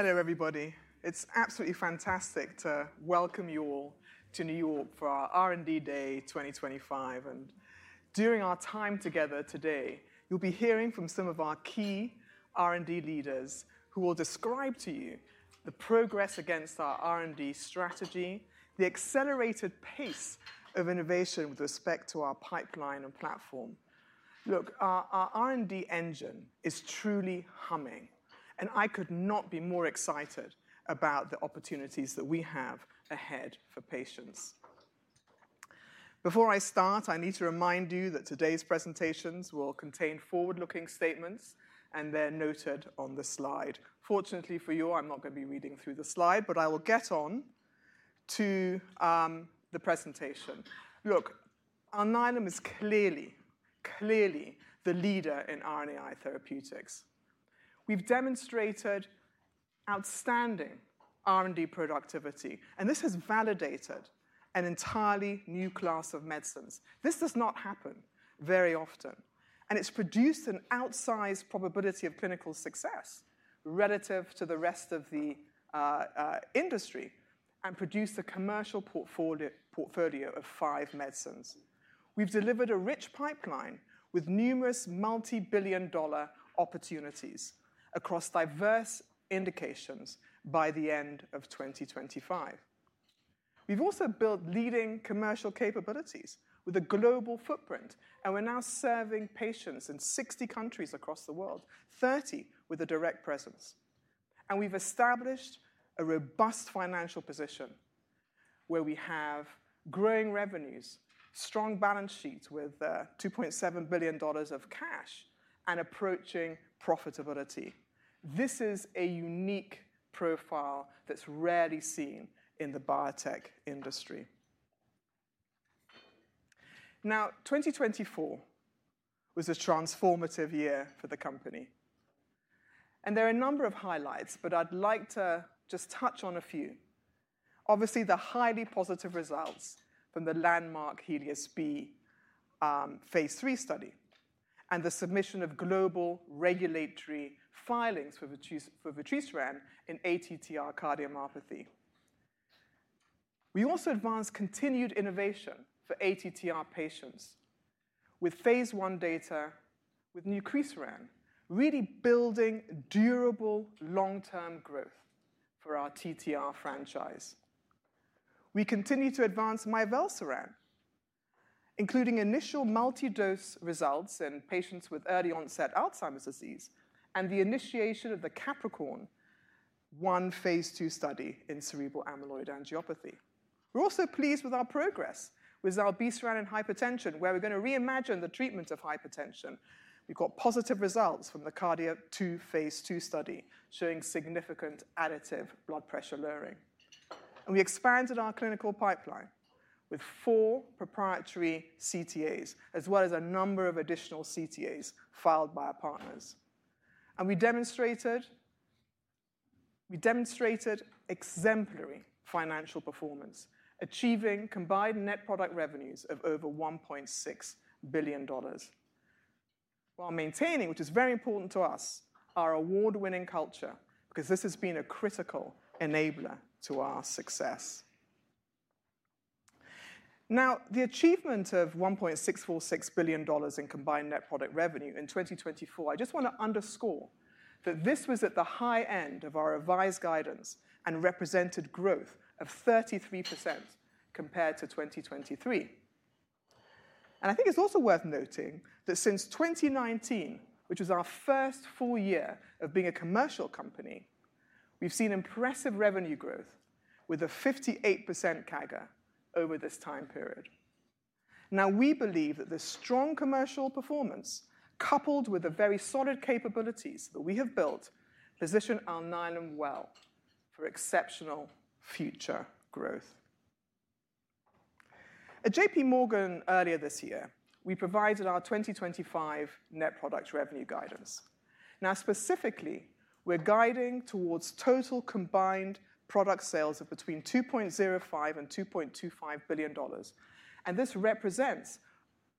Hello, everybody. It's absolutely fantastic to welcome you all to New York for our R&D Day 2025, and during our time together today, you'll be hearing from some of our key R&D leaders who will describe to you the progress against our R&D strategy, the accelerated pace of innovation with respect to our pipeline and platform. Look, our R&D engine is truly humming, and I could not be more excited about the opportunities that we have ahead for patients. Before I start, I need to remind you that today's presentations will contain forward-looking statements, and they're noted on the slide. Fortunately for you, I'm not going to be reading through the slide, but I will get on to the presentation. Look, Alnylam is clearly, clearly the leader in RNAi therapeutics. We've demonstrated outstanding R&D productivity, and this has validated an entirely new class of medicines. This does not happen very often, and it's produced an outsized probability of clinical success relative to the rest of the industry and produced a commercial portfolio of five medicines. We've delivered a rich pipeline with numerous multi-billion dollar opportunities across diverse indications by the end of 2025. We've also built leading commercial capabilities with a global footprint, and we're now serving patients in 60 countries across the world, 30 with a direct presence, and we've established a robust financial position where we have growing revenues, strong balance sheets with $2.7 billion of cash, and approaching profitability. This is a unique profile that's rarely seen in the biotech industry. Now, 2024 was a transformative year for the company, and there are a number of highlights, but I'd like to just touch on a few. Obviously, the highly positive results from the landmark HELIOS-B phase 3 study and the submission of global regulatory filings for vutrisiran in ATTR cardiomyopathy. We also advanced continued innovation for ATTR patients with phase 1 data with Nucresiran, really building durable long-term growth for our TTR franchise. We continue to advance Mivelsiran, including initial multi-dose results in patients with early onset Alzheimer's disease and the initiation of the CAPRICORN-1 phase 2 study in cerebral amyloid angiopathy. We're also pleased with our progress with Zilebesiran in hypertension, where we're going to reimagine the treatment of hypertension. We've got positive results from the KARDIA-2 phase 2 study showing significant additive blood pressure lowering. And we expanded our clinical pipeline with four proprietary CTAs, as well as a number of additional CTAs filed by our partners. And we demonstrated exemplary financial performance, achieving combined net product revenues of over $1.6 billion, while maintaining, which is very important to us, our award-winning culture, because this has been a critical enabler to our success. Now, the achievement of $1.646 billion in combined net product revenue in 2024, I just want to underscore that this was at the high end of our revised guidance and represented growth of 33% compared to 2023. And I think it's also worth noting that since 2019, which was our first full year of being a commercial company, we've seen impressive revenue growth with a 58% CAGR over this time period. Now, we believe that the strong commercial performance, coupled with the very solid capabilities that we have built, position Alnylam well for exceptional future growth. At JP Morgan earlier this year, we provided our 2025 net product revenue guidance. Now, specifically, we're guiding towards total combined product sales of between $2.05 and $2.25 billion. And this represents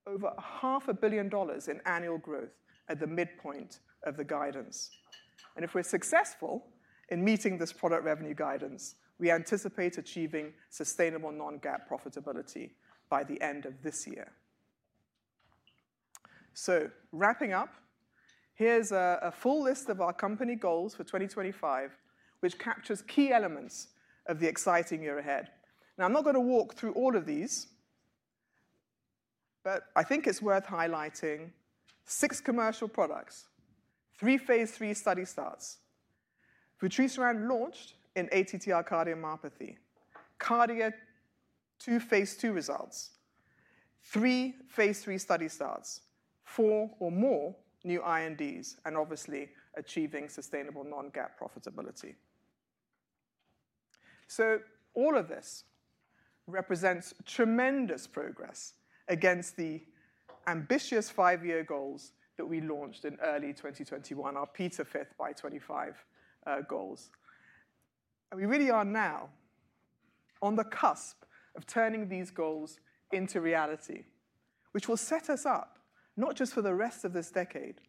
over $500 million in annual growth at the midpoint of the guidance. And if we're successful in meeting this product revenue guidance, we anticipate achieving sustainable non-GAAP profitability by the end of this year. So, wrapping up, here's a full list of our company goals for 2025, which captures key elements of the exciting year ahead. Now, I'm not going to walk through all of these, but I think it's worth highlighting six commercial products, three phase 3 study starts, Vutrisiran launched in ATTR cardiomyopathy, KARDIA-2 phase 2 results, three phase 3 study starts, four or more new R&Ds, and obviously achieving sustainable non-GAAP profitability. So, all of this represents tremendous progress against the ambitious five-year goals that we launched in early 2021, our 2-2-5 by 25 goals. We really are now on the cusp of turning these goals into reality, which will set us up not just for the rest of this decade,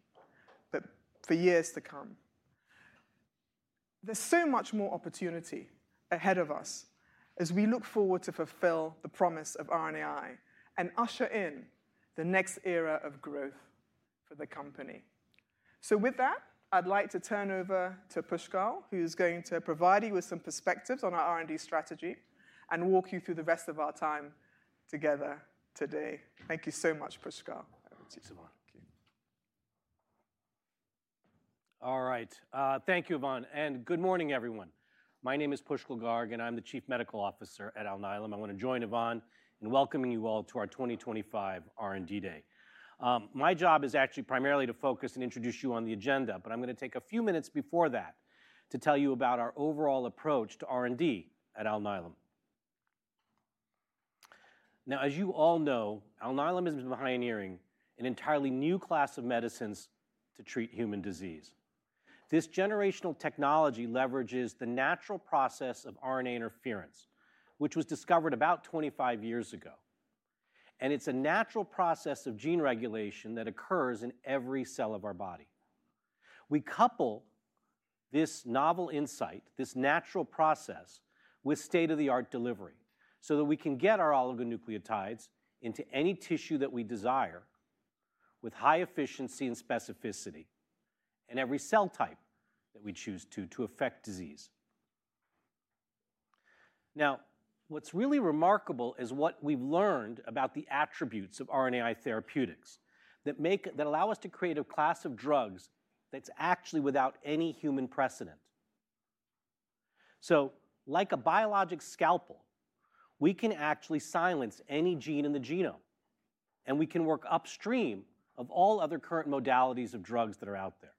but for years to come. There's so much more opportunity ahead of us as we look forward to fulfill the promise of RNAi and usher in the next era of growth for the company. With that, I'd like to turn over to Pushkal, who is going to provide you with some perspectives on our R&D strategy and walk you through the rest of our time together today. Thank you so much, Pushkal. Thanks, Yvonne. All right. Thank you, Yvonne. And good morning, everyone. My name is Pushkal Garg, and I'm the Chief Medical Officer at Alnylam. I want to join Yvonne in welcoming you all to our 2025 R&D Day. My job is actually primarily to focus and introduce you on the agenda, but I'm going to take a few minutes before that to tell you about our overall approach to R&D at Alnylam. Now, as you all know, Alnylam has been pioneering an entirely new class of medicines to treat human disease. This generational technology leverages the natural process of RNA interference, which was discovered about 25 years ago, and it's a natural process of gene regulation that occurs in every cell of our body. We couple this novel insight, this natural process, with state-of-the-art delivery so that we can get our oligonucleotides into any tissue that we desire with high efficiency and specificity in every cell type that we choose to, to affect disease. Now, what's really remarkable is what we've learned about the attributes of RNAi therapeutics that allow us to create a class of drugs that's actually without any human precedent. So, like a biologic scalpel, we can actually silence any gene in the genome, and we can work upstream of all other current modalities of drugs that are out there.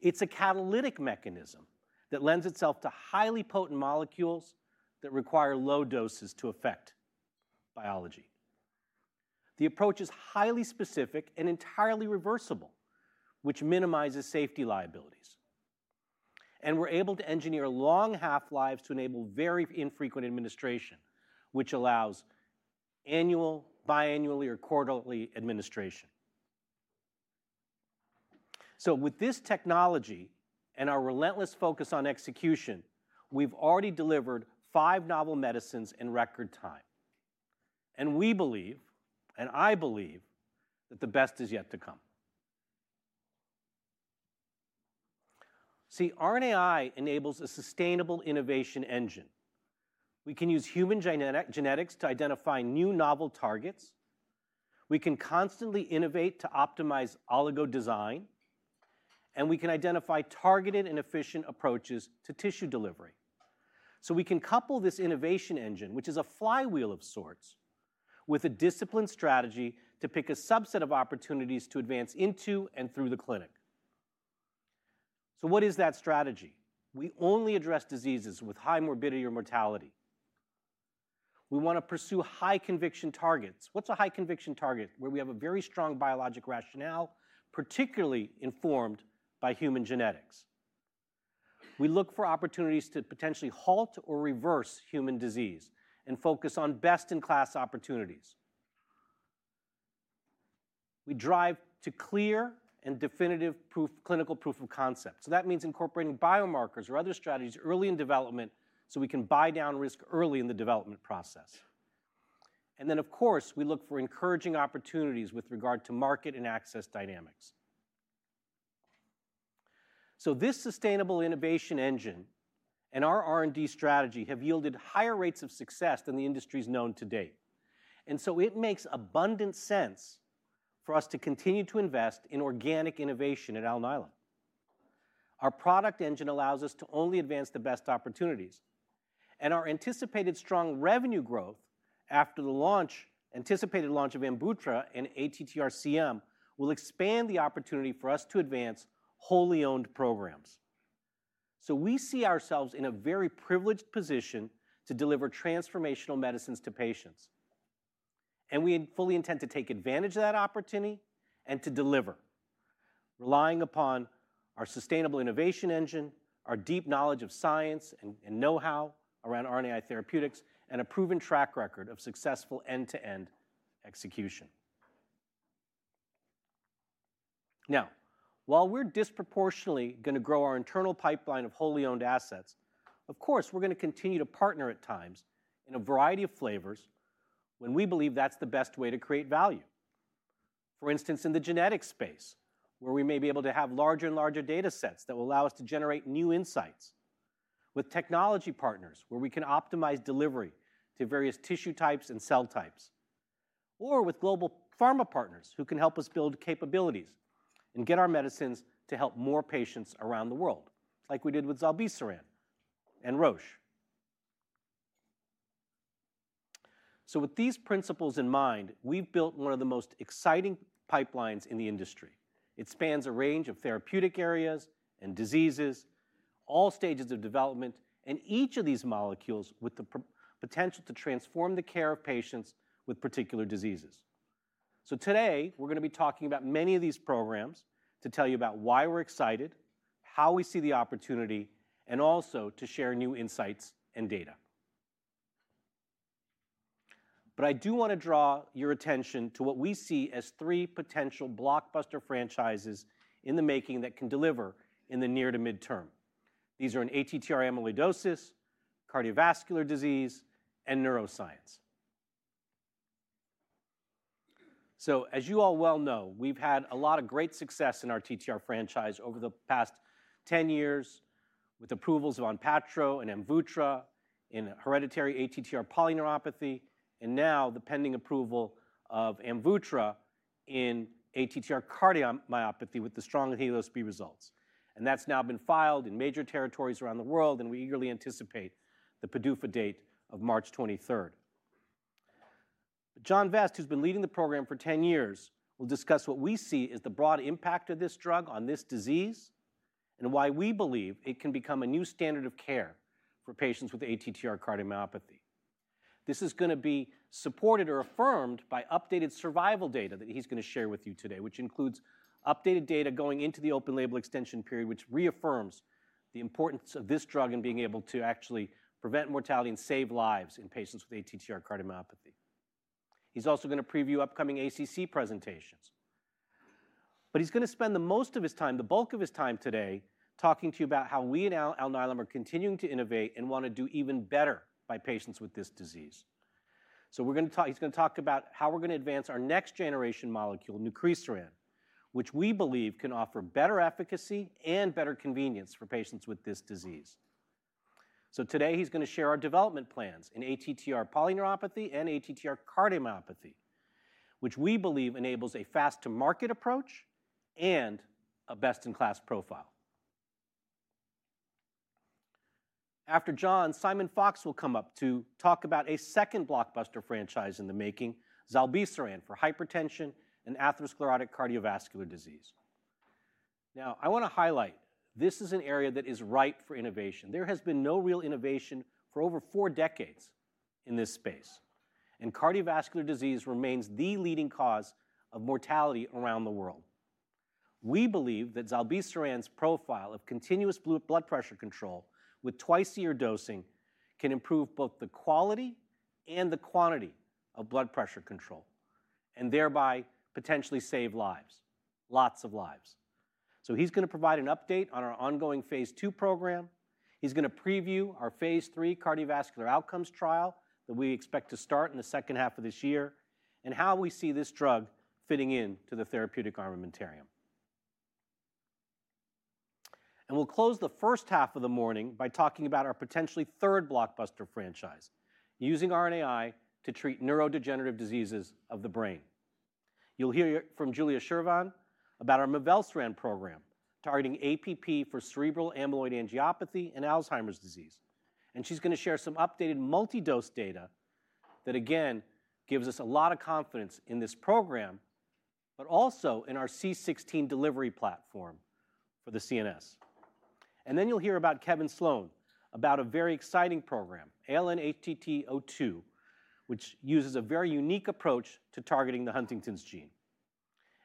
It's a catalytic mechanism that lends itself to highly potent molecules that require low doses to affect biology. The approach is highly specific and entirely reversible, which minimizes safety liabilities. And we're able to engineer long half-lives to enable very infrequent administration, which allows annual, biannually, or quarterly administration. So, with this technology and our relentless focus on execution, we've already delivered five novel medicines in record time. And we believe, and I believe, that the best is yet to come. See, RNAi enables a sustainable innovation engine. We can use human genetics to identify new novel targets. We can constantly innovate to optimize oligodesign, and we can identify targeted and efficient approaches to tissue delivery. So, we can couple this innovation engine, which is a flywheel of sorts, with a disciplined strategy to pick a subset of opportunities to advance into and through the clinic. So, what is that strategy? We only address diseases with high morbidity or mortality. We want to pursue high conviction targets. What's a high conviction target? Where we have a very strong biologic rationale, particularly informed by human genetics. We look for opportunities to potentially halt or reverse human disease and focus on best-in-class opportunities. We drive to clear and definitive clinical proof of concept. So, that means incorporating biomarkers or other strategies early in development so we can buy down risk early in the development process. And then, of course, we look for encouraging opportunities with regard to market and access dynamics. So, this sustainable innovation engine and our R&D strategy have yielded higher rates of success than the industry's known to date. And so, it makes abundant sense for us to continue to invest in organic innovation at Alnylam. Our product engine allows us to only advance the best opportunities, and our anticipated strong revenue growth after the launch, anticipated launch of Amvuttra and ATTR CM, will expand the opportunity for us to advance wholly owned programs. We see ourselves in a very privileged position to deliver transformational medicines to patients. And we fully intend to take advantage of that opportunity and to deliver, relying upon our sustainable innovation engine, our deep knowledge of science and know-how around RNAi therapeutics, and a proven track record of successful end-to-end execution. Now, while we're disproportionately going to grow our internal pipeline of wholly owned assets, of course, we're going to continue to partner at times in a variety of flavors when we believe that's the best way to create value. For instance, in the genetic space, where we may be able to have larger and larger data sets that will allow us to generate new insights, with technology partners where we can optimize delivery to various tissue types and cell types, or with global pharma partners who can help us build capabilities and get our medicines to help more patients around the world, like we did with zilebesiran and Roche. So, with these principles in mind, we've built one of the most exciting pipelines in the industry. It spans a range of therapeutic areas and diseases, all stages of development, and each of these molecules with the potential to transform the care of patients with particular diseases. So, today, we're going to be talking about many of these programs to tell you about why we're excited, how we see the opportunity, and also to share new insights and data. But I do want to draw your attention to what we see as three potential blockbuster franchises in the making that can deliver in the near to midterm. These are in ATTR amyloidosis, cardiovascular disease, and neuroscience. So, as you all well know, we've had a lot of great success in our TTR franchise over the past 10 years with approvals of Onpattro and Amvuttra in hereditary ATTR polyneuropathy, and now the pending approval of Amvuttra in ATTR cardiomyopathy with the strong HELIOS-B results. And that's now been filed in major territories around the world, and we eagerly anticipate the PDUFA date of March 23rd. John Vest, who's been leading the program for 10 years, will discuss what we see as the broad impact of this drug on this disease and why we believe it can become a new standard of care for patients with ATTR cardiomyopathy. This is going to be supported or affirmed by updated survival data that he's going to share with you today, which includes updated data going into the open label extension period, which reaffirms the importance of this drug in being able to actually prevent mortality and save lives in patients with ATTR cardiomyopathy. He's also going to preview upcoming ACC presentations. But he's going to spend the most of his time, the bulk of his time today, talking to you about how we at Alnylam are continuing to innovate and want to do even better by patients with this disease. So, we're going to talk—he's going to talk about how we're going to advance our next generation molecule, Nucresiran, which we believe can offer better efficacy and better convenience for patients with this disease. Today, he's going to share our development plans in ATTR polyneuropathy and ATTR cardiomyopathy, which we believe enables a fast-to-market approach and a best-in-class profile. After John, Simon Fox will come up to talk about a second blockbuster franchise in the making, Zilebesiran, for hypertension and atherosclerotic cardiovascular disease. Now, I want to highlight this is an area that is ripe for innovation. There has been no real innovation for over four decades in this space, and cardiovascular disease remains the leading cause of mortality around the world. We believe that Zilebesiran's profile of continuous blood pressure control with twice-yearly dosing can improve both the quality and the quantity of blood pressure control and thereby potentially save lives, lots of lives. He's going to provide an update on our ongoing phase 2 program. He's going to preview our phase 3 cardiovascular outcomes trial that we expect to start in the second half of this year and how we see this drug fitting into the therapeutic armamentarium. And we'll close the first half of the morning by talking about our potentially third blockbuster franchise, using RNAi to treat neurodegenerative diseases of the brain. You'll hear from Julia Shervin about our Mivelsiran program targeting APP for cerebral amyloid angiopathy and Alzheimer's disease. And she's going to share some updated multidose data that, again, gives us a lot of confidence in this program, but also in our C16 delivery platform for the CNS. And then you'll hear from Kevin Sloan about a very exciting program, ALN-HTT02, which uses a very unique approach to targeting the Huntington's gene.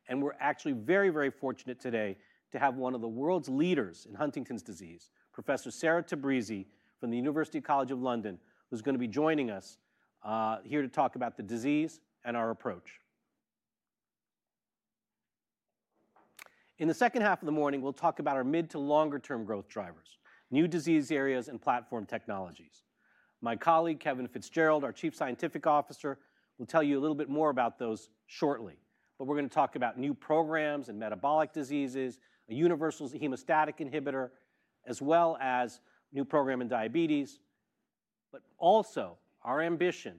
And we're actually very, very fortunate today to have one of the world's leaders in Huntington's disease, Professor Sarah Tabrizi from University College London, who's going to be joining us here to talk about the disease and our approach. In the second half of the morning, we'll talk about our mid to longer-term growth drivers, new disease areas, and platform technologies. My colleague, Kevin Fitzgerald, our Chief Scientific Officer, will tell you a little bit more about those shortly. But we're going to talk about new programs in metabolic diseases, a universal hemostatic inhibitor, as well as a new program in diabetes, but also our ambition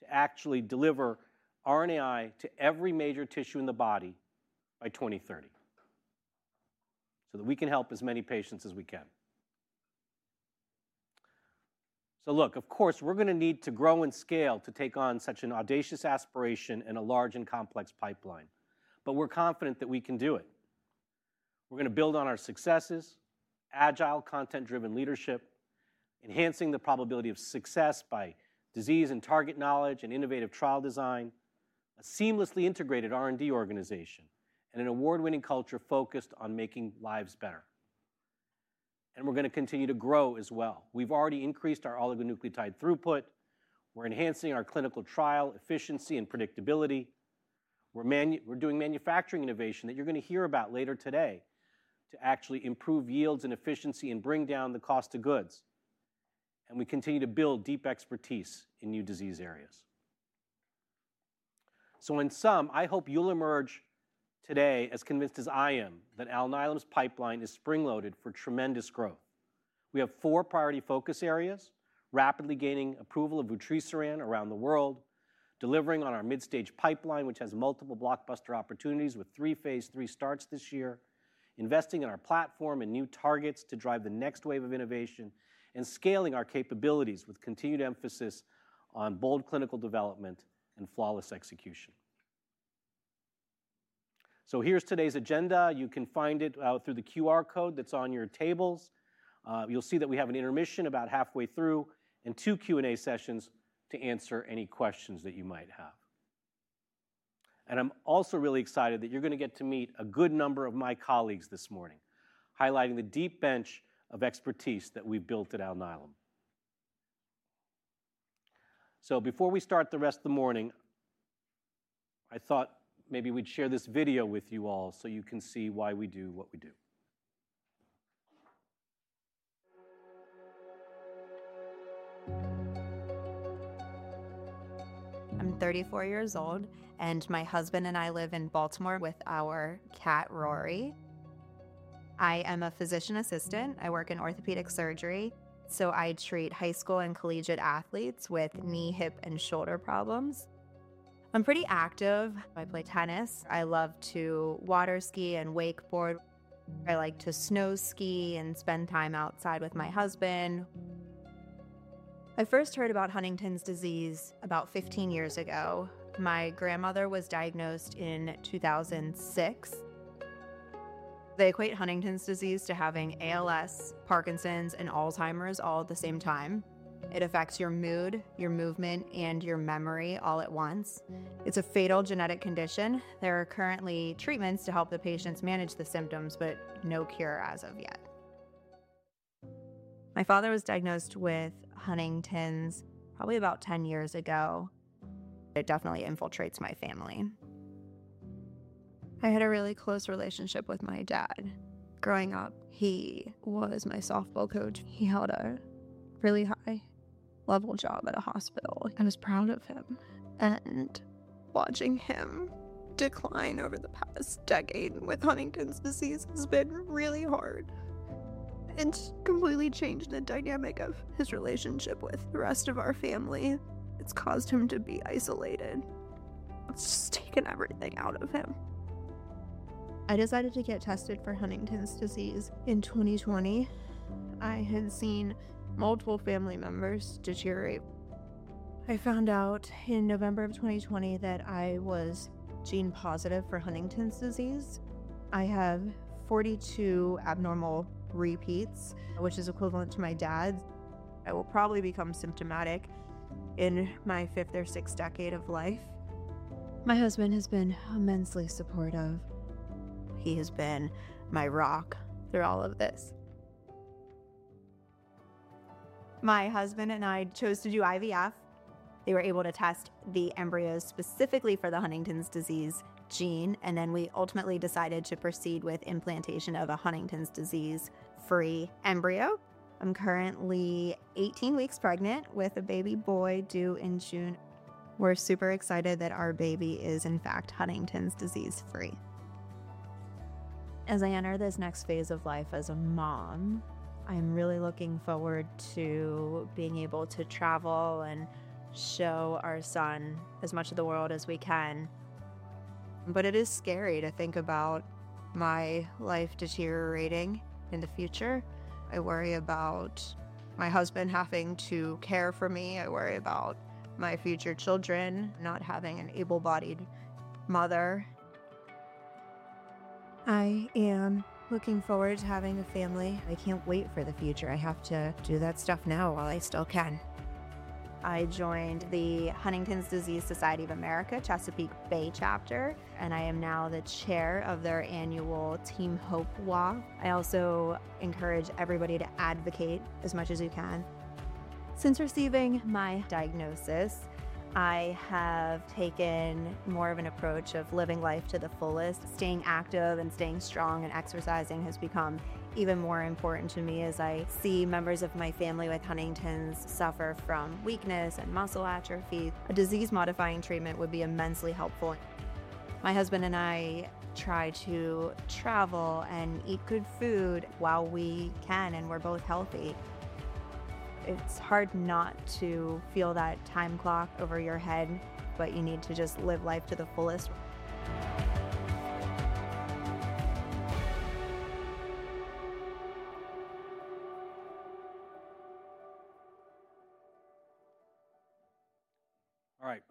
to actually deliver RNAi to every major tissue in the body by 2030 so that we can help as many patients as we can. So, look, of course, we're going to need to grow in scale to take on such an audacious aspiration and a large and complex pipeline. But we're confident that we can do it. We're going to build on our successes, agile, content-driven leadership, enhancing the probability of success by disease and target knowledge and innovative trial design, a seamlessly integrated R&D organization, and an award-winning culture focused on making lives better. And we're going to continue to grow as well. We've already increased our oligonucleotide throughput. We're enhancing our clinical trial efficiency and predictability. We're doing manufacturing innovation that you're going to hear about later today to actually improve yields and efficiency and bring down the cost of goods. And we continue to build deep expertise in new disease areas. In sum, I hope you'll emerge today as convinced as I am that Alnylam's pipeline is spring-loaded for tremendous growth. We have four priority focus areas, rapidly gaining approval of Nucresiran around the world, delivering on our mid-stage pipeline, which has multiple blockbuster opportunities with three phase 3 starts this year, investing in our platform and new targets to drive the next wave of innovation, and scaling our capabilities with continued emphasis on bold clinical development and flawless execution. Here's today's agenda. You can find it through the QR code that's on your tables. You'll see that we have an intermission about halfway through and two Q&A sessions to answer any questions that you might have. I'm also really excited that you're going to get to meet a good number of my colleagues this morning, highlighting the deep bunch of expertise that we've built at Alnylam. So, before we start the rest of the morning, I thought maybe we'd share this video with you all so you can see why we do what we do. I'm 34 years old, and my husband and I live in Baltimore with our cat, Rory. I am a physician assistant. I work in orthopedic surgery. So, I treat high school and collegiate athletes with knee, hip, and shoulder problems. I'm pretty active. I play tennis. I love to water ski and wakeboard. I like to snow ski and spend time outside with my husband. I first heard about Huntington's disease about 15 years ago. My grandmother was diagnosed in 2006. They equate Huntington's disease to having ALS, Parkinson's, and Alzheimer's all at the same time. It affects your mood, your movement, and your memory all at once. It's a fatal genetic condition. There are currently treatments to help the patients manage the symptoms, but no cure as of yet. My father was diagnosed with Huntington's probably about 10 years ago. It definitely infiltrates my family. I had a really close relationship with my dad. Growing up, he was my softball coach. He held a really high-level job at a hospital. I was proud of him, and watching him decline over the past decade with Huntington's disease has been really hard. It's completely changed the dynamic of his relationship with the rest of our family. It's caused him to be isolated. It's just taken everything out of him. I decided to get tested for Huntington's disease in 2020. I had seen multiple family members deteriorate. I found out in November of 2020 that I was gene-positive for Huntington's disease. I have 42 abnormal repeats, which is equivalent to my dad's. I will probably become symptomatic in my fifth or sixth decade of life. My husband has been immensely supportive. He has been my rock through all of this. My husband and I chose to do IVF. They were able to test the embryo specifically for the Huntington's disease gene, and then we ultimately decided to proceed with implantation of a Huntington's disease-free embryo. I'm currently 18 weeks pregnant with a baby boy due in June. We're super excited that our baby is, in fact, Huntington's disease-free. As I enter this next phase of life as a mom, I'm really looking forward to being able to travel and show our son as much of the world as we can. But it is scary to think about my life deteriorating in the future. I worry about my husband having to care for me. I worry about my future children not having an able-bodied mother. I am looking forward to having a family. I can't wait for the future. I have to do that stuff now while I still can. I joined the Huntington's Disease Society of America, Chesapeake Bay chapter, and I am now the chair of their annual Team Hope walk. I also encourage everybody to advocate as much as you can. Since receiving my diagnosis, I have taken more of an approach of living life to the fullest. Staying active and staying strong and exercising has become even more important to me as I see members of my family with Huntington's suffer from weakness and muscle atrophy. A disease-modifying treatment would be immensely helpful. My husband and I try to travel and eat good food while we can and we're both healthy. It's hard not to feel that time clock over your head, but you need to just live life to the fullest.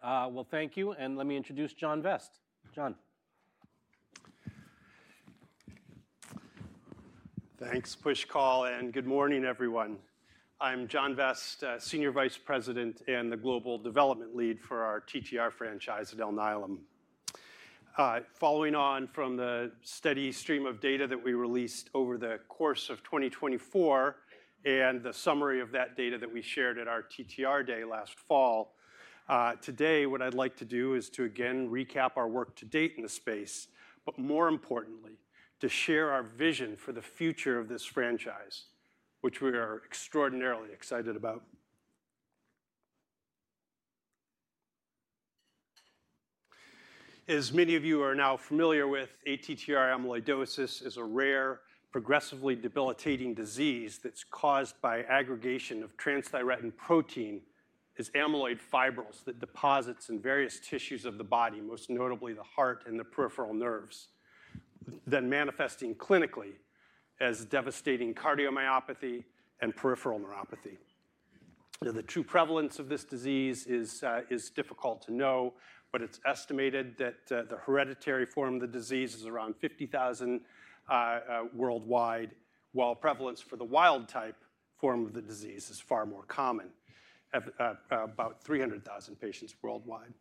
All right. Thank you. And let me introduce John Vest. John. Thanks, Pushkal. Good morning, everyone. I'm John Vest, Senior Vice President and the Global Development Lead for our TTR franchise at Alnylam. Following on from the steady stream of data that we released over the course of 2024 and the summary of that data that we shared at our TTR day last fall, today, what I'd like to do is to, again, recap our work to date in the space, but more importantly, to share our vision for the future of this franchise, which we are extraordinarily excited about. As many of you are now familiar with, ATTR amyloidosis is a rare, progressively debilitating disease that's caused by aggregation of transthyretin protein as amyloid fibrils that deposits in various tissues of the body, most notably the heart and the peripheral nerves, then manifesting clinically as devastating cardiomyopathy and peripheral neuropathy. The true prevalence of this disease is difficult to know, but it's estimated that the hereditary form of the disease is around 50,000 worldwide, while prevalence for the wild-type form of the disease is far more common, about 300,000 patients worldwide.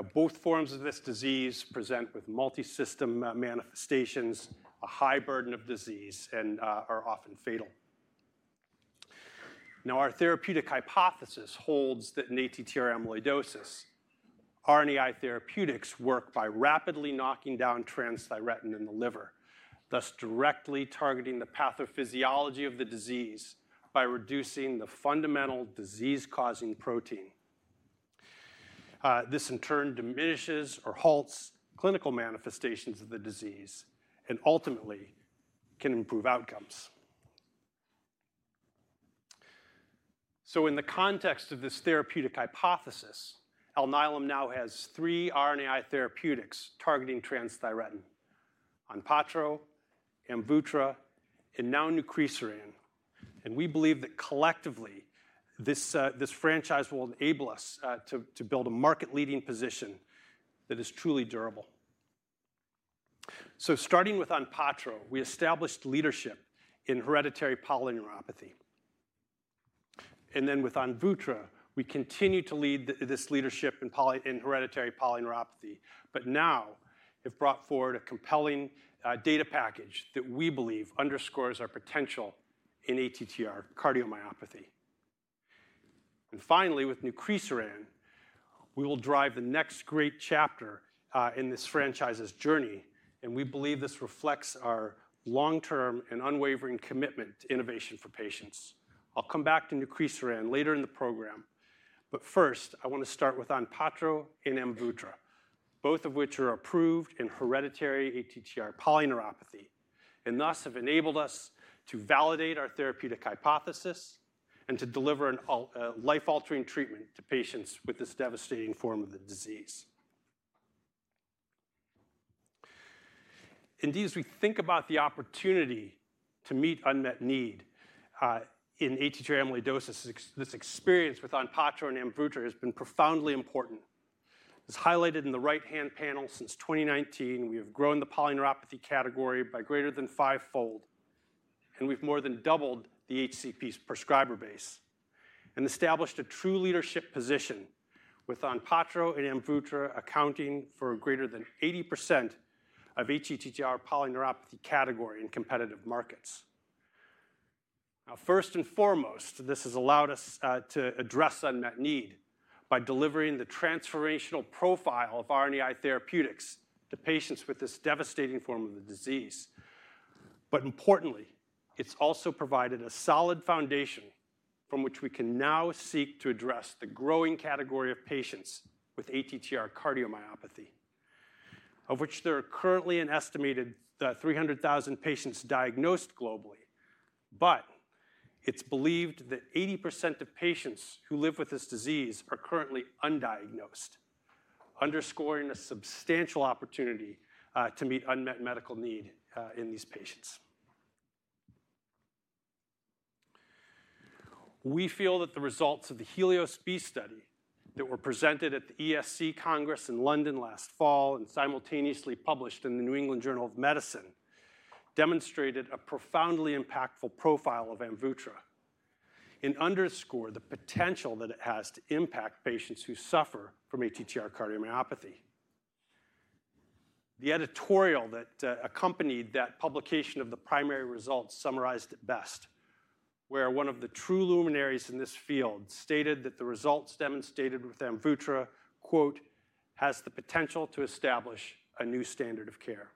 Now, both forms of this disease present with multi-system manifestations, a high burden of disease, and are often fatal. Now, our therapeutic hypothesis holds that in ATTR amyloidosis, RNAi therapeutics work by rapidly knocking down transthyretin in the liver, thus directly targeting the pathophysiology of the disease by reducing the fundamental disease-causing protein. This, in turn, diminishes or halts clinical manifestations of the disease and ultimately can improve outcomes. So, in the context of this therapeutic hypothesis, Alnylam now has three RNAi therapeutics targeting transthyretin: Onpattro, Amvuttra, and now Nucresiran. And we believe that collectively, this franchise will enable us to build a market-leading position that is truly durable. So, starting with Onpattro, we established leadership in hereditary polyneuropathy. And then with Amvuttra, we continue to lead this leadership in hereditary polyneuropathy, but now have brought forward a compelling data package that we believe underscores our potential in ATTR cardiomyopathy. And finally, with Nucresiran, we will drive the next great chapter in this franchise's journey. And we believe this reflects our long-term and unwavering commitment to innovation for patients. I'll come back to Nucresiran later in the program. But first, I want to start with ONPATTRO and AMVUTTRA, both of which are approved in hereditary ATTR polyneuropathy and thus have enabled us to validate our therapeutic hypothesis and to deliver a life-altering treatment to patients with this devastating form of the disease. Indeed, as we think about the opportunity to meet unmet need in ATTR amyloidosis, this experience with ONPATTRO and AMVUTTRA has been profoundly important. As highlighted in the right-hand panel, since 2019, we have grown the polyneuropathy category by greater than fivefold, and we've more than doubled the HCP's prescriber base and established a true leadership position with ONPATTRO and AMVUTTRA accounting for greater than 80% of ATTR polyneuropathy category in competitive markets. Now, first and foremost, this has allowed us to address unmet need by delivering the transformational profile of RNAi therapeutics to patients with this devastating form of the disease. But importantly, it's also provided a solid foundation from which we can now seek to address the growing category of patients with ATTR cardiomyopathy, of which there are currently an estimated 300,000 patients diagnosed globally. But it's believed that 80% of patients who live with this disease are currently undiagnosed, underscoring a substantial opportunity to meet unmet medical need in these patients. We feel that the results of the HELIOS-B study that were presented at the ESC Congress in London last fall and simultaneously published in the New England Journal of Medicine demonstrated a profoundly impactful profile of Amvutra and underscored the potential that it has to impact patients who suffer from ATTR cardiomyopathy. The editorial that accompanied that publication of the primary results summarized it best, where one of the true luminaries in this field stated that the results demonstrated with Amvutra, quote, "has the potential to establish a new standard of care."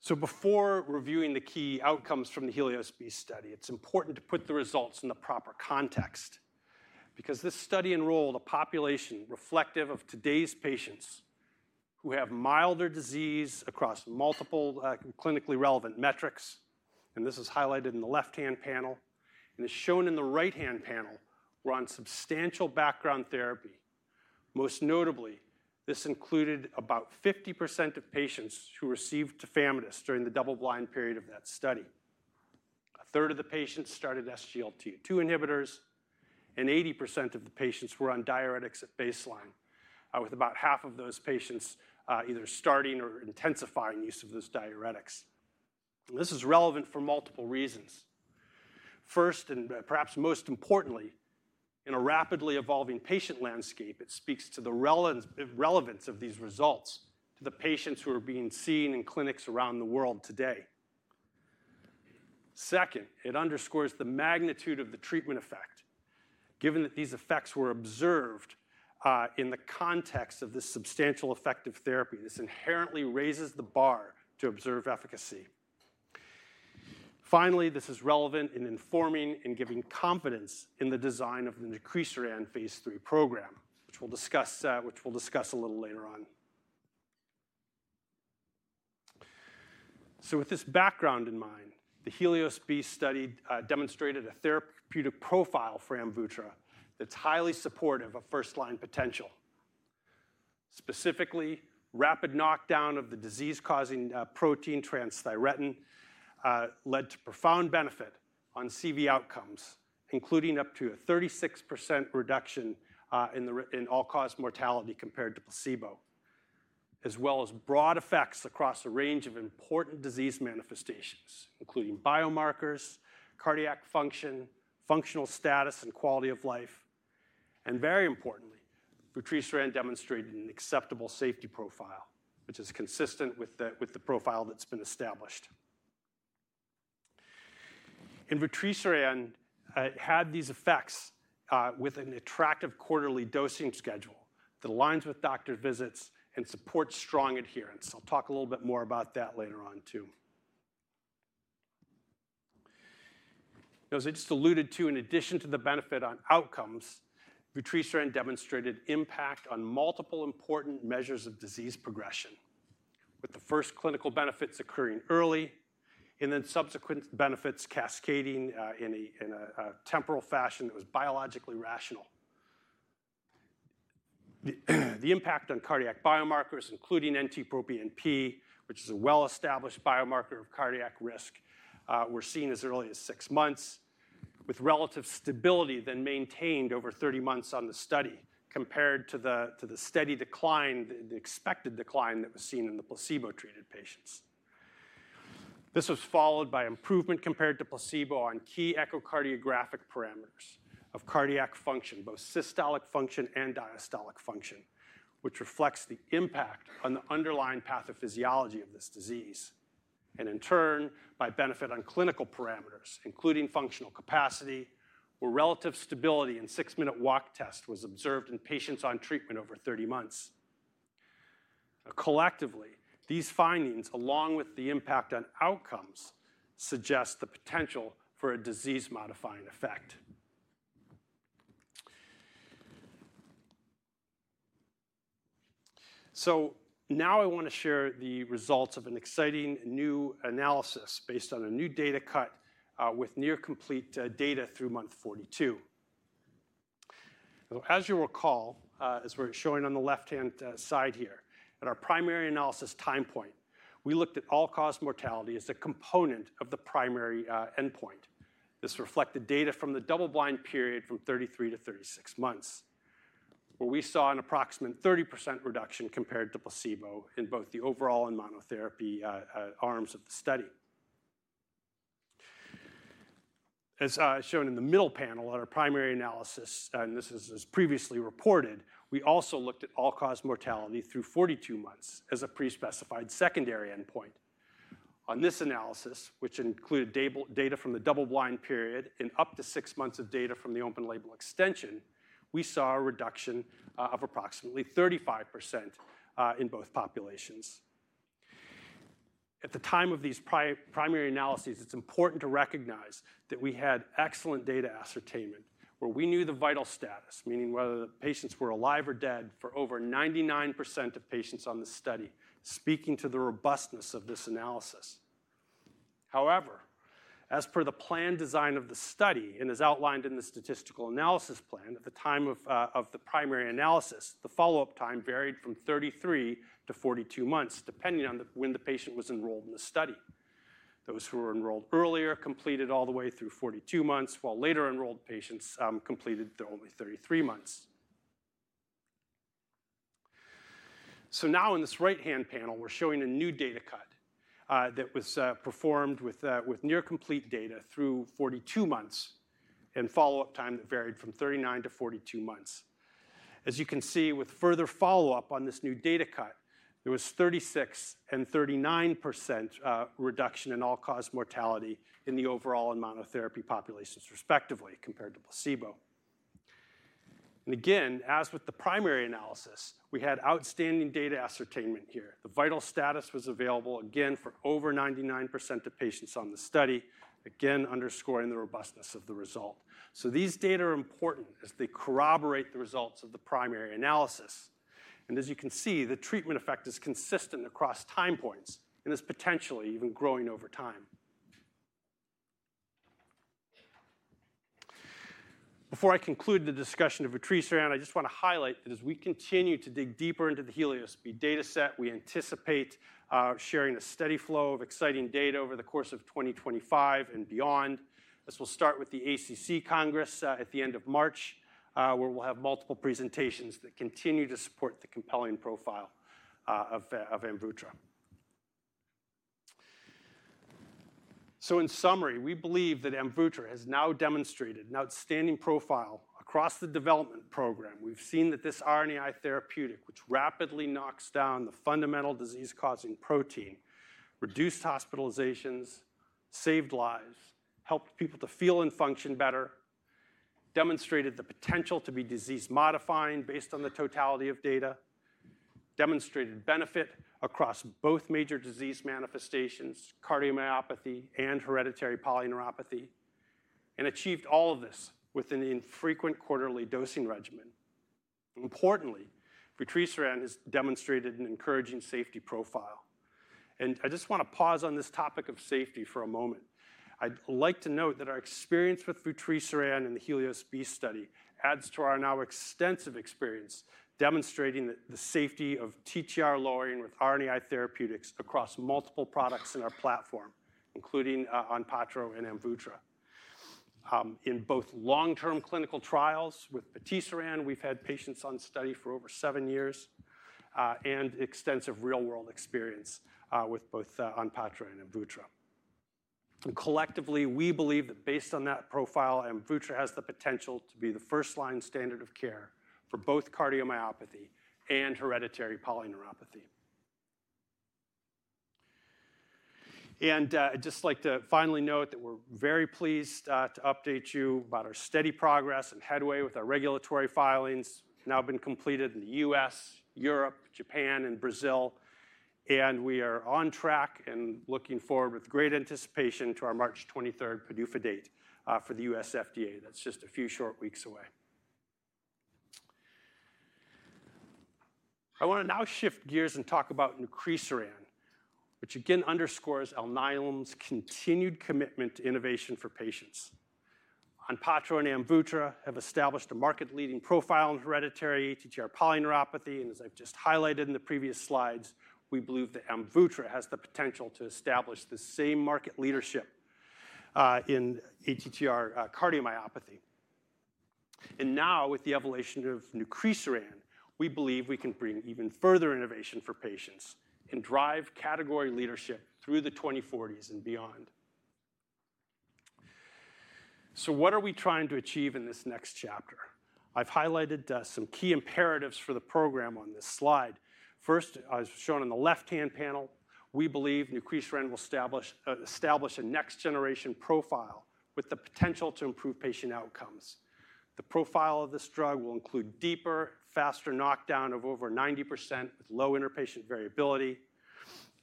So, before reviewing the key outcomes from the HELIOS-B study, it's important to put the results in the proper context because this study enrolled a population reflective of today's patients who have milder disease across multiple clinically relevant metrics. And this is highlighted in the left-hand panel. And as shown in the right-hand panel, we're on substantial background therapy. Most notably, this included about 50% of patients who received Tafamidis during the double-blind period of that study. A third of the patients started SGLT2 inhibitors, and 80% of the patients were on diuretics at baseline, with about half of those patients either starting or intensifying use of those diuretics. This is relevant for multiple reasons. First, and perhaps most importantly, in a rapidly evolving patient landscape, it speaks to the relevance of these results to the patients who are being seen in clinics around the world today. Second, it underscores the magnitude of the treatment effect. Given that these effects were observed in the context of this substantial effective therapy, this inherently raises the bar to observe efficacy. Finally, this is relevant in informing and giving confidence in the design of the Nucresiran phase 3 program, which we'll discuss a little later on. So, with this background in mind, the HELIOS-B study demonstrated a therapeutic profile for Amvuttra that's highly supportive of first-line potential. Specifically, rapid knockdown of the disease-causing protein transthyretin led to profound benefit on CV outcomes, including up to a 36% reduction in all-cause mortality compared to placebo, as well as broad effects across a range of important disease manifestations, including biomarkers, cardiac function, functional status, and quality of life. And very importantly, Nucresiran demonstrated an acceptable safety profile, which is consistent with the profile that's been established. And Nucresiran had these effects with an attractive quarterly dosing schedule that aligns with doctor visits and supports strong adherence. I'll talk a little bit more about that later on too. As I just alluded to, in addition to the benefit on outcomes, Nucresiran demonstrated impact on multiple important measures of disease progression, with the first clinical benefits occurring early and then subsequent benefits cascading in a temporal fashion that was biologically rational. The impact on cardiac biomarkers, including NT-proBNP, which is a well-established biomarker of cardiac risk, was seen as early as six months, with relative stability then maintained over 30 months on the study compared to the steady decline, the expected decline that was seen in the placebo-treated patients. This was followed by improvement compared to placebo on key echocardiographic parameters of cardiac function, both systolic function and diastolic function, which reflects the impact on the underlying pathophysiology of this disease, and in turn, by benefit on clinical parameters, including functional capacity, where relative stability in six-minute walk test was observed in patients on treatment over 30 months. Collectively, these findings, along with the impact on outcomes, suggest the potential for a disease-modifying effect, so now I want to share the results of an exciting new analysis based on a new data cut with near-complete data through month 42. As you'll recall, as we're showing on the left-hand side here, at our primary analysis time point, we looked at all-cause mortality as a component of the primary endpoint. This reflected data from the double-blind period from 33-36 months, where we saw an approximate 30% reduction compared to placebo in both the overall and monotherapy arms of the study. As shown in the middle panel at our primary analysis, and this is as previously reported, we also looked at all-cause mortality through 42 months as a pre-specified secondary endpoint. On this analysis, which included data from the double-blind period and up to six months of data from the open-label extension, we saw a reduction of approximately 35% in both populations. At the time of these primary analyses, it's important to recognize that we had excellent data ascertainment, where we knew the vital status, meaning whether the patients were alive or dead for over 99% of patients on the study, speaking to the robustness of this analysis. However, as per the planned design of the study and as outlined in the statistical analysis plan at the time of the primary analysis, the follow-up time varied from 33-42 months, depending on when the patient was enrolled in the study. Those who were enrolled earlier completed all the way through 42 months, while later enrolled patients completed only 33 months. So now in this right-hand panel, we're showing a new data cut that was performed with near-complete data through 42 months and follow-up time that varied from 39-42 months. As you can see, with further follow-up on this new data cut, there was 36% and 39% reduction in all-cause mortality in the overall and monotherapy populations, respectively, compared to placebo. And again, as with the primary analysis, we had outstanding data ascertainment here. The vital status was available again for over 99% of patients on the study, again underscoring the robustness of the result. So these data are important as they corroborate the results of the primary analysis. And as you can see, the treatment effect is consistent across time points and is potentially even growing over time. Before I conclude the discussion of Nucresiran, I just want to highlight that as we continue to dig deeper into the HELIOS-B dataset, we anticipate sharing a steady flow of exciting data over the course of 2025 and beyond. This will start with the ACC Congress at the end of March, where we'll have multiple presentations that continue to support the compelling profile of Amvutra. So in summary, we believe that Amvutra has now demonstrated an outstanding profile across the development program. We've seen that this RNAi therapeutic, which rapidly knocks down the fundamental disease-causing protein, reduced hospitalizations, saved lives, helped people to feel and function better, demonstrated the potential to be disease-modifying based on the totality of data, demonstrated benefit across both major disease manifestations, cardiomyopathy and hereditary polyneuropathy, and achieved all of this with an infrequent quarterly dosing regimen. Importantly, Nucresiran has demonstrated an encouraging safety profile. And I just want to pause on this topic of safety for a moment. I'd like to note that our experience with Nucresiran and the HELIOS-B study adds to our now extensive experience demonstrating the safety of TTR lowering with RNAi therapeutics across multiple products in our platform, including Onpattro and Amvuttra. In both long-term clinical trials with Nucresiran, we've had patients on study for over seven years and extensive real-world experience with both Onpattro and Amvuttra. Collectively, we believe that based on that profile, Amvuttra has the potential to be the first-line standard of care for both cardiomyopathy and hereditary polyneuropathy. And I'd just like to finally note that we're very pleased to update you about our steady progress and headway with our regulatory filings. It's now been completed in the U.S., Europe, Japan, and Brazil. And we are on track and looking forward with great anticipation to our March 23rd PDUFA date for the U.S. FDA. That's just a few short weeks away. I want to now shift gears and talk about Nucresiran, which again underscores Alnylam's continued commitment to innovation for patients. Onpattro and Amvuttra have established a market-leading profile in hereditary ATTR polyneuropathy, and as I've just highlighted in the previous slides, we believe that Amvuttra has the potential to establish the same market leadership in ATTR cardiomyopathy, and now with the evolution of Nucresiran, we believe we can bring even further innovation for patients and drive category leadership through the 2040s and beyond. So what are we trying to achieve in this next chapter? I've highlighted some key imperatives for the program on this slide. First, as shown on the left-hand panel, we believe Nucresiran will establish a next-generation profile with the potential to improve patient outcomes. The profile of this drug will include deeper, faster knockdown of over 90% with low interpatient variability,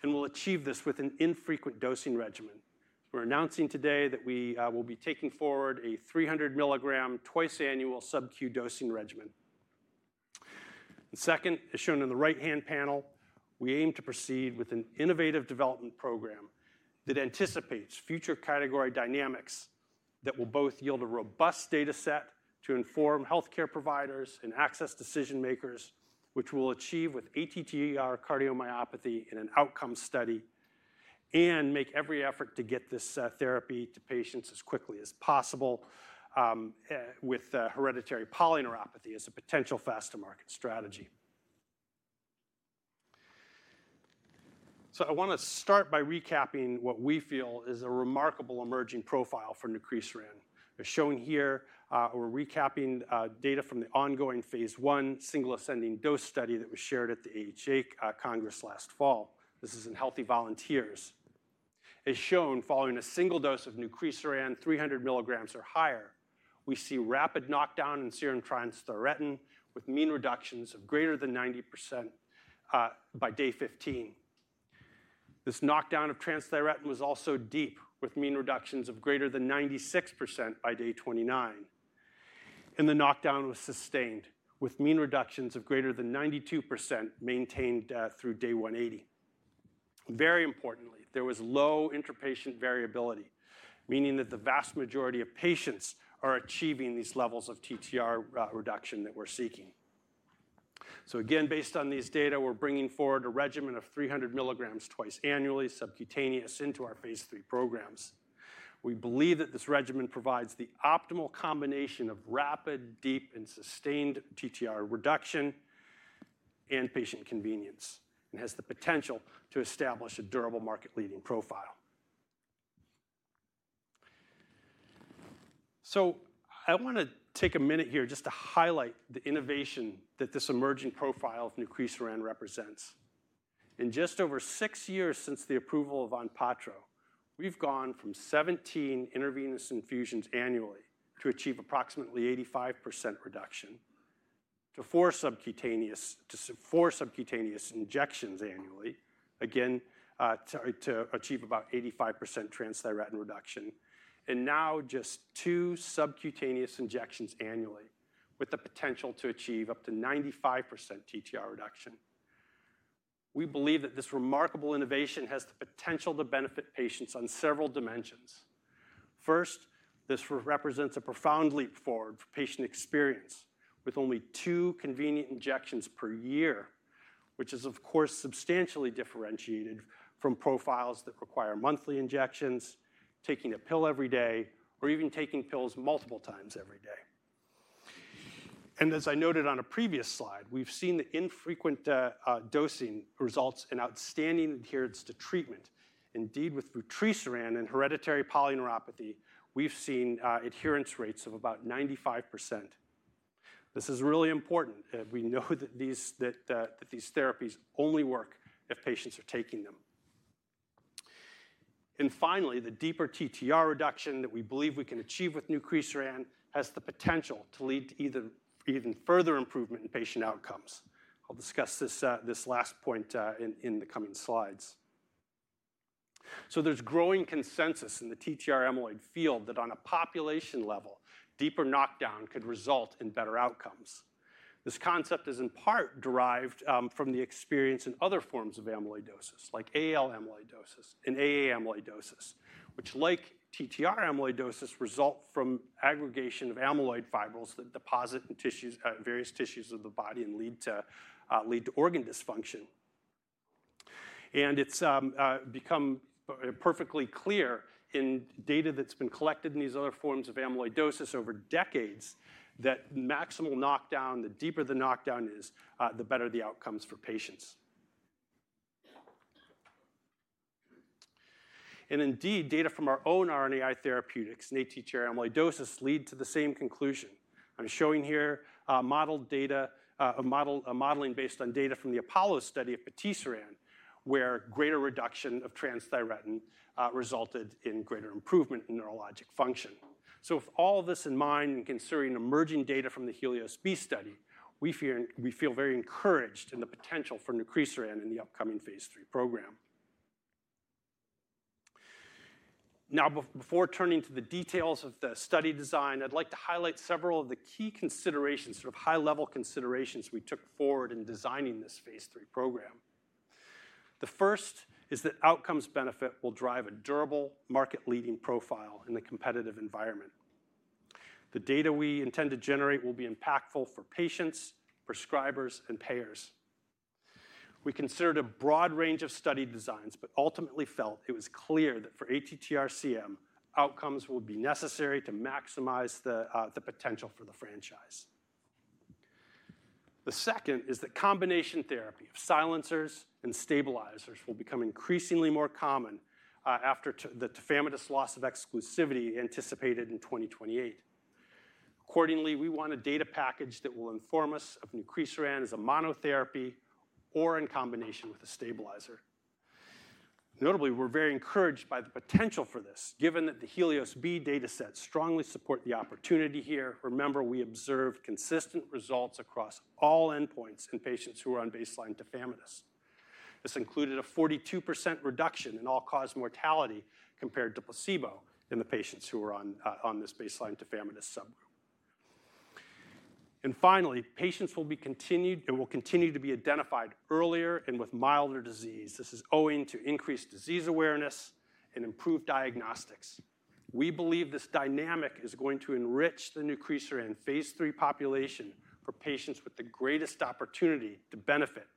and we'll achieve this with an infrequent dosing regimen. We're announcing today that we will be taking forward a 300 milligram twice-annual subq dosing regimen. And second, as shown on the right-hand panel, we aim to proceed with an innovative development program that anticipates future category dynamics that will both yield a robust dataset to inform healthcare providers and access decision-makers, which we'll achieve with ATTR cardiomyopathy in an outcome study and make every effort to get this therapy to patients as quickly as possible with hereditary polyneuropathy as a potential faster-market strategy. So I want to start by recapping what we feel is a remarkable emerging profile for Nucresiran. As shown here, we're recapping data from the ongoing phase one single-ascending dose study that was shared at the AHA Congress last fall. This is in healthy volunteers. As shown, following a single dose of Nucresiran, 300 milligrams or higher, we see rapid knockdown in serum transthyretin with mean reductions of greater than 90% by day 15. This knockdown of transthyretin was also deep, with mean reductions of greater than 96% by day 29, and the knockdown was sustained, with mean reductions of greater than 92% maintained through day 180. Very importantly, there was low interpatient variability, meaning that the vast majority of patients are achieving these levels of TTR reduction that we're seeking, so again, based on these data, we're bringing forward a regimen of 300 milligrams twice annually, subcutaneous, into our phase three programs. We believe that this regimen provides the optimal combination of rapid, deep, and sustained TTR reduction and patient convenience and has the potential to establish a durable market-leading profile. So I want to take a minute here just to highlight the innovation that this emerging profile of Nucresiran represents. In just over six years since the approval of Onpattro, we've gone from 17 intravenous infusions annually to achieve approximately 85% reduction to four subcutaneous injections annually, again, to achieve about 85% transthyretin reduction, and now just two subcutaneous injections annually with the potential to achieve up to 95% TTR reduction. We believe that this remarkable innovation has the potential to benefit patients on several dimensions. First, this represents a profound leap forward for patient experience with only two convenient injections per year, which is, of course, substantially differentiated from profiles that require monthly injections, taking a pill every day, or even taking pills multiple times every day. And as I noted on a previous slide, we've seen the infrequent dosing results in outstanding adherence to treatment. Indeed, with Nucresiran and hereditary polyneuropathy, we've seen adherence rates of about 95%. This is really important. We know that these therapies only work if patients are taking them. And finally, the deeper TTR reduction that we believe we can achieve with Nucresiran has the potential to lead to even further improvement in patient outcomes. I'll discuss this last point in the coming slides, so there's growing consensus in the TTR amyloid field that on a population level, deeper knockdown could result in better outcomes. This concept is in part derived from the experience in other forms of amyloidosis, like AL amyloidosis and AA amyloidosis, which, like TTR amyloidosis, result from aggregation of amyloid fibrils that deposit in various tissues of the body and lead to organ dysfunction. It's become perfectly clear in data that's been collected in these other forms of amyloidosis over decades that the maximal knockdown, the deeper the knockdown is, the better the outcomes for patients. Indeed, data from our own RNAi therapeutics and ATTR amyloidosis lead to the same conclusion. I'm showing here modeled data modeling based on data from the APOLLO study of Nucresiran, where greater reduction of transthyretin resulted in greater improvement in neurologic function. With all of this in mind and considering emerging data from the HELIOS-B study, we feel very encouraged in the potential for Nucresiran in the upcoming phase 3 program. Now, before turning to the details of the study design, I'd like to highlight several of the key considerations, sort of high-level considerations we took forward in designing this phase 3 program. The first is that outcomes benefit will drive a durable market-leading profile in the competitive environment. The data we intend to generate will be impactful for patients, prescribers, and payers. We considered a broad range of study designs, but ultimately felt it was clear that for ATTR-CM, outcomes will be necessary to maximize the potential for the franchise. The second is that combination therapy of silencers and stabilizers will become increasingly more common after the famous loss of exclusivity anticipated in 2028. Accordingly, we want a data package that will inform us if Nucresiran is a monotherapy or in combination with a stabilizer. Notably, we're very encouraged by the potential for this, given that the HELIOS-B dataset strongly supports the opportunity here. Remember, we observed consistent results across all endpoints in patients who are on baseline Tafamidis. This included a 42% reduction in all-cause mortality compared to placebo in the patients who were on this baseline Tafamidis subgroup. And finally, patients will be continued and will continue to be identified earlier and with milder disease. This is owing to increased disease awareness and improved diagnostics. We believe this dynamic is going to enrich the Nucresiran phase three population for patients with the greatest opportunity to benefit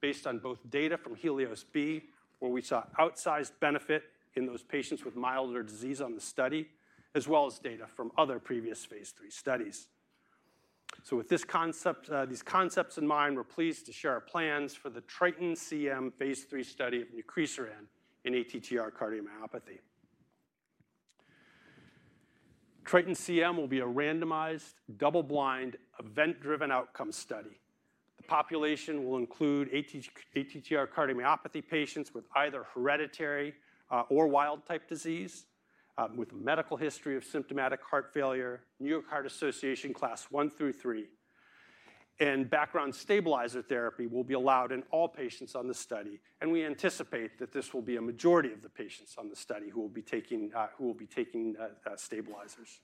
based on both data from HELIOS-B, where we saw outsized benefit in those patients with milder disease on the study, as well as data from other previous phase three studies. So with these concepts in mind, we're pleased to share our plans for the TRITON-CM phase three study of Nucresiran in ATTR cardiomyopathy. TRITON-CM will be a randomized, double-blind, event-driven outcome study. The population will include ATTR cardiomyopathy patients with either hereditary or wild-type disease, with a medical history of symptomatic heart failure, New York Heart Association class one through three, and background stabilizer therapy will be allowed in all patients on the study. And we anticipate that this will be a majority of the patients on the study who will be taking stabilizers.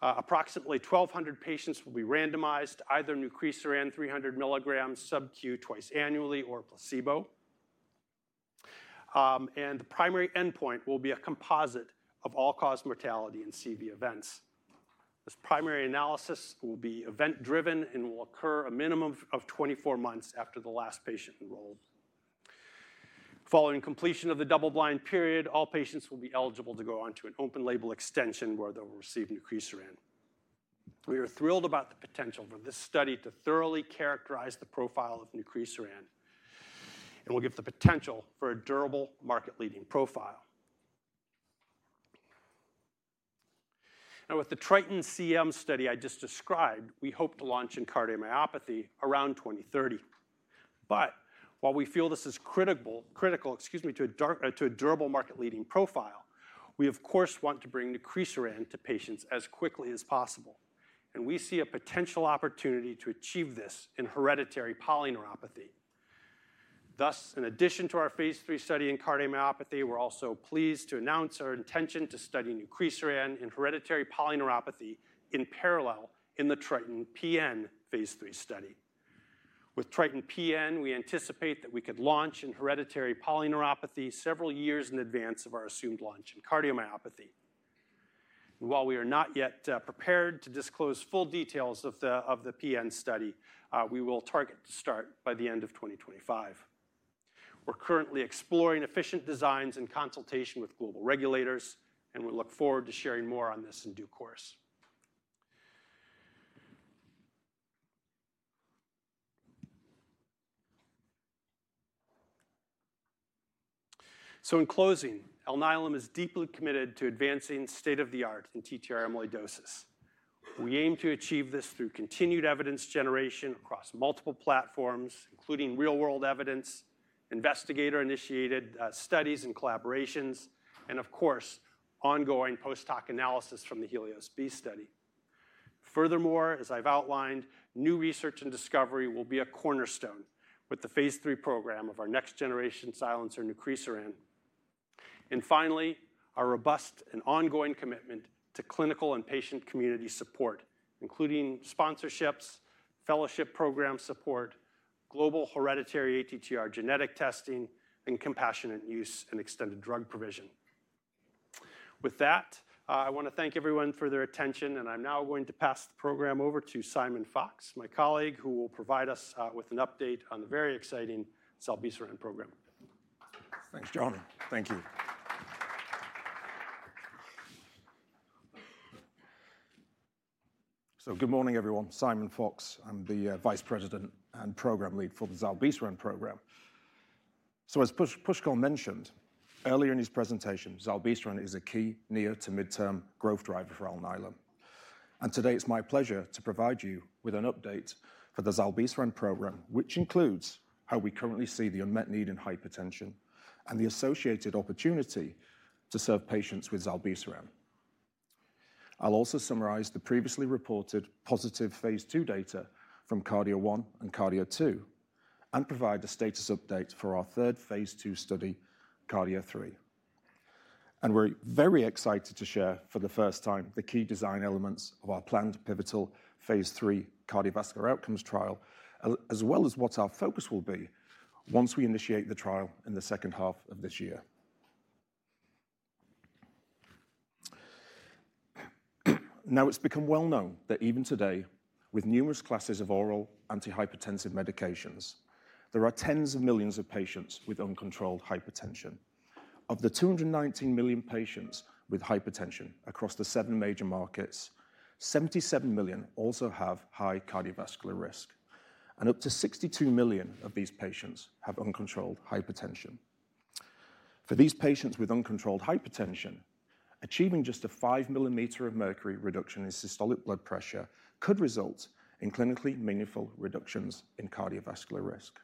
Approximately 1,200 patients will be randomized either Nucresiran 300 milligrams subq twice annually or placebo. And the primary endpoint will be a composite of all-cause mortality and CV events. This primary analysis will be event-driven and will occur a minimum of 24 months after the last patient enrolled. Following completion of the double-blind period, all patients will be eligible to go on to an open-label extension where they'll receive Nucresiran. We are thrilled about the potential for this study to thoroughly characterize the profile of Nucresiran and will give the potential for a durable market-leading profile. Now, with the TRITON-CM study I just described, we hope to launch in cardiomyopathy around 2030. But while we feel this is critical, excuse me, to a durable market-leading profile, we, of course, want to bring Nucresiran to patients as quickly as possible, and we see a potential opportunity to achieve this in hereditary polyneuropathy. Thus, in addition to our phase 3 study in cardiomyopathy, we're also pleased to announce our intention to study Nucresiran in hereditary polyneuropathy in parallel in the TRITON-PN phase 3 study. With TRITON-PN, we anticipate that we could launch in hereditary polyneuropathy several years in advance of our assumed launch in cardiomyopathy. While we are not yet prepared to disclose full details of the PN study, we will target to start by the end of 2025. We're currently exploring efficient designs in consultation with global regulators, and we look forward to sharing more on this in due course. In closing, Alnylam is deeply committed to advancing state-of-the-art in TTR amyloidosis. We aim to achieve this through continued evidence generation across multiple platforms, including real-world evidence, investigator-initiated studies and collaborations, and, of course, ongoing post-hoc analysis from the HELIOS-B study. Furthermore, as I've outlined, new research and discovery will be a cornerstone with the phase three program of our next-generation silencer Nucresiran. Finally, our robust and ongoing commitment to clinical and patient community support, including sponsorships, fellowship program support, global hereditary ATTR genetic testing, and compassionate use and extended drug provision. With that, I want to thank everyone for their attention, and I'm now going to pass the program over to Simon Fox, my colleague, who will provide us with an update on the very exciting Zilebesiran program. Thanks, Jonah. Thank you. Good morning, everyone. Simon Fox. I'm the Vice President and Program Lead for the Zilebesiran program. As Pushkal mentioned earlier in his presentation, Zilebesiran is a key near- to mid-term growth driver for Alnylam. Today, it's my pleasure to provide you with an update for the Zilebesiran program, which includes how we currently see the unmet need in hypertension and the associated opportunity to serve patients with Zilebesiran. I'll also summarize the previously reported positive phase 2 data from KARDIA-1 and KARDIA-2 and provide a status update for our third phase 2 study, KARDIA-3. We're very excited to share for the first time the key design elements of our planned pivotal phase 3 cardiovascular outcomes trial, as well as what our focus will be once we initiate the trial in the second half of this year. Now, it's become well known that even today, with numerous classes of oral antihypertensive medications, there are tens of millions of patients with uncontrolled hypertension. Of the 219 million patients with hypertension across the seven major markets, 77 million also have high cardiovascular risk, and up to 62 million of these patients have uncontrolled hypertension. For these patients with uncontrolled hypertension, achieving just a five millimeters of mercury reduction in systolic blood pressure could result in clinically meaningful reductions in cardiovascular risk.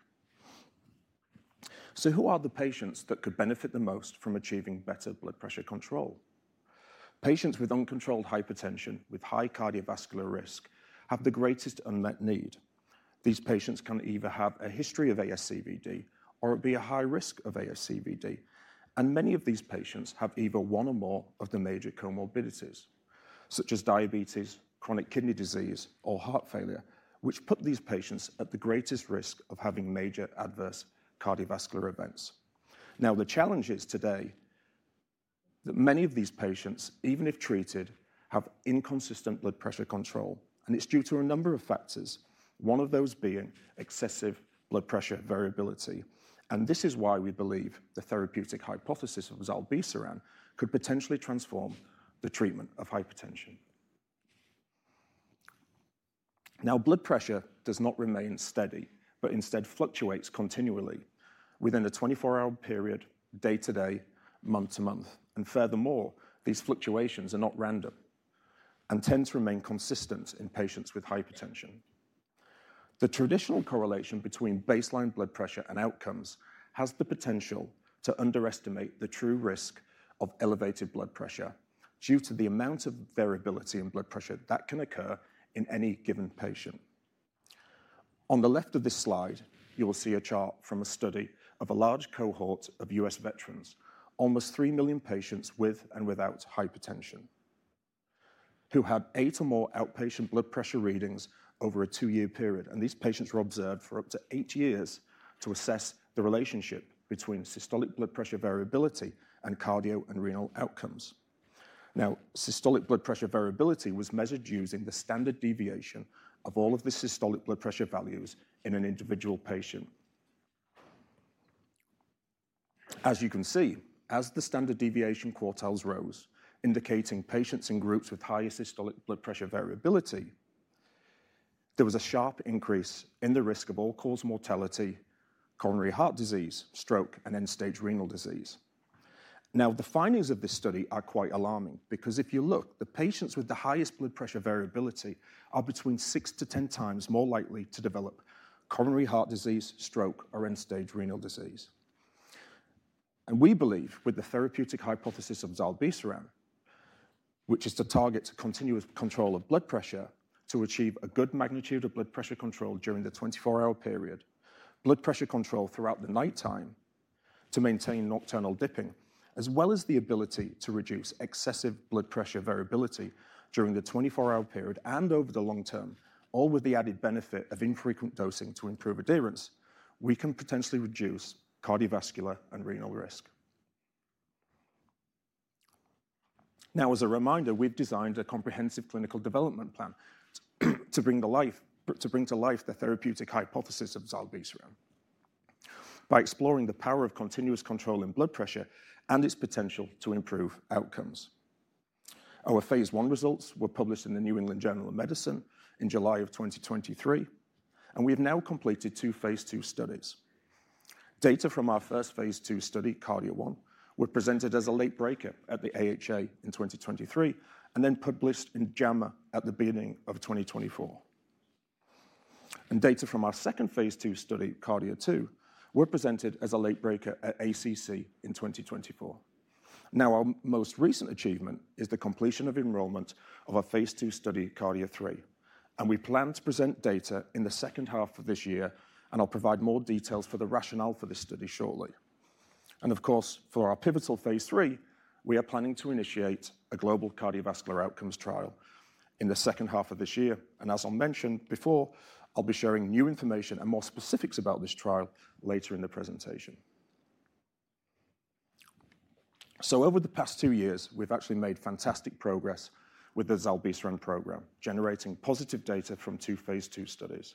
So who are the patients that could benefit the most from achieving better blood pressure control? Patients with uncontrolled hypertension with high cardiovascular risk have the greatest unmet need. These patients can either have a history of ASCVD or be at high risk of ASCVD. Many of these patients have either one or more of the major comorbidities, such as diabetes, chronic kidney disease, or heart failure, which put these patients at the greatest risk of having major adverse cardiovascular events. The challenge is today that many of these patients, even if treated, have inconsistent blood pressure control, and it's due to a number of factors, one of those being excessive blood pressure variability. This is why we believe the therapeutic hypothesis of zilebesiran could potentially transform the treatment of hypertension. Blood pressure does not remain steady, but instead fluctuates continually within a 24-hour period, day to day, month to month. Furthermore, these fluctuations are not random and tend to remain consistent in patients with hypertension. The traditional correlation between baseline blood pressure and outcomes has the potential to underestimate the true risk of elevated blood pressure due to the amount of variability in blood pressure that can occur in any given patient. On the left of this slide, you will see a chart from a study of a large cohort of U.S. veterans, almost three million patients with and without hypertension, who had eight or more outpatient blood pressure readings over a two-year period. These patients were observed for up to eight years to assess the relationship between systolic blood pressure variability and cardio and renal outcomes. Now, systolic blood pressure variability was measured using the standard deviation of all of the systolic blood pressure values in an individual patient. As you can see, as the standard deviation quartiles rose, indicating patients in groups with higher systolic blood pressure variability, there was a sharp increase in the risk of all-cause mortality, coronary heart disease, stroke, and end-stage renal disease. Now, the findings of this study are quite alarming because if you look, the patients with the highest blood pressure variability are between 6 to 10 times more likely to develop coronary heart disease, stroke, or end-stage renal disease. We believe with the therapeutic hypothesis of zilebesiran, which is to target continuous control of blood pressure to achieve a good magnitude of blood pressure control during the 24-hour period, blood pressure control throughout the nighttime to maintain nocturnal dipping, as well as the ability to reduce excessive blood pressure variability during the 24-hour period and over the long term, all with the added benefit of infrequent dosing to improve adherence, we can potentially reduce cardiovascular and renal risk. Now, as a reminder, we have designed a comprehensive clinical development plan to bring to life the therapeutic hypothesis of zilebesiran by exploring the power of continuous control in blood pressure and its potential to improve outcomes. Our phase 1 results were published in the New England Journal of Medicine in July of 2023, and we have now completed two phase 2 studies. Data from our first phase 2 study, KARDIA-1, were presented as a late breaker at the AHA in 2023 and then published in JAMA at the beginning of 2024. And data from our second phase 2 study, KARDIA-2, were presented as a late breaker at ACC in 2024. Now, our most recent achievement is the completion of enrollment of a phase 2 study, KARDIA-3, and we plan to present data in the second half of this year, and I'll provide more details for the rationale for this study shortly. And of course, for our pivotal phase 3, we are planning to initiate a global cardiovascular outcomes trial in the second half of this year. And as I mentioned before, I'll be sharing new information and more specifics about this trial later in the presentation. Over the past two years, we've actually made fantastic progress with the zilebesiran program, generating positive data from two phase 2 studies.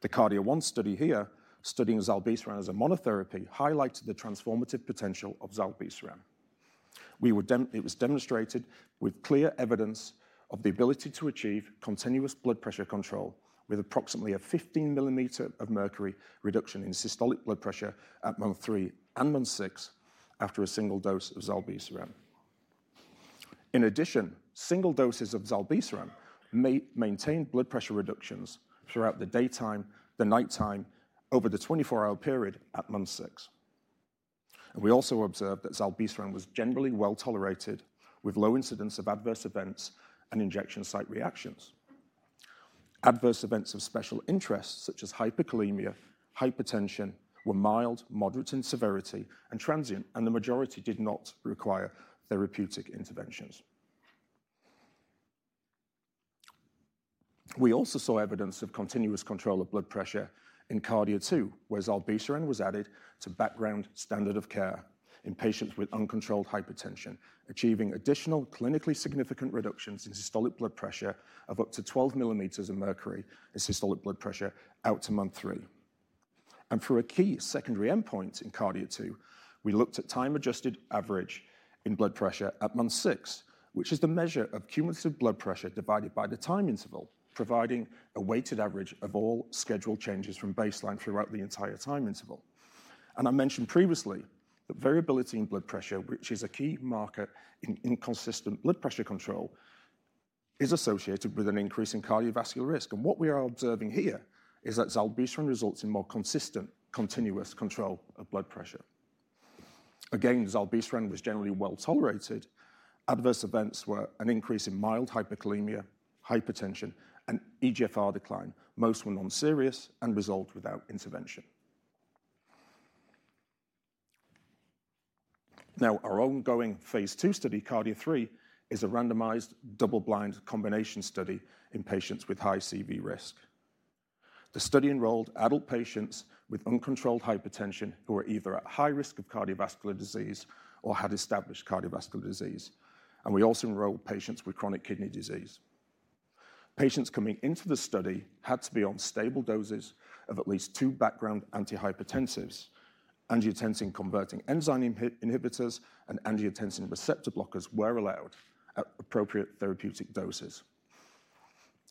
The KARDIA-1 study here, studying zilebesiran as a monotherapy, highlighted the transformative potential of zilebesiran. It was demonstrated with clear evidence of the ability to achieve continuous blood pressure control with approximately a 15 mm Hg reduction in systolic blood pressure at month three and month six after a single dose of zilebesiran. In addition, single doses of zilebesiran maintained blood pressure reductions throughout the daytime, the nighttime, over the 24-hour period at month six. We also observed that zilebesiran was generally well tolerated, with low incidence of adverse events and injection site reactions. Adverse events of special interest, such as hyperkalemia, hypotension, were mild to moderate in severity, and transient, and the majority did not require therapeutic interventions. We also saw evidence of continuous control of blood pressure in KARDIA-2, where zilebesiran was added to background standard of care in patients with uncontrolled hypertension, achieving additional clinically significant reductions in systolic blood pressure of up to 12 millimeters of mercury in systolic blood pressure out to month three. And for a key secondary endpoint in KARDIA-2, we looked at time-adjusted average in blood pressure at month six, which is the measure of cumulative blood pressure divided by the time interval, providing a weighted average of all scheduled changes from baseline throughout the entire time interval. And I mentioned previously that variability in blood pressure, which is a key marker in inconsistent blood pressure control, is associated with an increase in cardiovascular risk. And what we are observing here is that zilebesiran results in more consistent continuous control of blood pressure. Again, zilebesiran was generally well tolerated. Adverse events were an increase in mild hyperkalemia, hypertension, and EGFR decline. Most were non-serious and resolved without intervention. Now, our ongoing phase 2 study, KARDIA-3, is a randomized double-blind combination study in patients with high CV risk. The study enrolled adult patients with uncontrolled hypertension who were either at high risk of cardiovascular disease or had established cardiovascular disease. We also enrolled patients with chronic kidney disease. Patients coming into the study had to be on stable doses of at least two background antihypertensives. Angiotensin-converting enzyme inhibitors and angiotensin receptor blockers were allowed at appropriate therapeutic doses.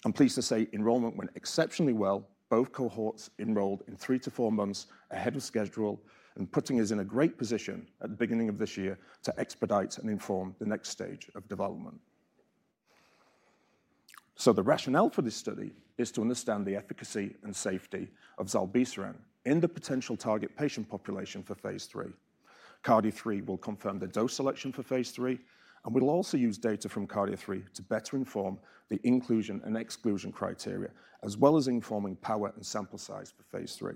I'm pleased to say enrollment went exceptionally well. Both cohorts enrolled in three to four months ahead of schedule and putting us in a great position at the beginning of this year to expedite and inform the next stage of development. The rationale for this study is to understand the efficacy and safety of zilebesiran in the potential target patient population for phase 3. KARDIA-3 will confirm the dose selection for phase 3, and we'll also use data from KARDIA-3 to better inform the inclusion and exclusion criteria, as well as informing power and sample size for phase 3.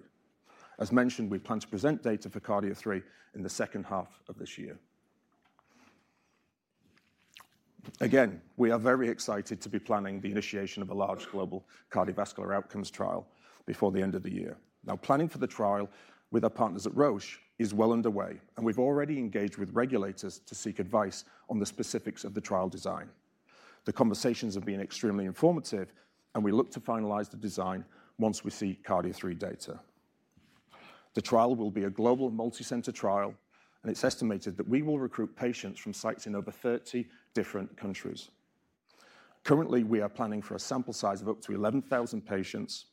As mentioned, we plan to present data for KARDIA-3 in the second half of this year. Again, we are very excited to be planning the initiation of a large global cardiovascular outcomes trial before the end of the year. Now, planning for the trial with our partners at Roche is well underway, and we've already engaged with regulators to seek advice on the specifics of the trial design. The conversations have been extremely informative, and we look to finalize the design once we see KARDIA-3 data. The trial will be a global multicenter trial, and it's estimated that we will recruit patients from sites in over 30 different countries. Currently, we are planning for a sample size of up to 11,000 patients.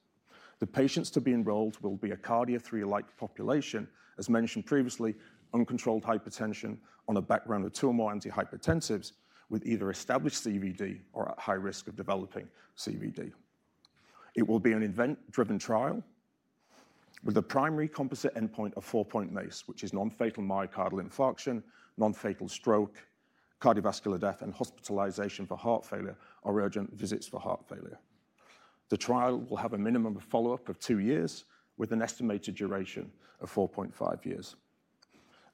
The patients to be enrolled will be a Cardio Three-like population, as mentioned previously, uncontrolled hypertension on a background of two or more antihypertensives with either established CVD or at high risk of developing CVD. It will be an event-driven trial with a primary composite endpoint of four-point MACE, which is non-fatal myocardial infarction, non-fatal stroke, cardiovascular death, and hospitalization for heart failure or urgent visits for heart failure. The trial will have a minimum of follow-up of two years with an estimated duration of 4.5 years.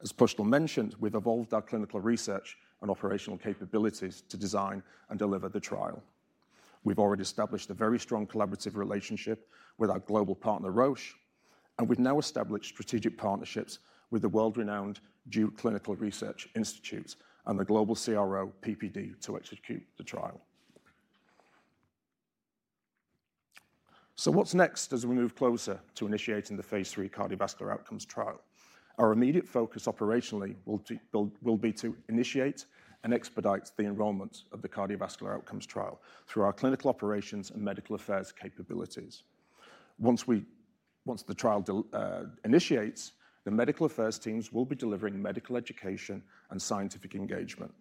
As Pushkal mentioned, we've evolved our clinical research and operational capabilities to design and deliver the trial. We've already established a very strong collaborative relationship with our global partner, Roche, and we've now established strategic partnerships with the world-renowned Duke Clinical Research Institute and the global CRO PPD to execute the trial. What's next as we move closer to initiating the phase 3 cardiovascular outcomes trial? Our immediate focus operationally will be to initiate and expedite the enrollment of the cardiovascular outcomes trial through our clinical operations and medical affairs capabilities. Once the trial initiates, the medical affairs teams will be delivering medical education and scientific engagement.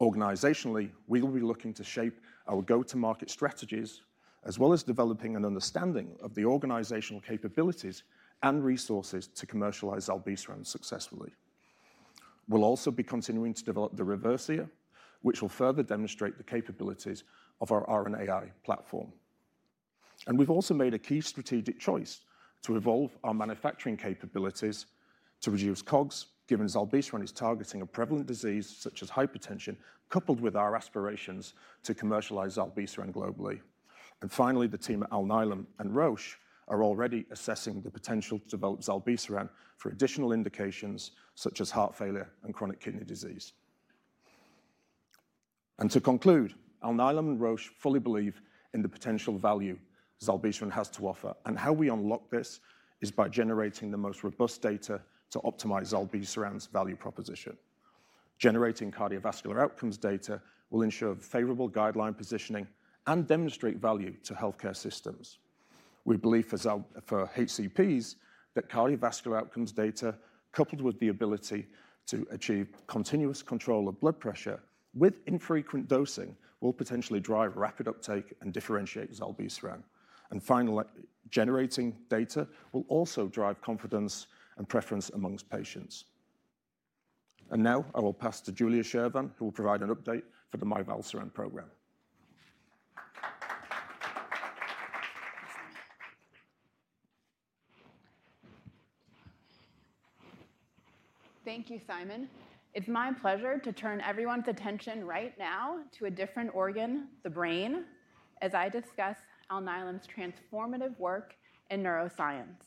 Organizationally, we will be looking to shape our go-to-market strategies, as well as developing an understanding of the organizational capabilities and resources to commercialize zilebesiran successfully. We'll also be continuing to develop the Reversir, which will further demonstrate the capabilities of our RNAi platform. We've also made a key strategic choice to evolve our manufacturing capabilities to reduce COGS, given zilebesiran is targeting a prevalent disease such as hypertension, coupled with our aspirations to commercialize zilebesiran globally. Finally, the team at Alnylam and Roche are already assessing the potential to develop zilebesiran for additional indications such as heart failure and chronic kidney disease. To conclude, Alnylam and Roche fully believe in the potential value zilebesiran has to offer, and how we unlock this is by generating the most robust data to optimize zilebesiran's value proposition. Generating cardiovascular outcomes data will ensure favorable guideline positioning and demonstrate value to healthcare systems. We believe for HCPs that cardiovascular outcomes data, coupled with the ability to achieve continuous control of blood pressure with infrequent dosing, will potentially drive rapid uptake and differentiate zilebesiran. And finally, generating data will also drive confidence and preference among patients. And now I will pass to Julia Shervin, who will provide an update for the Mivelsiran program. Thank you, Simon. It's my pleasure to turn everyone's attention right now to a different organ, the brain, as I discuss Alnylam's transformative work in neuroscience.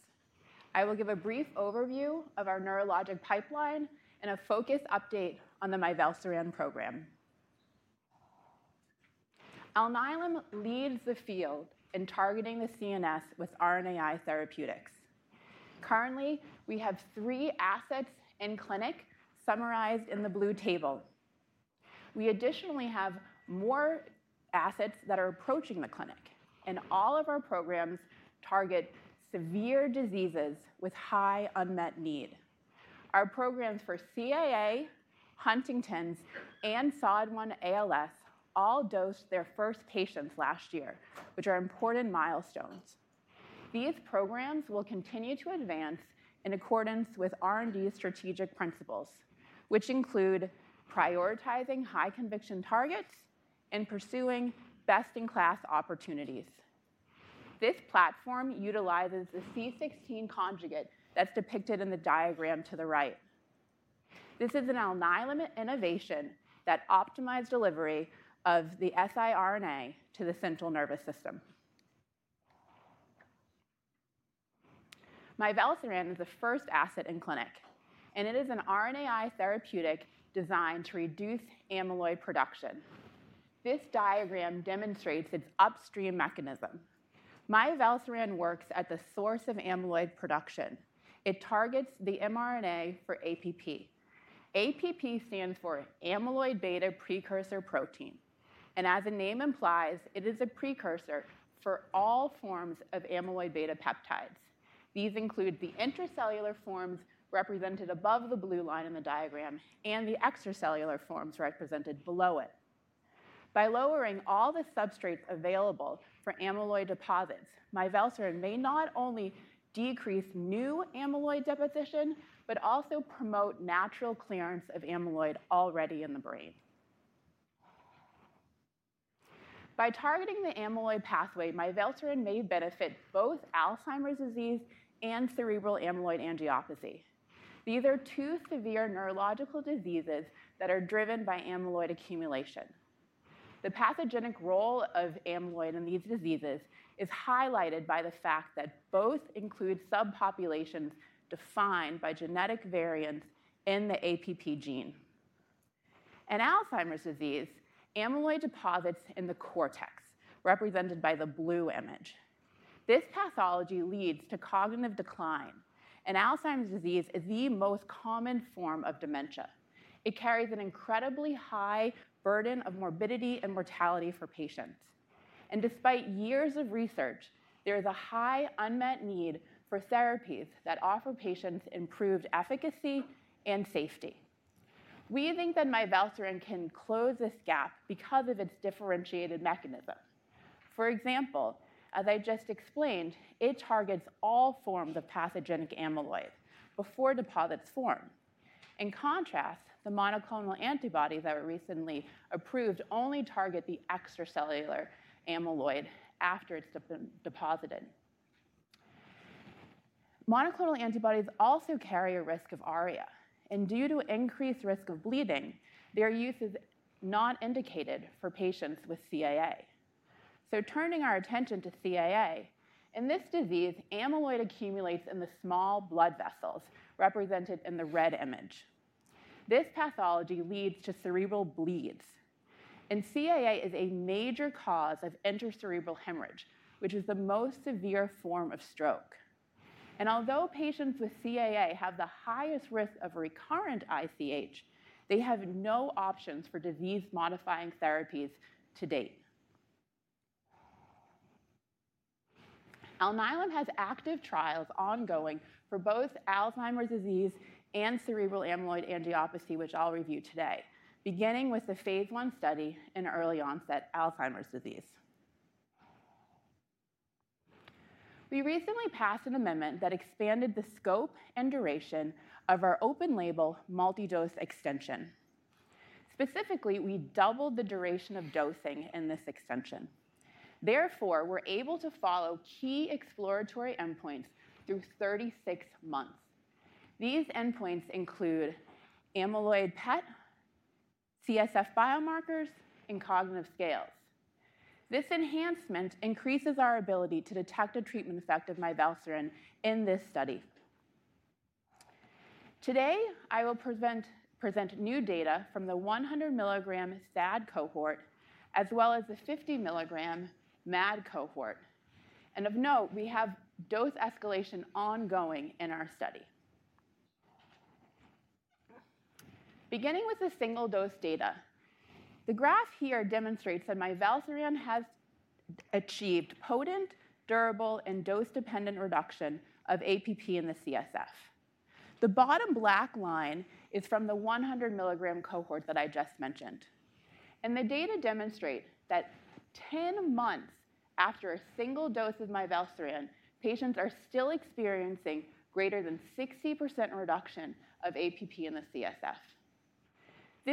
I will give a brief overview of our neurologic pipeline and a focus update on the Mivelsiran program. Alnylam leads the field in targeting the CNS with RNAi therapeutics. Currently, we have three assets in clinic summarized in the blue table. We additionally have more assets that are approaching the clinic, and all of our programs target severe diseases with high unmet need. Our programs for CAA, Huntington's, and SOD1 ALS all dosed their first patients last year, which are important milestones. These programs will continue to advance in accordance with R&D strategic principles, which include prioritizing high-conviction targets and pursuing best-in-class opportunities. This platform utilizes the C16 conjugate that's depicted in the diagram to the right. This is an Alnylam innovation that optimizes delivery of the siRNA to the central nervous system. Mivelsiran is the first asset in clinic, and it is an RNAi therapeutic designed to reduce amyloid production. This diagram demonstrates its upstream mechanism. Mivelsiran works at the source of amyloid production. It targets the mRNA for APP. APP stands for amyloid beta precursor protein. And as the name implies, it is a precursor for all forms of amyloid beta peptides. These include the intracellular forms represented above the blue line in the diagram and the extracellular forms represented below it. By lowering all the substrates available for amyloid deposits, Mivelsiran may not only decrease new amyloid deposition, but also promote natural clearance of amyloid already in the brain. By targeting the amyloid pathway, Mivelsiran may benefit both Alzheimer's disease and cerebral amyloid angiopathy. These are two severe neurological diseases that are driven by amyloid accumulation. The pathogenic role of amyloid in these diseases is highlighted by the fact that both include subpopulations defined by genetic variants in the APP gene. In Alzheimer's disease, amyloid deposits in the cortex are represented by the blue image. This pathology leads to cognitive decline, and Alzheimer's disease is the most common form of dementia. It carries an incredibly high burden of morbidity and mortality for patients, and despite years of research, there is a high unmet need for therapies that offer patients improved efficacy and safety. We think that Mivelsiran can close this gap because of its differentiated mechanism. For example, as I just explained, it targets all forms of pathogenic amyloid before deposits form. In contrast, the monoclonal antibodies that were recently approved only target the extracellular amyloid after it's deposited. Monoclonal antibodies also carry a risk of RA, and due to increased risk of bleeding, their use is not indicated for patients with CAA, so turning our attention to CAA, in this disease, amyloid accumulates in the small blood vessels represented in the red image. This pathology leads to cerebral bleeds, and CAA is a major cause of intracerebral hemorrhage, which is the most severe form of stroke, and although patients with CAA have the highest risk of recurrent ICH, they have no options for disease-modifying therapies to date. Alnylam has active trials ongoing for both Alzheimer's disease and cerebral amyloid angiopathy, which I'll review today, beginning with the phase one study in early onset Alzheimer's disease. We recently passed an amendment that expanded the scope and duration of our open-label multi-dose extension. Specifically, we doubled the duration of dosing in this extension. Therefore, we're able to follow key exploratory endpoints through 36 months. These endpoints include amyloid PET, CSF biomarkers, and cognitive scales. This enhancement increases our ability to detect a treatment effect of mivelsiran in this study. Today, I will present new data from the 100 milligram SAD cohort, as well as the 50 milligram MAD cohort. And of note, we have dose escalation ongoing in our study. Beginning with the single-dose data, the graph here demonstrates that mivelsiran has achieved potent, durable, and dose-dependent reduction of APP in the CSF. The bottom black line is from the 100 milligram cohort that I just mentioned. And the data demonstrate that 10 months after a single dose of mivelsiran, patients are still experiencing greater than 60% reduction of APP in the CSF.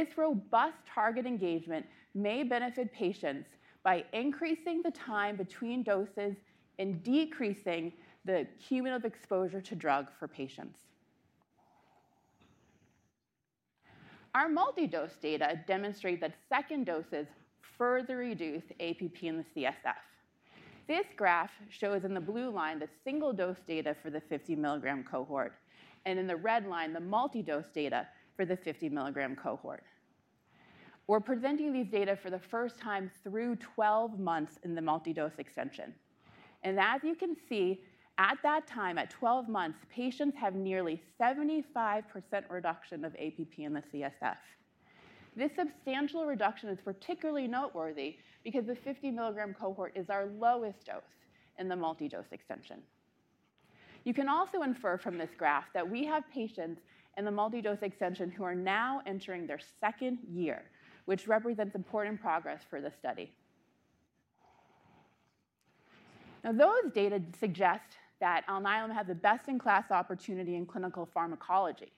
This robust target engagement may benefit patients by increasing the time between doses and decreasing the cumulative exposure to drug for patients. Our multi-dose data demonstrate that second doses further reduce APP in the CSF. This graph shows in the blue line the single-dose data for the 50 milligram cohort, and in the red line, the multi-dose data for the 50 milligram cohort. We're presenting these data for the first time through 12 months in the multi-dose extension. As you can see, at that time, at 12 months, patients have nearly 75% reduction of APP in the CSF. This substantial reduction is particularly noteworthy because the 50 milligram cohort is our lowest dose in the multi-dose extension. You can also infer from this graph that we have patients in the multi-dose extension who are now entering their second year, which represents important progress for the study. Now, those data suggest that Alnylam has the best-in-class opportunity in clinical pharmacology.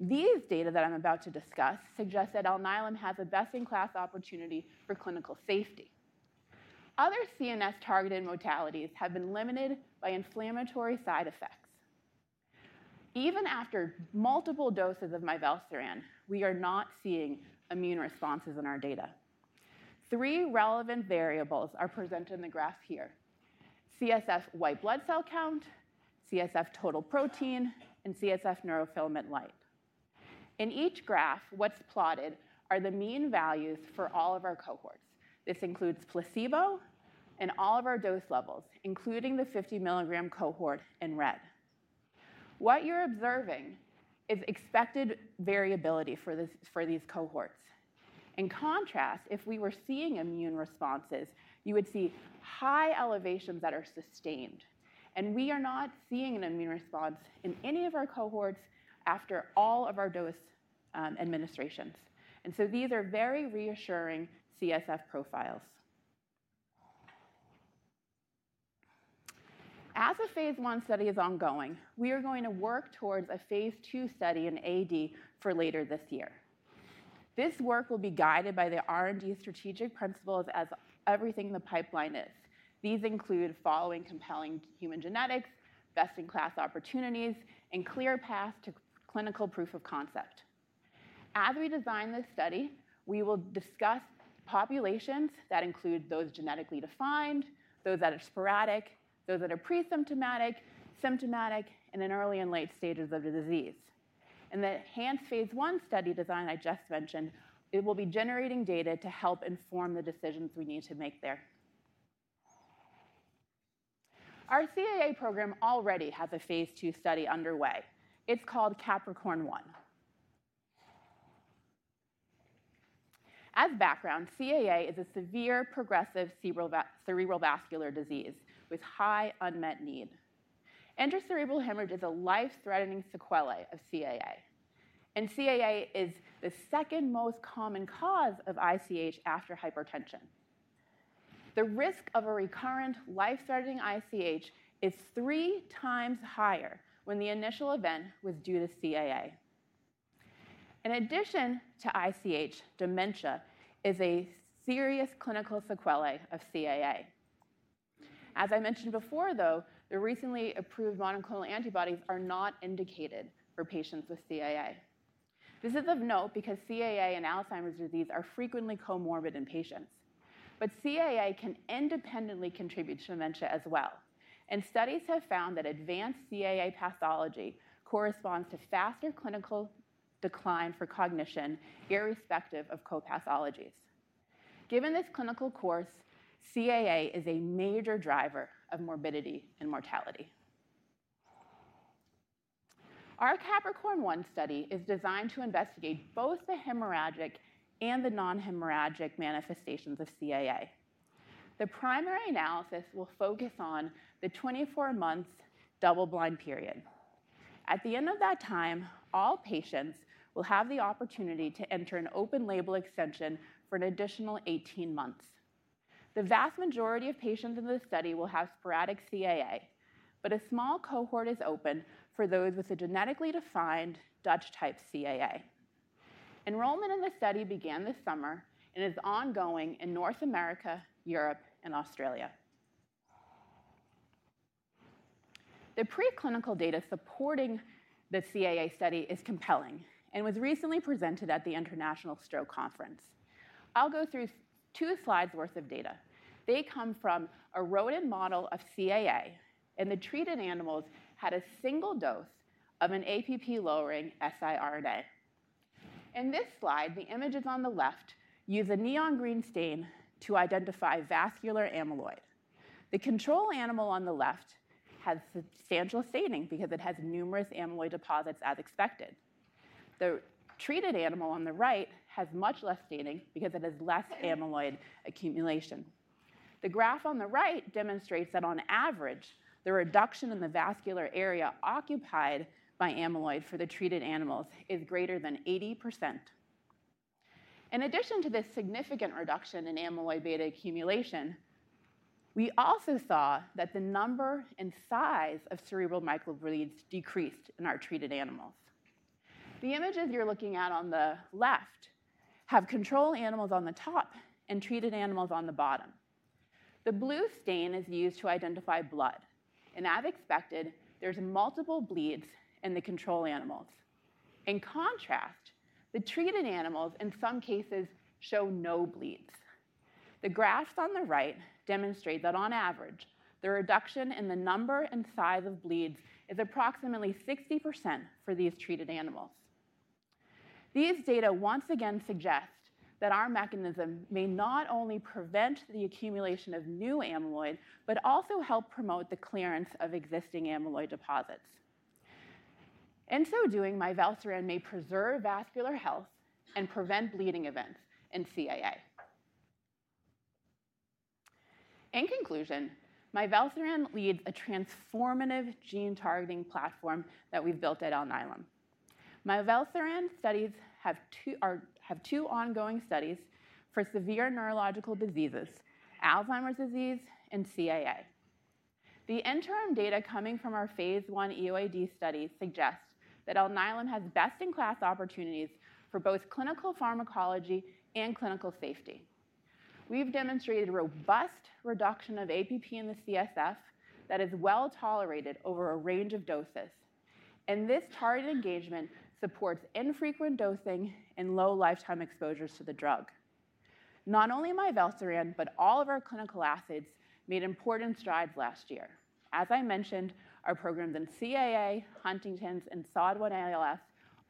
These data that I'm about to discuss suggest that Alnylam has the best-in-class opportunity for clinical safety. Other CNS-targeted modalities have been limited by inflammatory side effects. Even after multiple doses of mivelsiran, we are not seeing immune responses in our data. Three relevant variables are presented in the graph here: CSF white blood cell count, CSF total protein, and CSF neurofilament light. In each graph, what's plotted are the mean values for all of our cohorts. This includes placebo and all of our dose levels, including the 50 milligram cohort in red. What you're observing is expected variability for these cohorts. In contrast, if we were seeing immune responses, you would see high elevations that are sustained, and we are not seeing an immune response in any of our cohorts after all of our dose administrations. And so these are very reassuring CSF profiles. As a phase one study is ongoing, we are going to work towards a phase two study in AD for later this year. This work will be guided by the R&D strategic principles as everything the pipeline is. These include following compelling human genetics, best-in-class opportunities, and clear paths to clinical proof of concept. As we design this study, we will discuss populations that include those genetically defined, those that are sporadic, those that are pre-symptomatic, and in early and late stages of the disease. And the enhanced phase one study design I just mentioned, it will be generating data to help inform the decisions we need to make there. Our CAA program already has a phase two study underway. It's called CAPRICORN-1. As background, CAA is a severe progressive cerebrovascular disease with high unmet need. Intracerebral hemorrhage is a life-threatening sequela of CAA. CAA is the second most common cause of ICH after hypertension. The risk of a recurrent life-threatening ICH is three times higher when the initial event was due to CAA. In addition to ICH, dementia is a serious clinical sequela of CAA. As I mentioned before, though, the recently approved monoclonal antibodies are not indicated for patients with CAA. This is of note because CAA and Alzheimer's disease are frequently comorbid in patients. CAA can independently contribute to dementia as well. Studies have found that advanced CAA pathology corresponds to faster clinical decline for cognition irrespective of co-pathologies. Given this clinical course, CAA is a major driver of morbidity and mortality. Our CAPRICORN-1 study is designed to investigate both the hemorrhagic and the non-hemorrhagic manifestations of CAA. The primary analysis will focus on the 24-month double-blind period. At the end of that time, all patients will have the opportunity to enter an open-label extension for an additional 18 months. The vast majority of patients in this study will have sporadic CAA, but a small cohort is open for those with a genetically defined Dutch-type CAA. Enrollment in the study began this summer and is ongoing in North America, Europe, and Australia. The preclinical data supporting the CAA study is compelling and was recently presented at the International Stroke Conference. I'll go through two slides' worth of data. They come from a rodent model of CAA, and the treated animals had a single dose of an APP-lowering siRNA. In this slide, the images on the left use a neon green stain to identify vascular amyloid. The control animal on the left has substantial staining because it has numerous amyloid deposits as expected. The treated animal on the right has much less staining because it has less amyloid accumulation. The graph on the right demonstrates that on average, the reduction in the vascular area occupied by amyloid for the treated animals is greater than 80%. In addition to this significant reduction in amyloid beta accumulation, we also saw that the number and size of cerebral microbleeds decreased in our treated animals. The images you're looking at on the left have control animals on the top and treated animals on the bottom. The blue stain is used to identify blood, and as expected, there are multiple bleeds in the control animals. In contrast, the treated animals in some cases show no bleeds. The graphs on the right demonstrate that on average, the reduction in the number and size of bleeds is approximately 60% for these treated animals. These data once again suggest that our mechanism may not only prevent the accumulation of new amyloid, but also help promote the clearance of existing amyloid deposits. In so doing, Mivelsiran may preserve vascular health and prevent bleeding events in CAA. In conclusion, Mivelsiran leads a transformative gene-targeting platform that we've built at Alnylam. Mivelsiran studies have two ongoing studies for severe neurological diseases, Alzheimer's disease, and CAA. The interim data coming from our phase 1 EOID study suggests that Alnylam has best-in-class opportunities for both clinical pharmacology and clinical safety. We've demonstrated robust reduction of APP in the CSF that is well tolerated over a range of doses. And this target engagement supports infrequent dosing and low lifetime exposures to the drug. Not only Mivelsiran, but all of our clinical assets made important strides last year. As I mentioned, our programs in CAA, Huntington's, and SOD1 ALS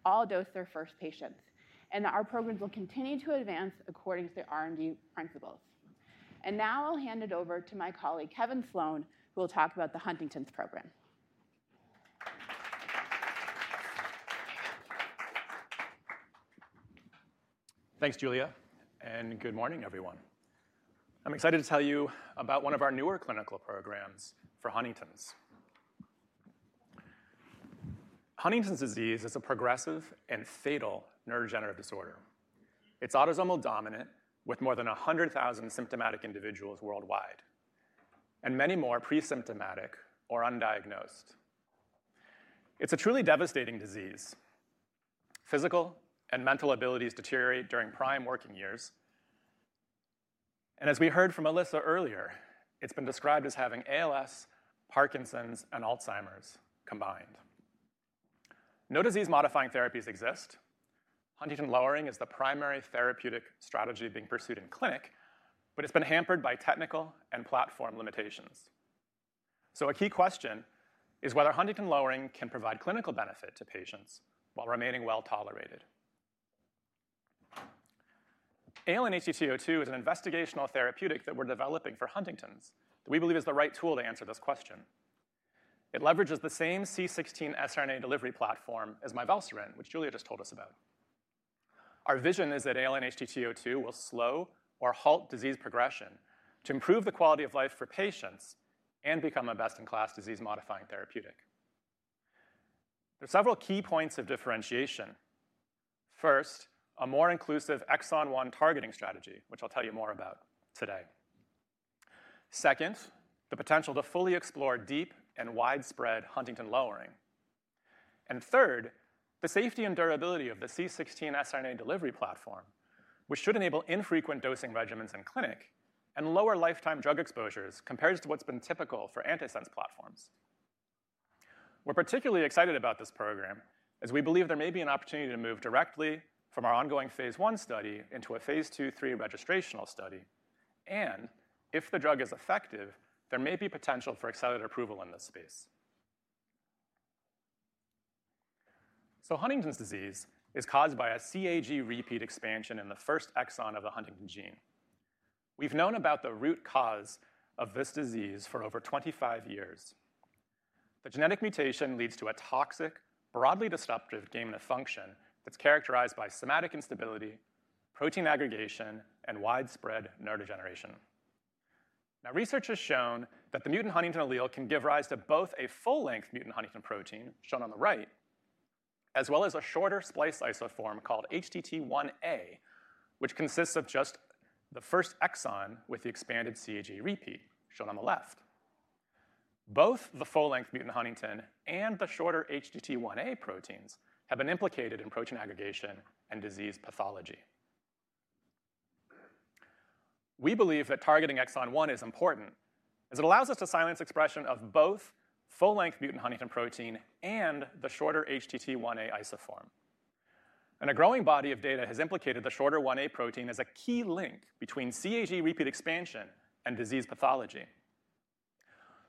all dosed their first patients. And our programs will continue to advance according to the R&D principles. And now I'll hand it over to my colleague, Kevin Sloan, who will talk about the Huntington's program. Thanks, Julia. And good morning, everyone. I'm excited to tell you about one of our newer clinical programs for Huntington's. Huntington's disease is a progressive and fatal neurodegenerative disorder. It's autosomal dominant with more than 100,000 symptomatic individuals worldwide, and many more pre-symptomatic or undiagnosed. It's a truly devastating disease. Physical and mental abilities deteriorate during prime working years. And as we heard from Alyssa earlier, it's been described as having ALS, Parkinson's, and Alzheimer's combined. No disease-modifying therapies exist. HTT lowering is the primary therapeutic strategy being pursued in clinic, but it's been hampered by technical and platform limitations. A key question is whether huntingtin lowering can provide clinical benefit to patients while remaining well tolerated. ALN-HTT02 is an investigational therapeutic that we're developing for Huntington's that we believe is the right tool to answer this question. It leverages the same C16 siRNA delivery platform as mivelsiran, which Julia just told us about. Our vision is that ALN-HTT02 will slow or halt disease progression to improve the quality of life for patients and become a best-in-class disease-modifying therapeutic. There are several key points of differentiation. First, a more inclusive exon 1 targeting strategy, which I'll tell you more about today. Second, the potential to fully explore deep and widespread huntingtin lowering. And third, the safety and durability of the C16 siRNA delivery platform, which should enable infrequent dosing regimens in clinic and lower lifetime drug exposures compared to what's been typical for antisense platforms. We're particularly excited about this program as we believe there may be an opportunity to move directly from our ongoing phase one study into a phase two, three registrational study. And if the drug is effective, there may be potential for accelerated approval in this space. So Huntington's disease is caused by a CAG repeat expansion in the first exon of the Huntington gene. We've known about the root cause of this disease for over 25 years. The genetic mutation leads to a toxic, broadly destructive gain of function that's characterized by somatic instability, protein aggregation, and widespread neurodegeneration. Now, research has shown that the mutant Huntington allele can give rise to both a full-length mutant Huntington protein, shown on the right, as well as a shorter spliced isoform called HTT1a, which consists of just the first exon with the expanded CAG repeat, shown on the left. Both the full-length mutant Huntingtin and the shorter HTT1a proteins have been implicated in protein aggregation and disease pathology. We believe that targeting exon one is important as it allows us to silence expression of both full-length mutant Huntingtin protein and the shorter HTT1a isoform. And a growing body of data has implicated the shorter 1a protein as a key link between CAG repeat expansion and disease pathology.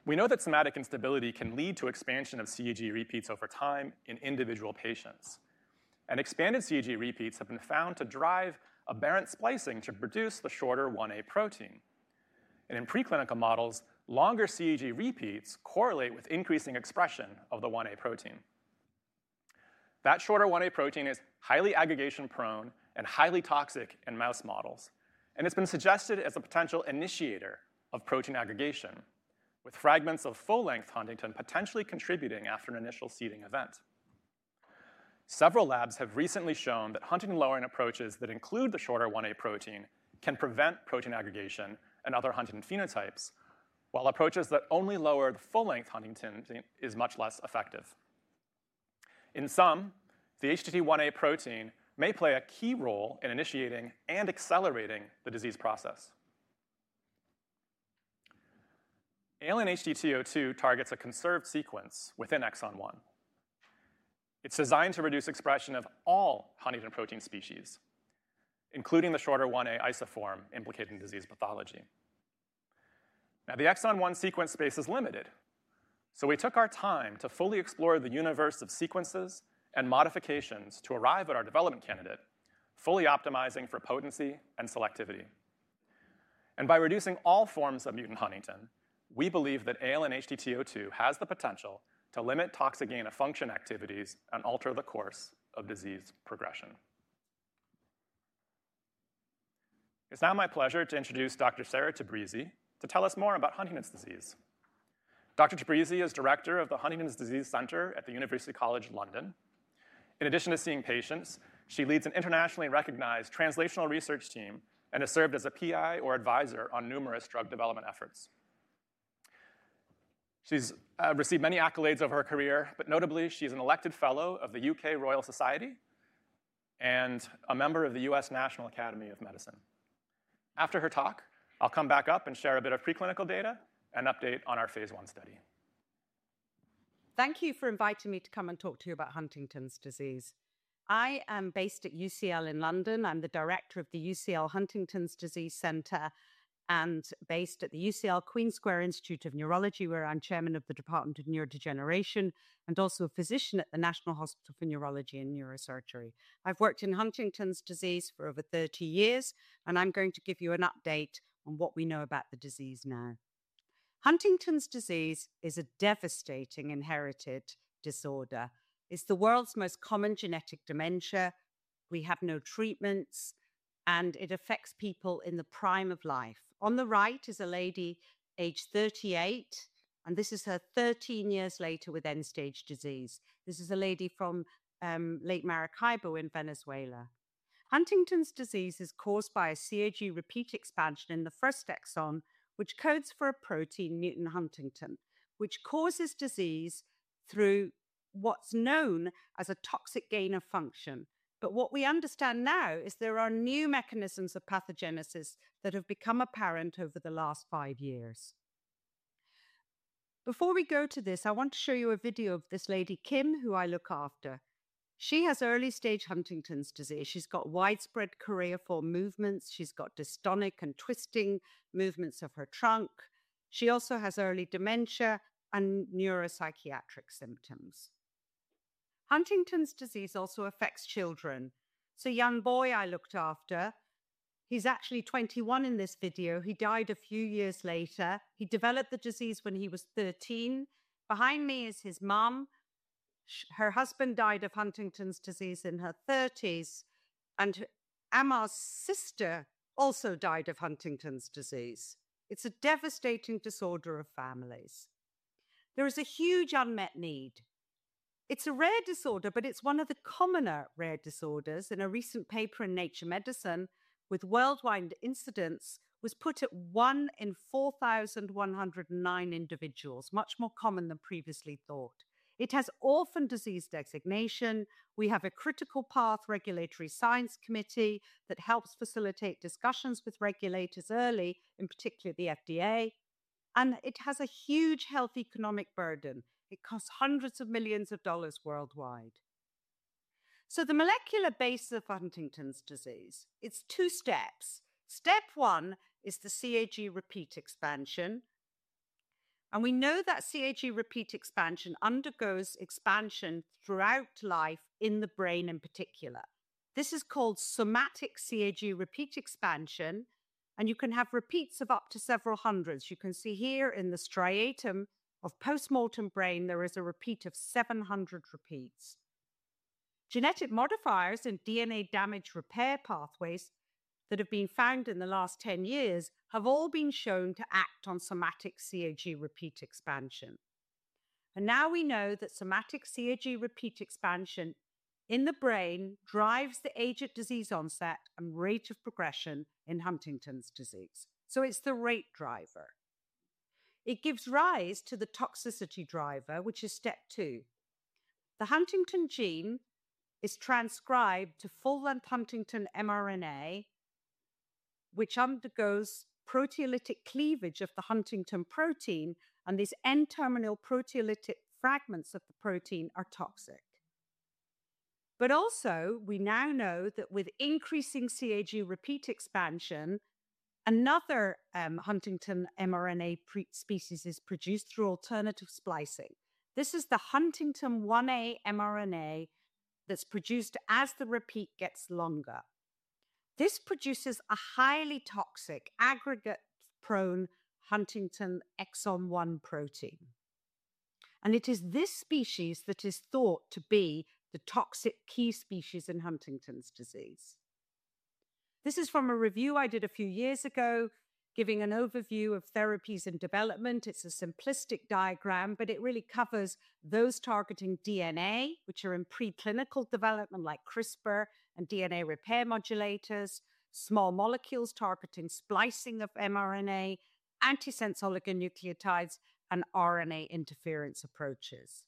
We know that somatic instability can lead to expansion of CAG repeats over time in individual patients. And expanded CAG repeats have been found to drive aberrant splicing to produce the shorter 1a protein. And in preclinical models, longer CAG repeats correlate with increasing expression of the 1a protein. That shorter 1a protein is highly aggregation-prone and highly toxic in mouse models. It's been suggested as a potential initiator of protein aggregation, with fragments of full-length Huntington potentially contributing after an initial seeding event. Several labs have recently shown that Huntington lowering approaches that include the shorter 1a protein can prevent protein aggregation and other Huntington phenotypes, while approaches that only lower the full-length Huntington are much less effective. In sum, the HTT1a protein may play a key role in initiating and accelerating the disease process. ALN-HTT02 targets a conserved sequence within exon one. It's designed to reduce expression of all Huntington protein species, including the shorter 1a isoform implicated in disease pathology. Now, the exon one sequence space is limited. We took our time to fully explore the universe of sequences and modifications to arrive at our development candidate, fully optimizing for potency and selectivity. By reducing all forms of mutant huntingtin, we believe that ALN-HTT02 has the potential to limit toxic gain of function activities and alter the course of disease progression. It's now my pleasure to introduce Dr. Sarah Tabrizi to tell us more about Huntington's disease. Dr. Tabrizi is director of the Huntington's Disease Center at the University College London. In addition to seeing patients, she leads an internationally recognized translational research team and has served as a PI or advisor on numerous drug development efforts. She's received many accolades over her career, but notably, she's an elected fellow of the U.K. Royal Society and a member of the U.S. National Academy of Medicine. After her talk, I'll come back up and share a bit of preclinical data and update on our phase 1 study. Thank you for inviting me to come and talk to you about Huntington's disease. I am based at UCL in London. I'm the director of the UCL Huntington's Disease Center and based at the UCL Queen Square Institute of Neurology, where I'm chairman of the Department of Neurodegeneration and also a physician at the National Hospital for Neurology and Neurosurgery. I've worked in Huntington's disease for over 30 years, and I'm going to give you an update on what we know about the disease now. Huntington's disease is a devastating inherited disorder. It's the world's most common genetic dementia. We have no treatments, and it affects people in the prime of life. On the right is a lady, age 38, and this is her 13 years later with end-stage disease. This is a lady from Lake Maracaibo in Venezuela. Huntington's disease is caused by a CAG repeat expansion in the first exon, which codes for a mutant huntingtin protein, which causes disease through what's known as a toxic gain of function. But what we understand now is there are new mechanisms of pathogenesis that have become apparent over the last five years. Before we go to this, I want to show you a video of this lady, Kim, who I look after. She has early-stage Huntington's disease. She's got widespread choreiform movements. She's got dystonic and twisting movements of her trunk. She also has early dementia and neuropsychiatric symptoms. Huntington's disease also affects children. So a young boy I look after, he's actually 21 in this video. He died a few years later. He developed the disease when he was 13. Behind me is his mom. Her husband died of Huntington's disease in her 30s, and Emma's sister also died of Huntington's disease. It's a devastating disorder of families. There is a huge unmet need. It's a rare disorder, but it's one of the commoner rare disorders. In a recent paper in Nature Medicine, with worldwide incidence, it was put at one in 4,109 individuals, much more common than previously thought. It has orphan disease designation. We have a critical path regulatory science committee that helps facilitate discussions with regulators early, in particular the FDA. It has a huge health economic burden. It costs hundreds of millions of dollars worldwide. The molecular base of Huntington's disease, it's two steps. Step one is the CAG repeat expansion. We know that CAG repeat expansion undergoes expansion throughout life in the brain in particular. This is called somatic CAG repeat expansion. You can have repeats of up to several hundreds. You can see here in the striatum of postmortem brain, there is a repeat of 700 repeats. Genetic modifiers and DNA damage repair pathways that have been found in the last 10 years have all been shown to act on somatic CAG repeat expansion. Now we know that somatic CAG repeat expansion in the brain drives the age at disease onset and rate of progression in Huntington's disease. So it's the rate driver. It gives rise to the toxicity driver, which is step two. The Huntington gene is transcribed to full-length Huntington mRNA, which undergoes proteolytic cleavage of the huntingtin protein. These N-terminal proteolytic fragments of the protein are toxic. But also, we now know that with increasing CAG repeat expansion, another Huntington mRNA species is produced through alternative splicing. This is the huntingtin 1a mRNA that's produced as the repeat gets longer. This produces a highly toxic, aggregate-prone huntingtin exon one protein. And it is this species that is thought to be the toxic key species in Huntington's disease. This is from a review I did a few years ago giving an overview of therapies in development. It's a simplistic diagram, but it really covers those targeting DNA, which are in preclinical development like CRISPR and DNA repair modulators, small molecules targeting splicing of mRNA, antisense oligonucleotides, and RNA interference approaches.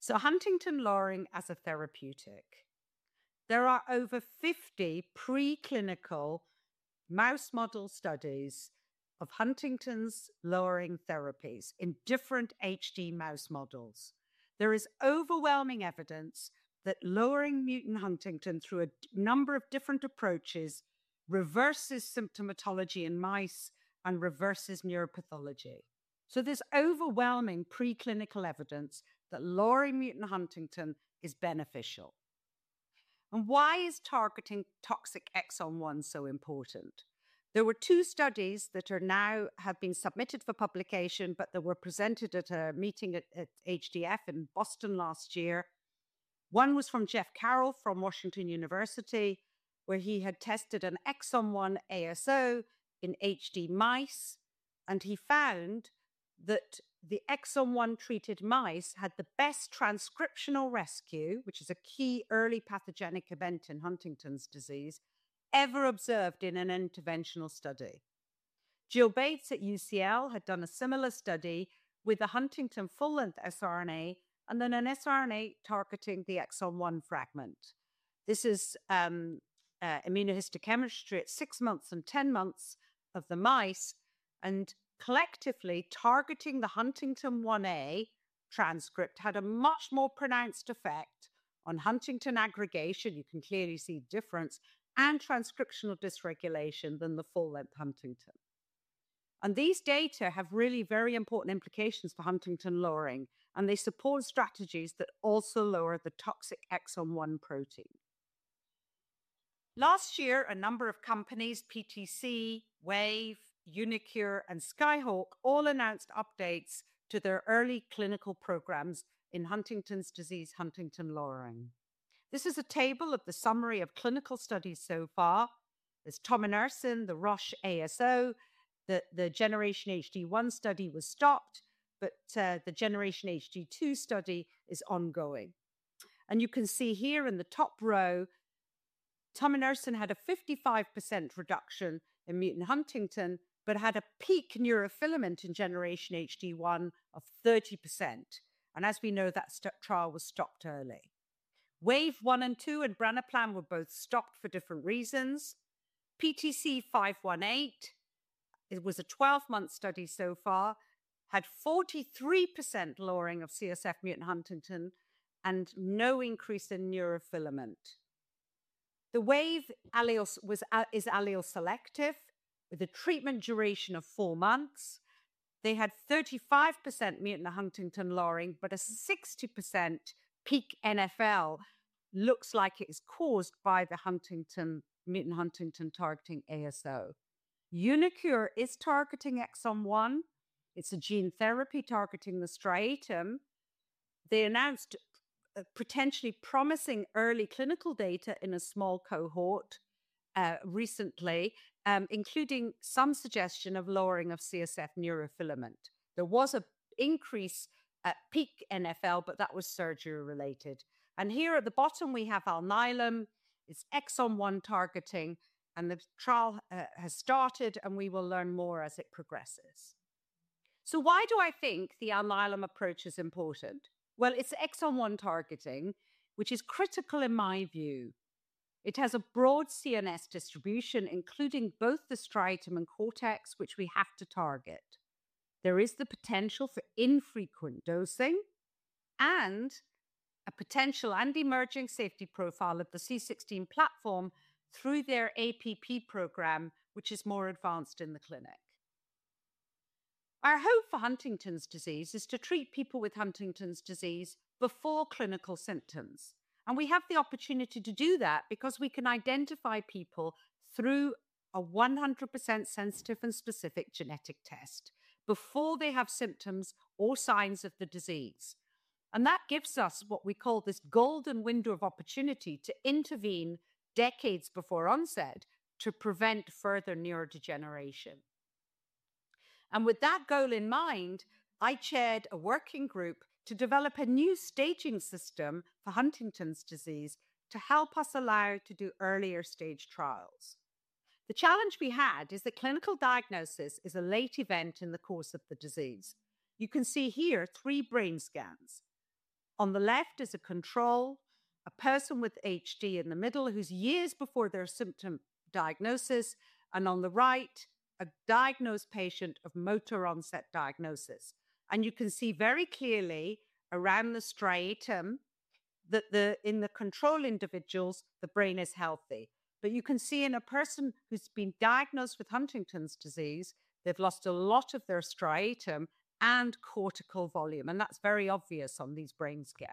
So huntingtin lowering as a therapeutic. There are over 50 preclinical mouse model studies of huntingtin lowering therapies in different HD mouse models. There is overwhelming evidence that lowering mutant huntingtin through a number of different approaches reverses symptomatology in mice and reverses neuropathology. So there's overwhelming preclinical evidence that lowering mutant huntingtin is beneficial. And why is targeting toxic exon one so important? There were two studies that have now been submitted for publication, but they were presented at a meeting at HDF in Boston last year. One was from Jeff Carroll from Washington University, where he had tested an exon one ASO in HD mice. And he found that the exon one treated mice had the best transcriptional rescue, which is a key early pathogenic event in Huntington's disease ever observed in an interventional study. Jill Bates at UCL had done a similar study with a huntingtin full-length siRNA and then a siRNA targeting the exon one fragment. This is immunohistochemistry at six months and 10 months of the mice. And collectively, targeting the huntingtin 1a transcript had a much more pronounced effect on huntingtin aggregation. You can clearly see difference and transcriptional dysregulation than the full-length huntingtin. These data have really very important implications for huntingtin lowering. They support strategies that also lower the toxic exon one protein. Last year, a number of companies, PTC, Wave, uniQure, and Skyhawk, all announced updates to their early clinical programs in Huntington's disease, huntingtin lowering. This is a table of the summary of clinical studies so far. There's Tominersen, the Roche ASO. The Generation HD1 study was stopped, but the Generation HD2 study is ongoing. You can see here in the top row, Tominersen had a 55% reduction in mutant huntingtin, but had a peak neurofilament in Generation HD1 of 30%. As we know, that trial was stopped early. Wave one and two and Branaplam were both stopped for different reasons. PTC518, it was a 12-month study so far, had 43% lowering of CSF mutant huntingtin and no increase in neurofilament. The Wave is allele-selective with a treatment duration of four months. They had 35% mutant huntingtin lowering, but a 60% peak NFL looks like it is caused by the huntingtin mutant huntingtin targeting ASO. uniQure is targeting exon one. It's a gene therapy targeting the striatum. They announced potentially promising early clinical data in a small cohort recently, including some suggestion of lowering of CSF neurofilament. There was an increase at peak NFL, but that was surgery-related. And here at the bottom, we have Alnylam. It's exon one targeting, and the trial has started, and we will learn more as it progresses. So why do I think the Alnylam approach is important? Well, it's exon one targeting, which is critical in my view. It has a broad CNS distribution, including both the striatum and cortex, which we have to target. There is the potential for infrequent dosing and a potential and emerging safety profile of the C16 platform through their APP program, which is more advanced in the clinic. Our hope for Huntington's disease is to treat people with Huntington's disease before clinical symptoms. And we have the opportunity to do that because we can identify people through a 100% sensitive and specific genetic test before they have symptoms or signs of the disease. And that gives us what we call this golden window of opportunity to intervene decades before onset to prevent further neurodegeneration. And with that goal in mind, I chaired a working group to develop a new staging system for Huntington's disease to help us allow to do earlier stage trials. The challenge we had is that clinical diagnosis is a late event in the course of the disease. You can see here three brain scans. On the left is a control, a person with HD in the middle who's years before their symptom diagnosis, and on the right, a diagnosed patient of motor onset diagnosis. And you can see very clearly around the striatum that in the control individuals, the brain is healthy. But you can see in a person who's been diagnosed with Huntington's disease, they've lost a lot of their striatum and cortical volume. And that's very obvious on these brain scans.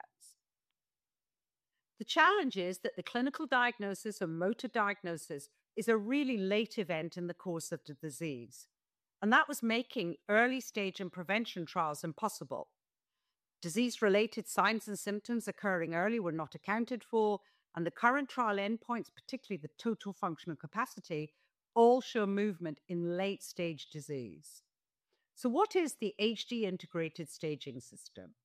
The challenge is that the clinical diagnosis or motor diagnosis is a really late event in the course of the disease. And that was making early stage and prevention trials impossible. Disease-related signs and symptoms occurring early were not accounted for. And the current trial endpoints, particularly the total functional capacity, all show movement in late-stage disease. So what is the HD integrated staging system?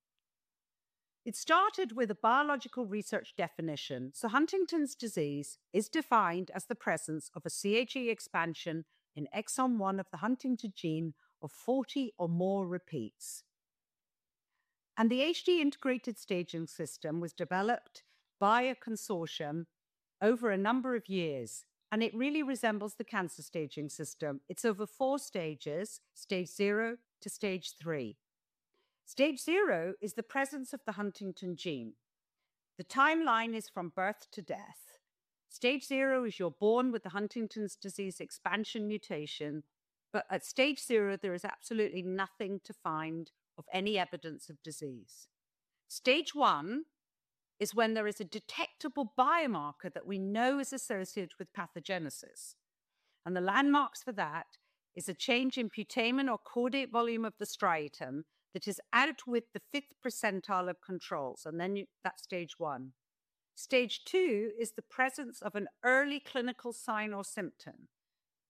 It started with a biological research definition, so Huntington's disease is defined as the presence of a CAG expansion in exon one of the huntingtin gene of 40 or more repeats. And the HDISS was developed by a consortium over a number of years, and it really resembles the cancer staging system. It's over four stages, stage zero to stage three. Stage zero is the presence of the huntingtin gene. The timeline is from birth to death. Stage zero is you're born with the Huntington's disease expansion mutation, but at stage zero, there is absolutely nothing to find of any evidence of disease. Stage one is when there is a detectable biomarker that we know is associated with pathogenesis, and the landmarks for that is a change in putamen or caudate volume of the striatum that is outside the fifth percentile of controls. And then that's stage one. Stage two is the presence of an early clinical sign or symptom,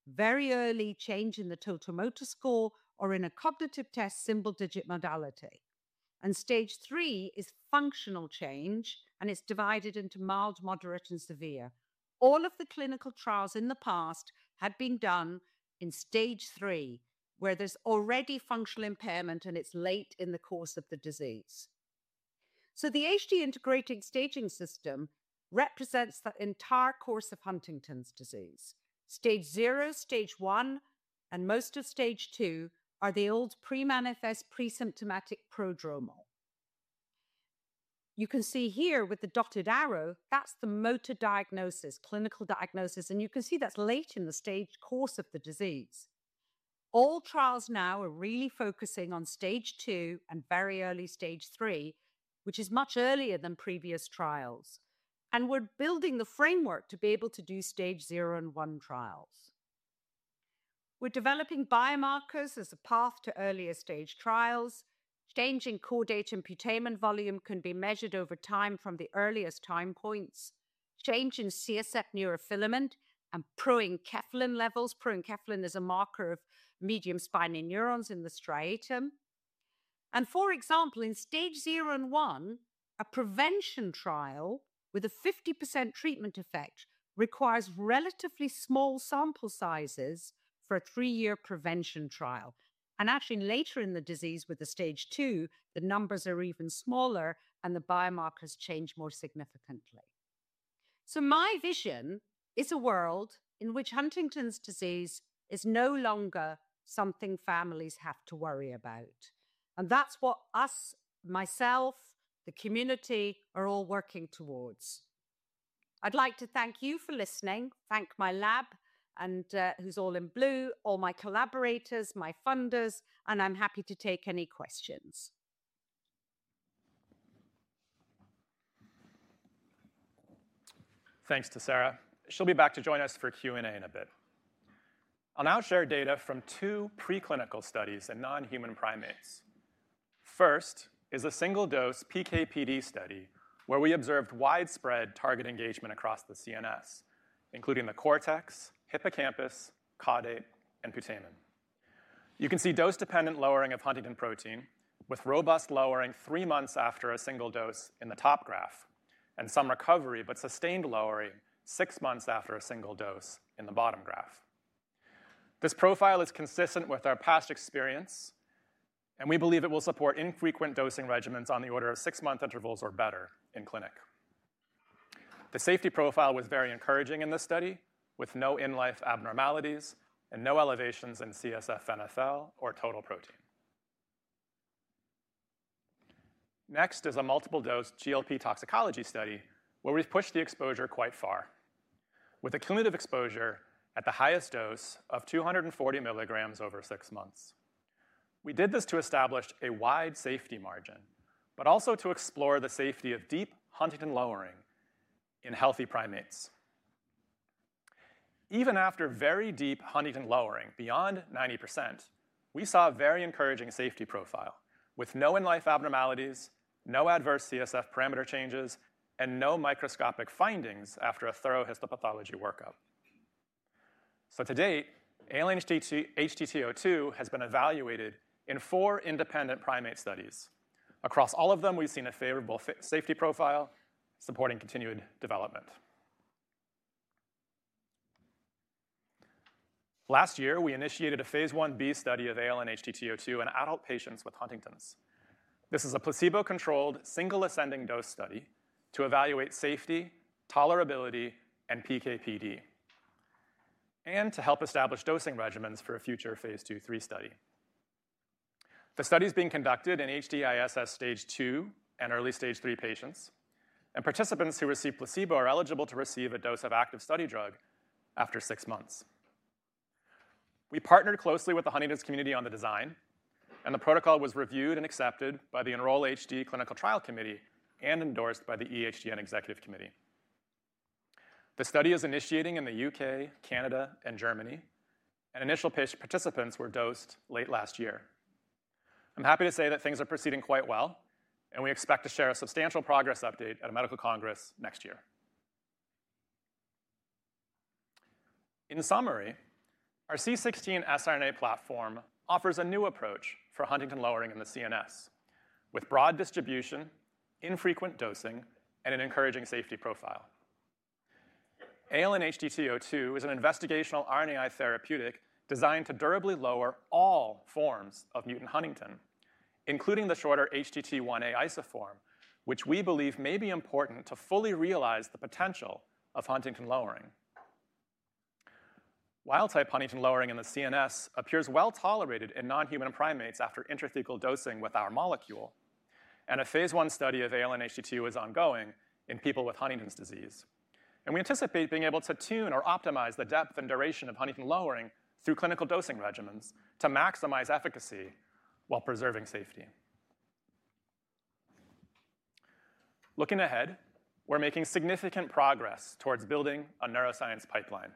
very early change in the total motor score or in a cognitive test, symbol-digit modality. And stage three is functional change, and it's divided into mild, moderate, and severe. All of the clinical trials in the past had been done in stage three, where there's already functional impairment and it's late in the course of the disease. So the HD integrated staging system represents the entire course of Huntington's disease. Stage zero, stage one, and most of stage two are the old pre-manifest, pre-symptomatic prodromal. You can see here with the dotted arrow, that's the motor diagnosis, clinical diagnosis. And you can see that's late in the stage course of the disease. All trials now are really focusing on stage two and very early stage three, which is much earlier than previous trials. We're building the framework to be able to do stage zero and one trials. We're developing biomarkers as a path to earlier stage trials. Change in caudate and putamen volume can be measured over time from the earliest time points. Change in CSF neurofilament and proenkephalin levels. Proenkephalin is a marker of medium spiny neurons in the striatum. For example, in stage zero and one, a prevention trial with a 50% treatment effect requires relatively small sample sizes for a three-year prevention trial. Actually later in the disease with the stage two, the numbers are even smaller and the biomarkers change more significantly. My vision is a world in which Huntington's disease is no longer something families have to worry about. That's what us, myself, the community are all working towards. I'd like to thank you for listening, thank my lab, and who's all in blue, all my collaborators, my funders, and I'm happy to take any questions. Thanks to Sarah. She'll be back to join us for Q&A in a bit. I'll now share data from two preclinical studies in non-human primates. First is a single-dose PKPD study where we observed widespread target engagement across the CNS, including the cortex, hippocampus, caudate, and putamen. You can see dose-dependent lowering of Huntington protein with robust lowering three months after a single dose in the top graph and some recovery, but sustained lowering six months after a single dose in the bottom graph. This profile is consistent with our past experience, and we believe it will support infrequent dosing regimens on the order of six-month intervals or better in clinic. The safety profile was very encouraging in this study with no in-life abnormalities and no elevations in CSF, NFL, or total protein. Next is a multiple-dose GLP toxicology study where we've pushed the exposure quite far with a cumulative exposure at the highest dose of 240 milligrams over six months. We did this to establish a wide safety margin, but also to explore the safety of deep Huntington lowering in healthy primates. Even after very deep Huntington lowering beyond 90%, we saw a very encouraging safety profile with no in-life abnormalities, no adverse CSF parameter changes, and no microscopic findings after a thorough histopathology workup. So to date, ALN-HTT02 has been evaluated in four independent primate studies. Across all of them, we've seen a favorable safety profile supporting continued development. Last year, we initiated a phase 1b study of ALN-HTT02 in adult patients with Huntington's. This is a placebo-controlled single ascending dose study to evaluate safety, tolerability, and PKPD, and to help establish dosing regimens for a future phase two and three study. The study is being conducted in HDISS stage two and early stage three patients, and participants who receive placebo are eligible to receive a dose of active study drug after six months. We partnered closely with the Huntington's community on the design, and the protocol was reviewed and accepted by the Enroll HD Clinical Trial Committee and endorsed by the EHDN Executive Committee. The study is initiating in the U.K., Canada, and Germany, and initial participants were dosed late last year. I'm happy to say that things are proceeding quite well, and we expect to share a substantial progress update at a medical congress next year. In summary, our C16 siRNA platform offers a new approach for huntingtin lowering in the CNS with broad distribution, infrequent dosing, and an encouraging safety profile. ALN-HTT02 is an investigational RNAi therapeutic designed to durably lower all forms of mutant huntingtin, including the shorter HTT1a isoform, which we believe may be important to fully realize the potential of huntingtin lowering. Wild-type huntingtin lowering in the CNS appears well tolerated in non-human primates after intrathecal dosing with our molecule, and a phase 1 study of ALN-HTT02 is ongoing in people with Huntington's disease. And we anticipate being able to tune or optimize the depth and duration of huntingtin lowering through clinical dosing regimens to maximize efficacy while preserving safety. Looking ahead, we're making significant progress towards building a neuroscience pipeline.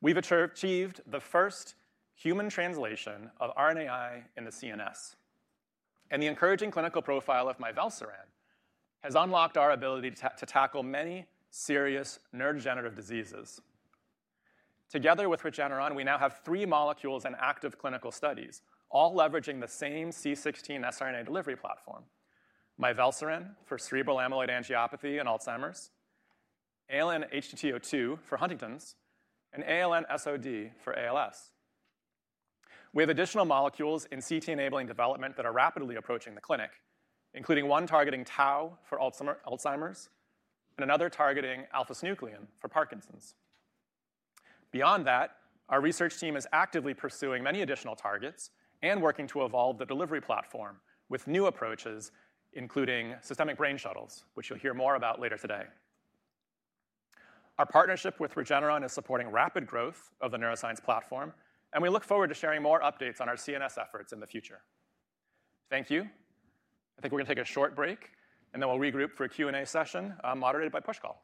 We've achieved the first human translation of RNAi in the CNS, and the encouraging clinical profile of Mivelsiran has unlocked our ability to tackle many serious neurodegenerative diseases. Together with Regeneron, we now have three molecules and active clinical studies, all leveraging the same C16 siRNA delivery platform: Mivelsiran for cerebral amyloid angiopathy and Alzheimer's, ALN-HTT02 for Huntington's, and ALN-SOD for ALS. We have additional molecules in CT-enabling development that are rapidly approaching the clinic, including one targeting Tau for Alzheimer's and another targeting alpha-synuclein for Parkinson's. Beyond that, our research team is actively pursuing many additional targets and working to evolve the delivery platform with new approaches, including systemic brain shuttles, which you'll hear more about later today. Our partnership with Regeneron is supporting rapid growth of the neuroscience platform, and we look forward to sharing more updates on our CNS efforts in the future. Thank you. I think we're going to take a short break, and then we'll regroup for a Q&A session moderated by Pushkal. Thanks.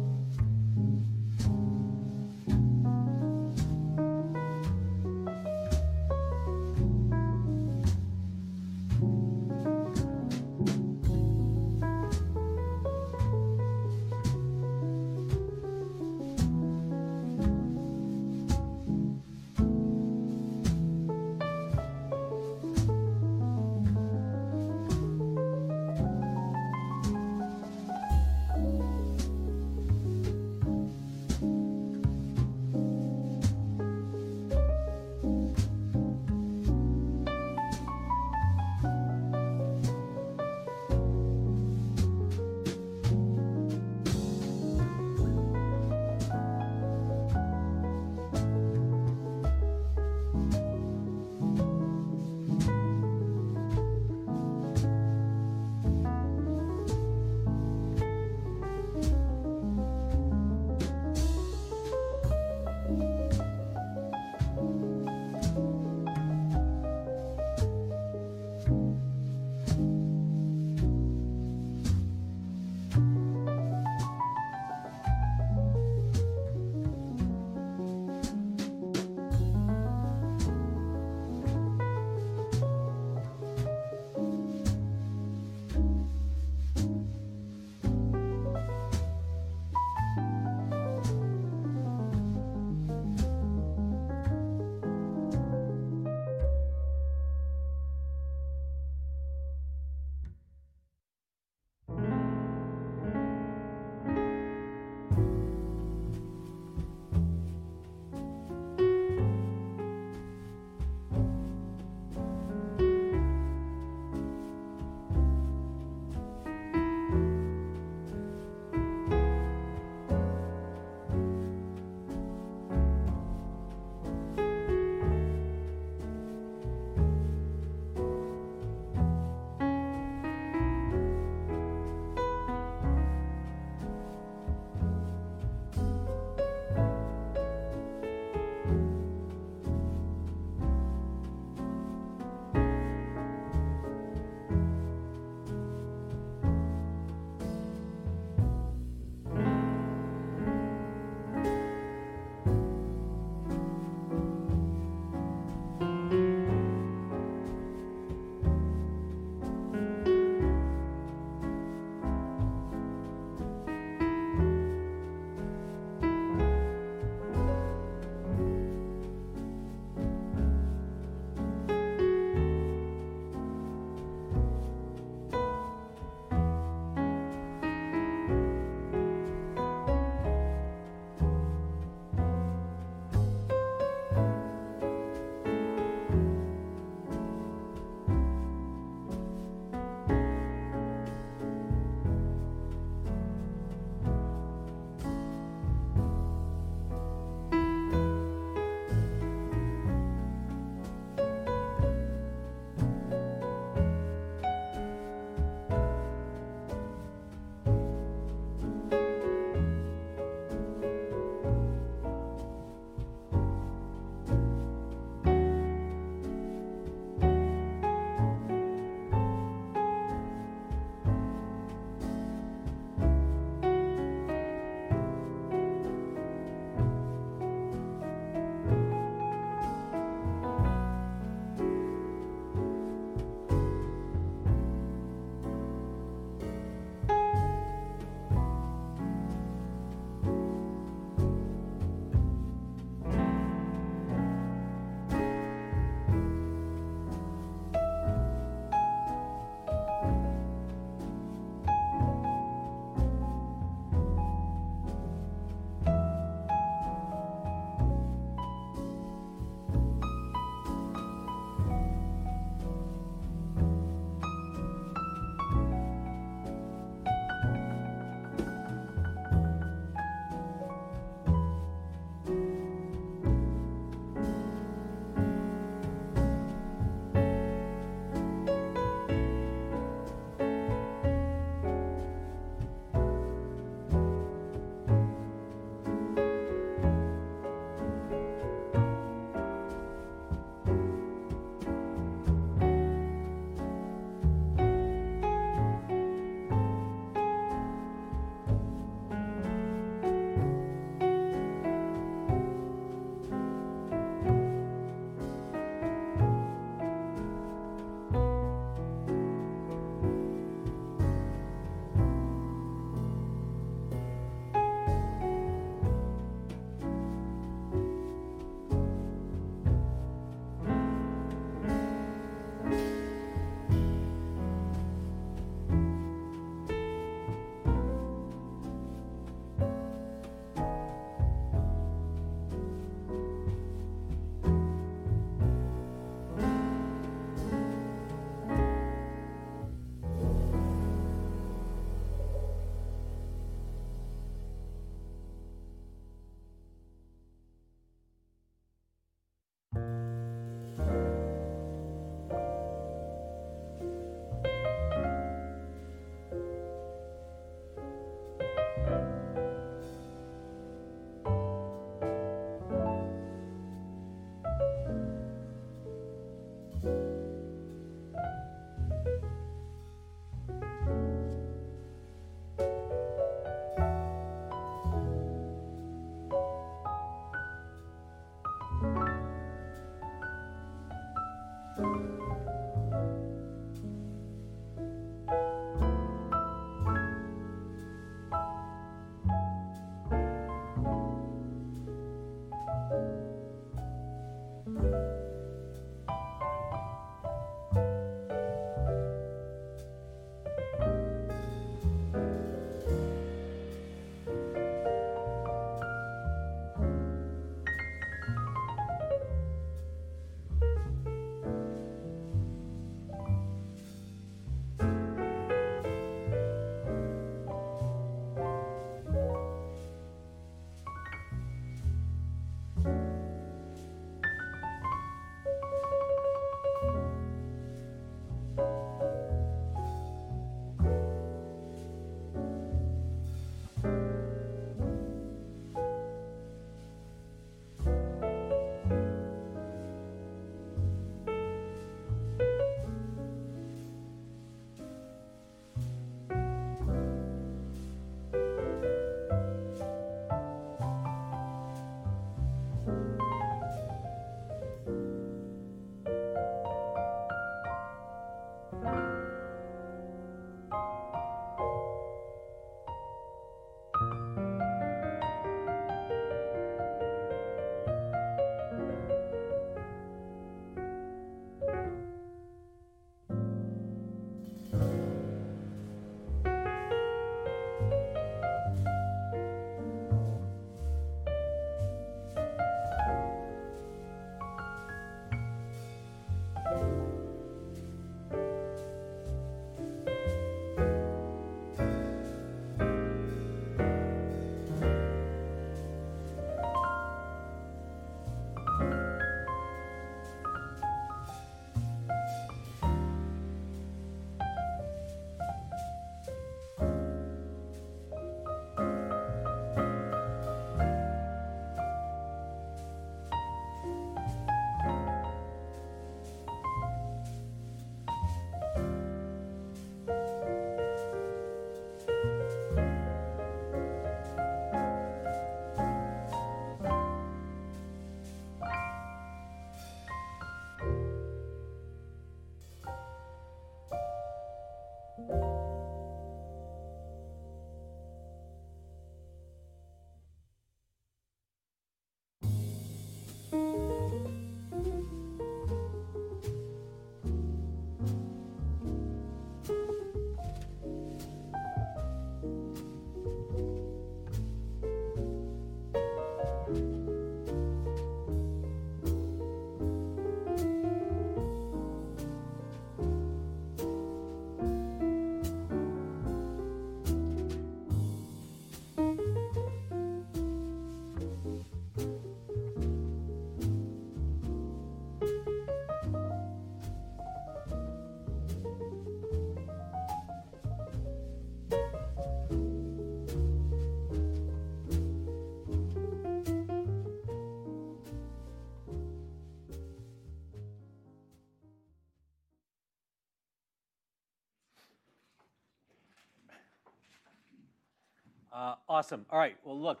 Awesome. All right. Well, look,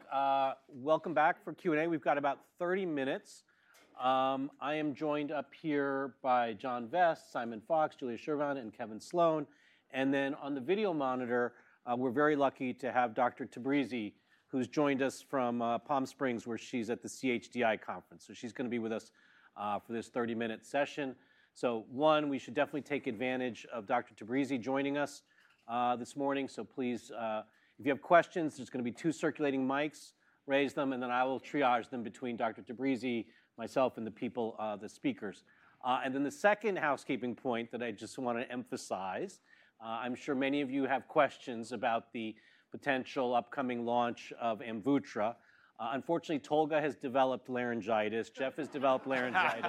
welcome back for Q&A. We've got about 30 minutes. I am joined up here by John Vest, Simon Fox, Julia Shervin, and Kevin Sloan. And then on the video monitor, we're very lucky to have Dr. Tabrizi, who's joined us from Palm Springs, where she's at the CHDI Conference. So she's going to be with us for this 30-minute session. So one, we should definitely take advantage of Dr. Tabrizi joining us this morning. So please, if you have questions, there's going to be two circulating mics. Raise them, and then I will triage them between Dr. Tabrizi, myself, and the people, the speakers. And then the second housekeeping point that I just want to emphasize. I'm sure many of you have questions about the potential upcoming launch of Amvuttra. Unfortunately, Tolga has developed laryngitis. Jeff has developed laryngitis.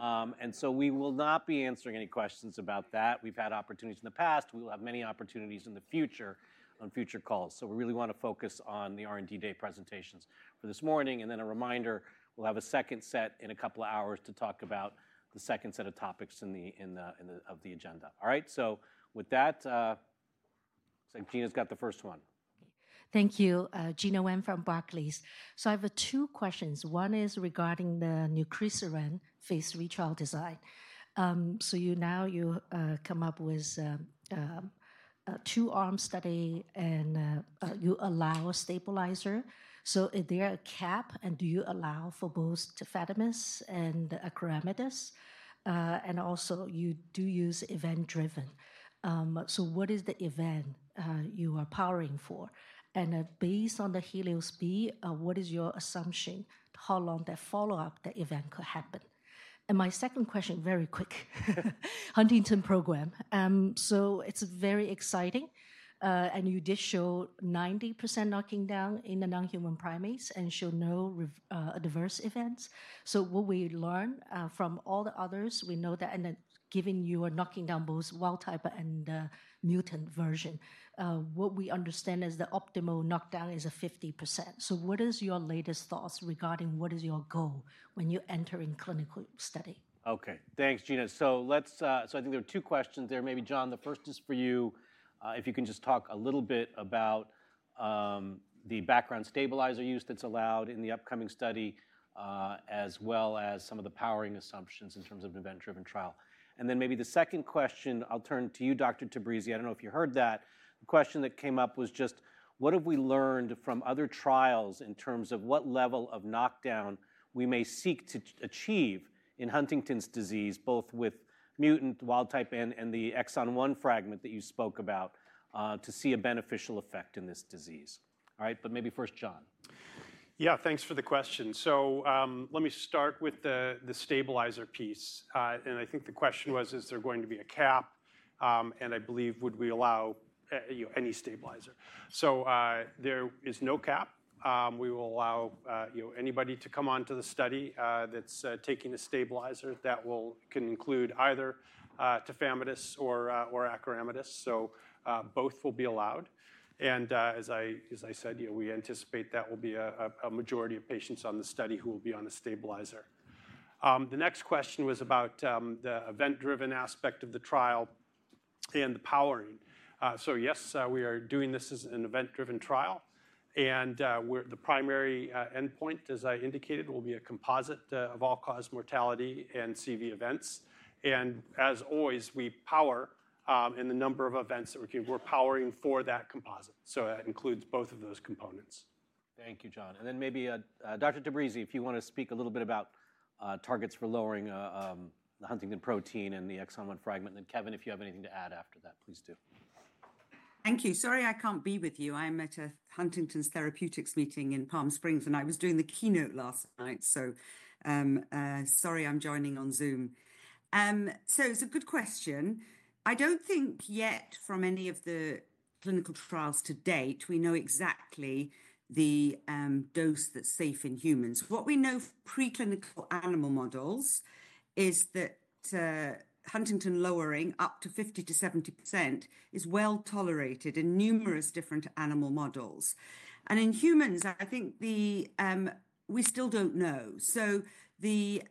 And so we will not be answering any questions about that. We've had opportunities in the past. We will have many opportunities in the future on future calls. So we really want to focus on the R&D Day presentations for this morning. And then a reminder, we'll have a second set in a couple of hours to talk about the second set of topics in the agenda. All right. So with that, I think Gena's got the first one. Thank you. Gena Wang from Barclays. So I have two questions. One is regarding the Nucresiran phase 3 trial design. So now you come up with two arm studies and you allow a stabilizer. So is there a cap? And do you allow for both Tafamidis and Acoramidis? And also, you do use event-driven. So what is the event you are powering for? And based on the HELIOS-B, what is your assumption how long that follow-up event could happen? And my second question, very quick, Huntington program. So it's very exciting. And you did show 90% knockdown in the non-human primates and showed no adverse events. So what we learned from all the others, we know that, and given you are knocking down both wild type and mutant version, what we understand is the optimal knockdown is 50%. So what are your latest thoughts regarding what is your goal when you enter in clinical study? OK. Thanks, Gena. So I think there are two questions there. Maybe, John, the first is for you, if you can just talk a little bit about the background stabilizer use that's allowed in the upcoming study, as well as some of the powering assumptions in terms of event-driven trial, and then maybe the second question, I'll turn to you, Dr. Tabrizi. I don't know if you heard that. The question that came up was just, what have we learned from other trials in terms of what level of knockdown we may seek to achieve in Huntington's disease, both with mutant, wild type, and the exon one fragment that you spoke about, to see a beneficial effect in this disease? All right, but maybe first, John. Yeah, thanks for the question, so let me start with the stabilizer piece, and I think the question was, is there going to be a cap, and I believe, would we allow any stabilizer? There is no cap. We will allow anybody to come on to the study that's taking a stabilizer that can include either Tafamidis or Acoramidis. So both will be allowed. And as I said, we anticipate that will be a majority of patients on the study who will be on a stabilizer. The next question was about the event-driven aspect of the trial and the powering. So yes, we are doing this as an event-driven trial. And the primary endpoint, as I indicated, will be a composite of all-cause mortality and CV events. And as always, we power in the number of events that we're powering for that composite. So that includes both of those components. Thank you, John. And then maybe Dr. Tabrizi, if you want to speak a little bit about targets for lowering the Huntington protein and the exon one fragment. Kevin, if you have anything to add after that, please do. Thank you. Sorry I can't be with you. I'm at Huntington's Therapeutics meeting in Palm Springs, and I was doing the keynote last night. Sorry I'm joining on Zoom. It's a good question. I don't think yet from any of the clinical trials to date we know exactly the dose that's safe in humans. What we know from preclinical animal models is that huntingtin lowering up to 50%-70% is well tolerated in numerous different animal models. In humans, I think we still don't know. The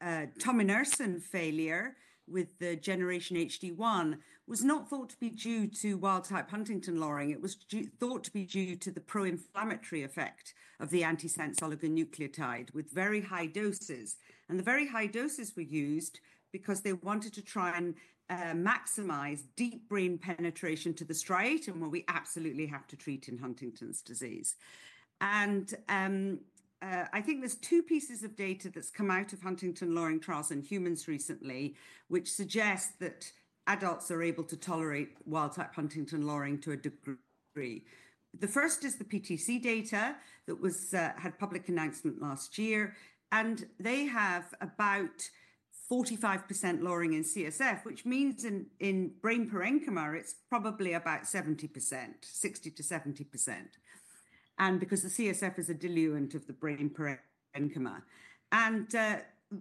Tominersen failure with the Generation HD1 was not thought to be due to wild type huntingtin lowering. It was thought to be due to the pro-inflammatory effect of the antisense oligonucleotide with very high doses. The very high doses were used because they wanted to try and maximize deep brain penetration to the striatum, where we absolutely have to treat in Huntington's disease. I think there's two pieces of data that's come out of huntingtin lowering trials in humans recently, which suggest that adults are able to tolerate wild-type huntingtin lowering to a degree. The first is the PTC data that had public announcement last year. They have about 45% lowering in CSF, which means in brain parenchyma, it's probably about 60%-70%. Because the CSF is a diluent of the brain parenchyma.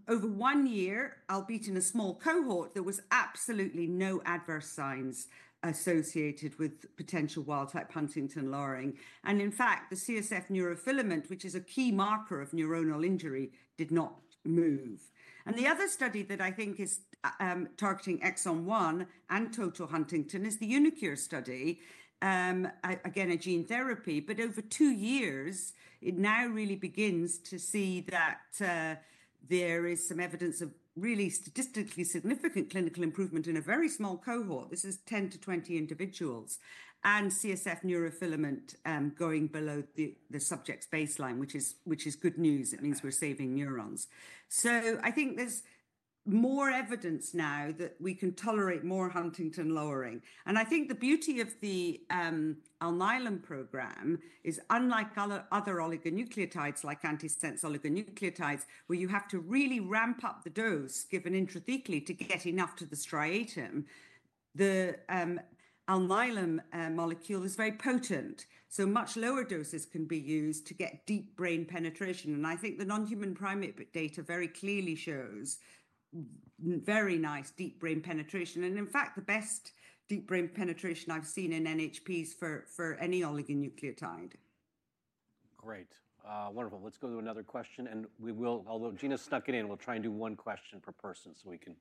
Over one year, we had in a small cohort that was absolutely no adverse signs associated with potential wild-type huntingtin lowering. In fact, the CSF neurofilament, which is a key marker of neuronal injury, did not move. The other study that I think is targeting Exon 1 and total huntingtin is the uniQure study, again, a gene therapy. But over two years, it now really begins to see that there is some evidence of really statistically significant clinical improvement in a very small cohort. This is 10 to 20 individuals and CSF neurofilament going below the subject's baseline, which is good news. It means we're saving neurons. So I think there's more evidence now that we can tolerate more huntingtin lowering. And I think the beauty of the Alnylam program is, unlike other oligonucleotides, like antisense oligonucleotides, where you have to really ramp up the dose given intrathecally to get enough to the striatum, the Alnylam molecule is very potent. So much lower doses can be used to get deep brain penetration. I think the non-human primate data very clearly shows very nice deep brain penetration. And in fact, the best deep brain penetration I've seen in NHPs for any oligonucleotide. Great. Wonderful. Let's go to another question. And we will, although Gena snuck it in, we'll try and do one question per person so we can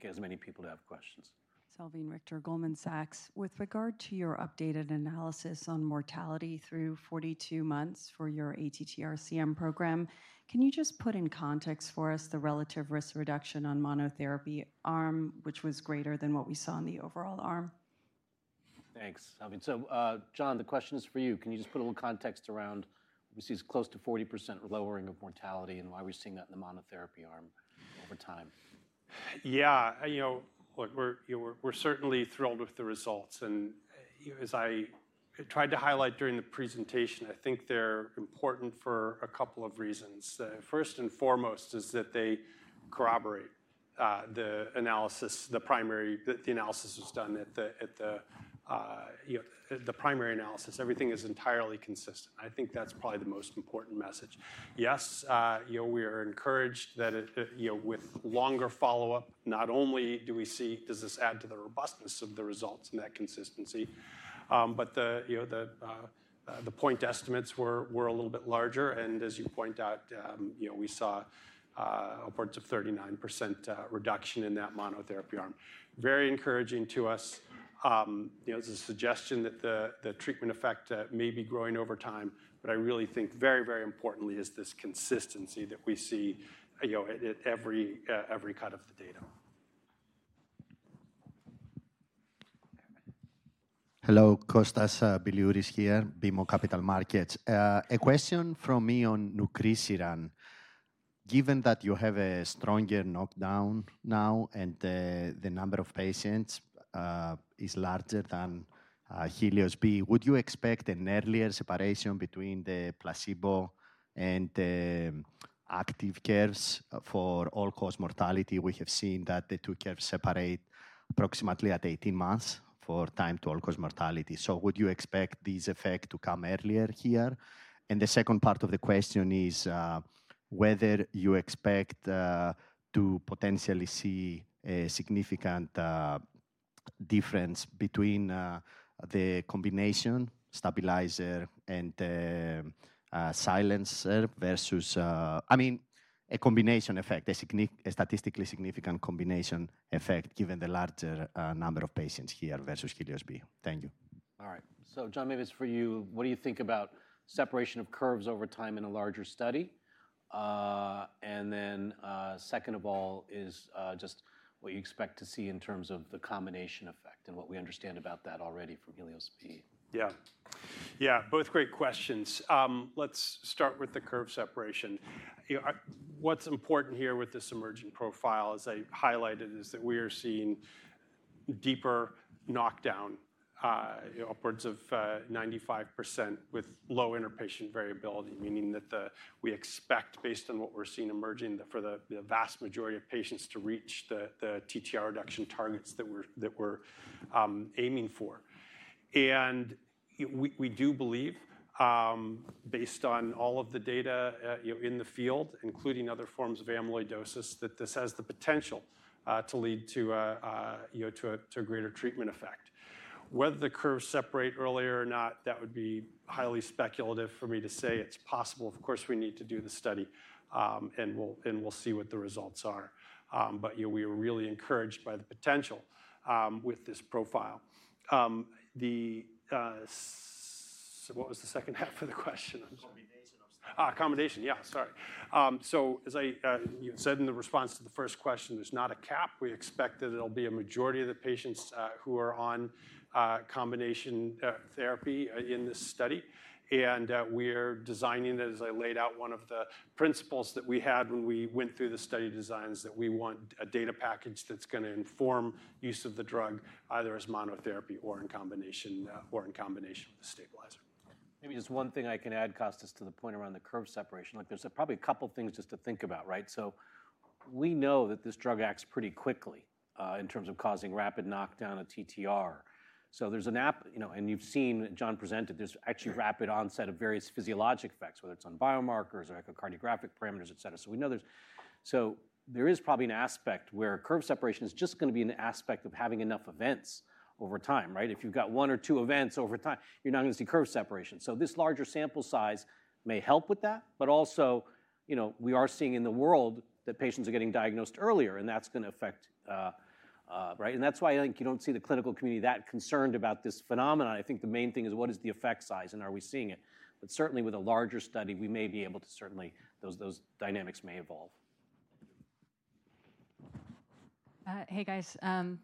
get as many people to have questions. Salveen Richter-Goldman Sachs, with regard to your updated analysis on mortality through 42 months for your ATTRCM program, can you just put in context for us the relative risk reduction on monotherapy arm, which was greater than what we saw in the overall arm? Thanks, Salveen. So John, the question is for you. Can you just put a little context around what we see as close to 40% lowering of mortality and why we're seeing that in the monotherapy arm over time? Yeah. You know, look, we're certainly thrilled with the results. As I tried to highlight during the presentation, I think they're important for a couple of reasons. First and foremost is that they corroborate the primary analysis that was done at the primary analysis. Everything is entirely consistent. I think that's probably the most important message. Yes, we are encouraged that with longer follow-up, not only do we see this add to the robustness of the results and that consistency, but the point estimates were a little bit larger. As you point out, we saw upwards of 39% reduction in that monotherapy arm. Very encouraging to us. It's a suggestion that the treatment effect may be growing over time. I really think very, very importantly is this consistency that we see at every cut of the data. Hello, Kostas Biliouris here, BMO Capital Markets. A question from me on Nucresiran. Given that you have a stronger knockdown now and the number of patients is larger than HELIOS-B, would you expect an earlier separation between the placebo and the active curves for all-cause mortality? We have seen that the two curves separate approximately at 18 months for time to all-cause mortality. So would you expect this effect to come earlier here? And the second part of the question is whether you expect to potentially see a significant difference between the combination stabilizer and silencer versus, I mean, a combination effect, a statistically significant combination effect given the larger number of patients here versus HELIOS-B. Thank you. All right. So John, maybe it's for you. What do you think about separation of curves over time in a larger study? Then second of all is just what you expect to see in terms of the combination effect and what we understand about that already from HELIOS-B. Yeah. Yeah, both great questions. Let's start with the curve separation. What's important here with this emerging profile, as I highlighted, is that we are seeing deeper knockdown upwards of 95% with low interpatient variability, meaning that we expect, based on what we're seeing emerging, for the vast majority of patients to reach the TTR reduction targets that we're aiming for. And we do believe, based on all of the data in the field, including other forms of amyloidosis, that this has the potential to lead to a greater treatment effect. Whether the curves separate earlier or not, that would be highly speculative for me to say. It's possible. Of course, we need to do the study, and we'll see what the results are. But we are really encouraged by the potential with this profile. So what was the second half of the question? Combination of. Combination, yeah. Sorry. So as I said in the response to the first question, there's not a cap. We expect that it'll be a majority of the patients who are on combination therapy in this study. And we are designing it as I laid out one of the principles that we had when we went through the study designs, that we want a data package that's going to inform use of the drug either as monotherapy or in combination with the stabilizer. Maybe just one thing I can add, Kostas, to the point around the curve separation. There's probably a couple of things just to think about, right? So we know that this drug acts pretty quickly in terms of causing rapid knockdown of TTR. So there's AMVUTTRA, and you've seen John present it. There's actually rapid onset of various physiologic effects, whether it's on biomarkers or echocardiographic parameters, et cetera. So there is probably an aspect where curve separation is just going to be an aspect of having enough events over time, right? If you've got one or two events over time, you're not going to see curve separation. So this larger sample size may help with that. But also, we are seeing in the world that patients are getting diagnosed earlier, and that's going to affect, right? And that's why I think you don't see the clinical community that concerned about this phenomenon. I think the main thing is, what is the effect size, and are we seeing it? But certainly, with a larger study, we may be able to certainly those dynamics may evolve. Hey, guys.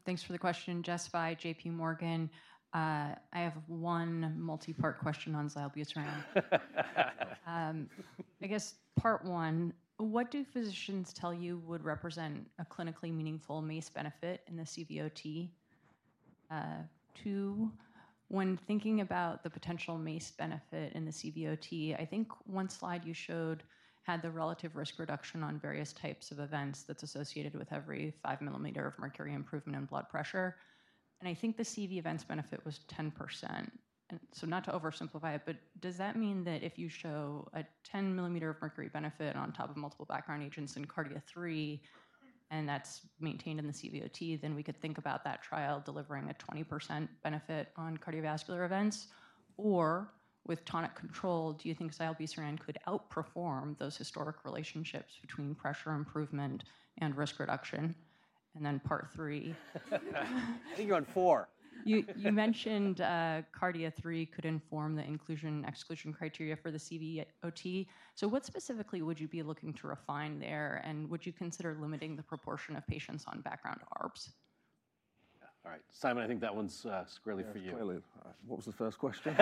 Thanks for the question from JP Morgan. I have one multi-part question on Zilebesiran. I guess part one, what do physicians tell you would represent a clinically meaningful MACE benefit in the CVOT? Two, when thinking about the potential MACE benefit in the CVOT, I think one slide you showed had the relative risk reduction on various types of events that's associated with every five millimeters of mercury improvement in blood pressure. And I think the CV events benefit was 10%. And so not to oversimplify it, but does that mean that if you show a 10 millimeters of mercury benefit on top of multiple background agents in KARDIA-3, and that's maintained in the CVOT, then we could think about that trial delivering a 20% benefit on cardiovascular events? Or with tonic control, do you think Zilebesiran could outperform those historic relationships between pressure improvement and risk reduction? And then part three. I think you're on four. You mentioned KARDIA-3 could inform the inclusion and exclusion criteria for the CVOT. So what specifically would you be looking to refine there? And would you consider limiting the proportion of patients on background ARBs? All right. Simon, I think that one's squarely for you. What was the first question?